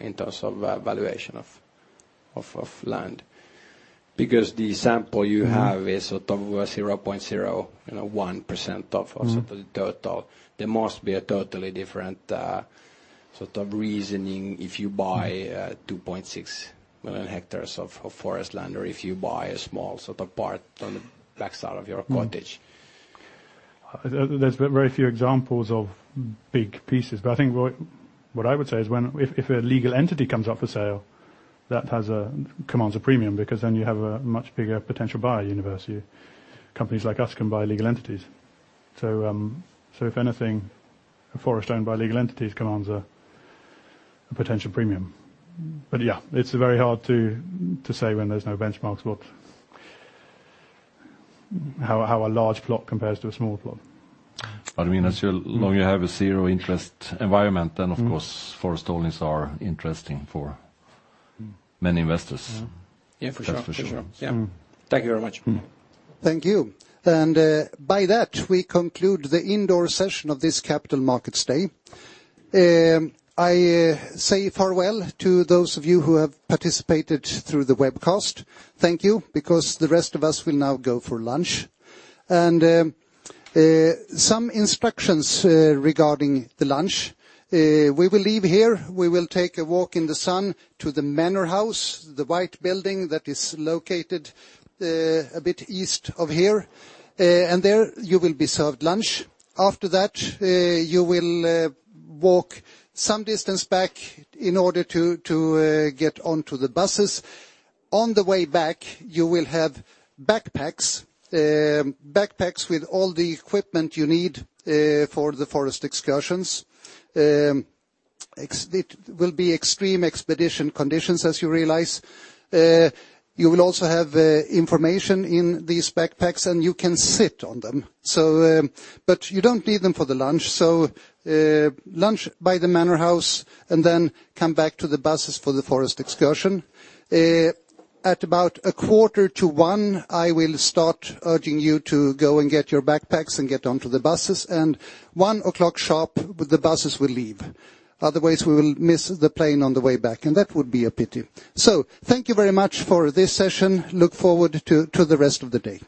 in terms of valuation of land? Because the sample you have is sort of 0.01% of the total. There must be a totally different sort of reasoning if you buy 2.6 million hectares of forest land, or if you buy a small sort of part on the backside of your cottage. There's very few examples of big pieces, but I think what I would say is if a legal entity comes up for sale, that commands a premium, because then you have a much bigger potential buyer universe. Companies like us can buy legal entities. If anything, a forest owned by legal entities commands a potential premium. Yeah, it's very hard to say when there's no benchmarks, how a large plot compares to a small plot. As long you have a zero interest environment, then of course, forest holdings are interesting for many investors. Yeah, for sure. That's for sure. Yeah. Thank you very much. Thank you. By that, we conclude the indoor session of this Capital Markets Day. I say farewell to those of you who have participated through the webcast. Thank you, because the rest of us will now go for lunch. Some instructions regarding the lunch. We will leave here, we will take a walk in the sun to the manor house, the white building that is located a bit east of here, and there you will be served lunch. After that, you will walk some distance back in order to get onto the buses. On the way back, you will have backpacks. Backpacks with all the equipment you need for the forest excursions. It will be extreme expedition conditions, as you realize. You will also have information in these backpacks, and you can sit on them. You don't need them for the lunch. Lunch by the manor house, come back to the buses for the forest excursion. At about a quarter to 1:00, I will start urging you to go and get your backpacks and get onto the buses. 1:00 sharp, the buses will leave. Otherwise, we will miss the plane on the way back, and that would be a pity. Thank you very much for this session. Look forward to the rest of the day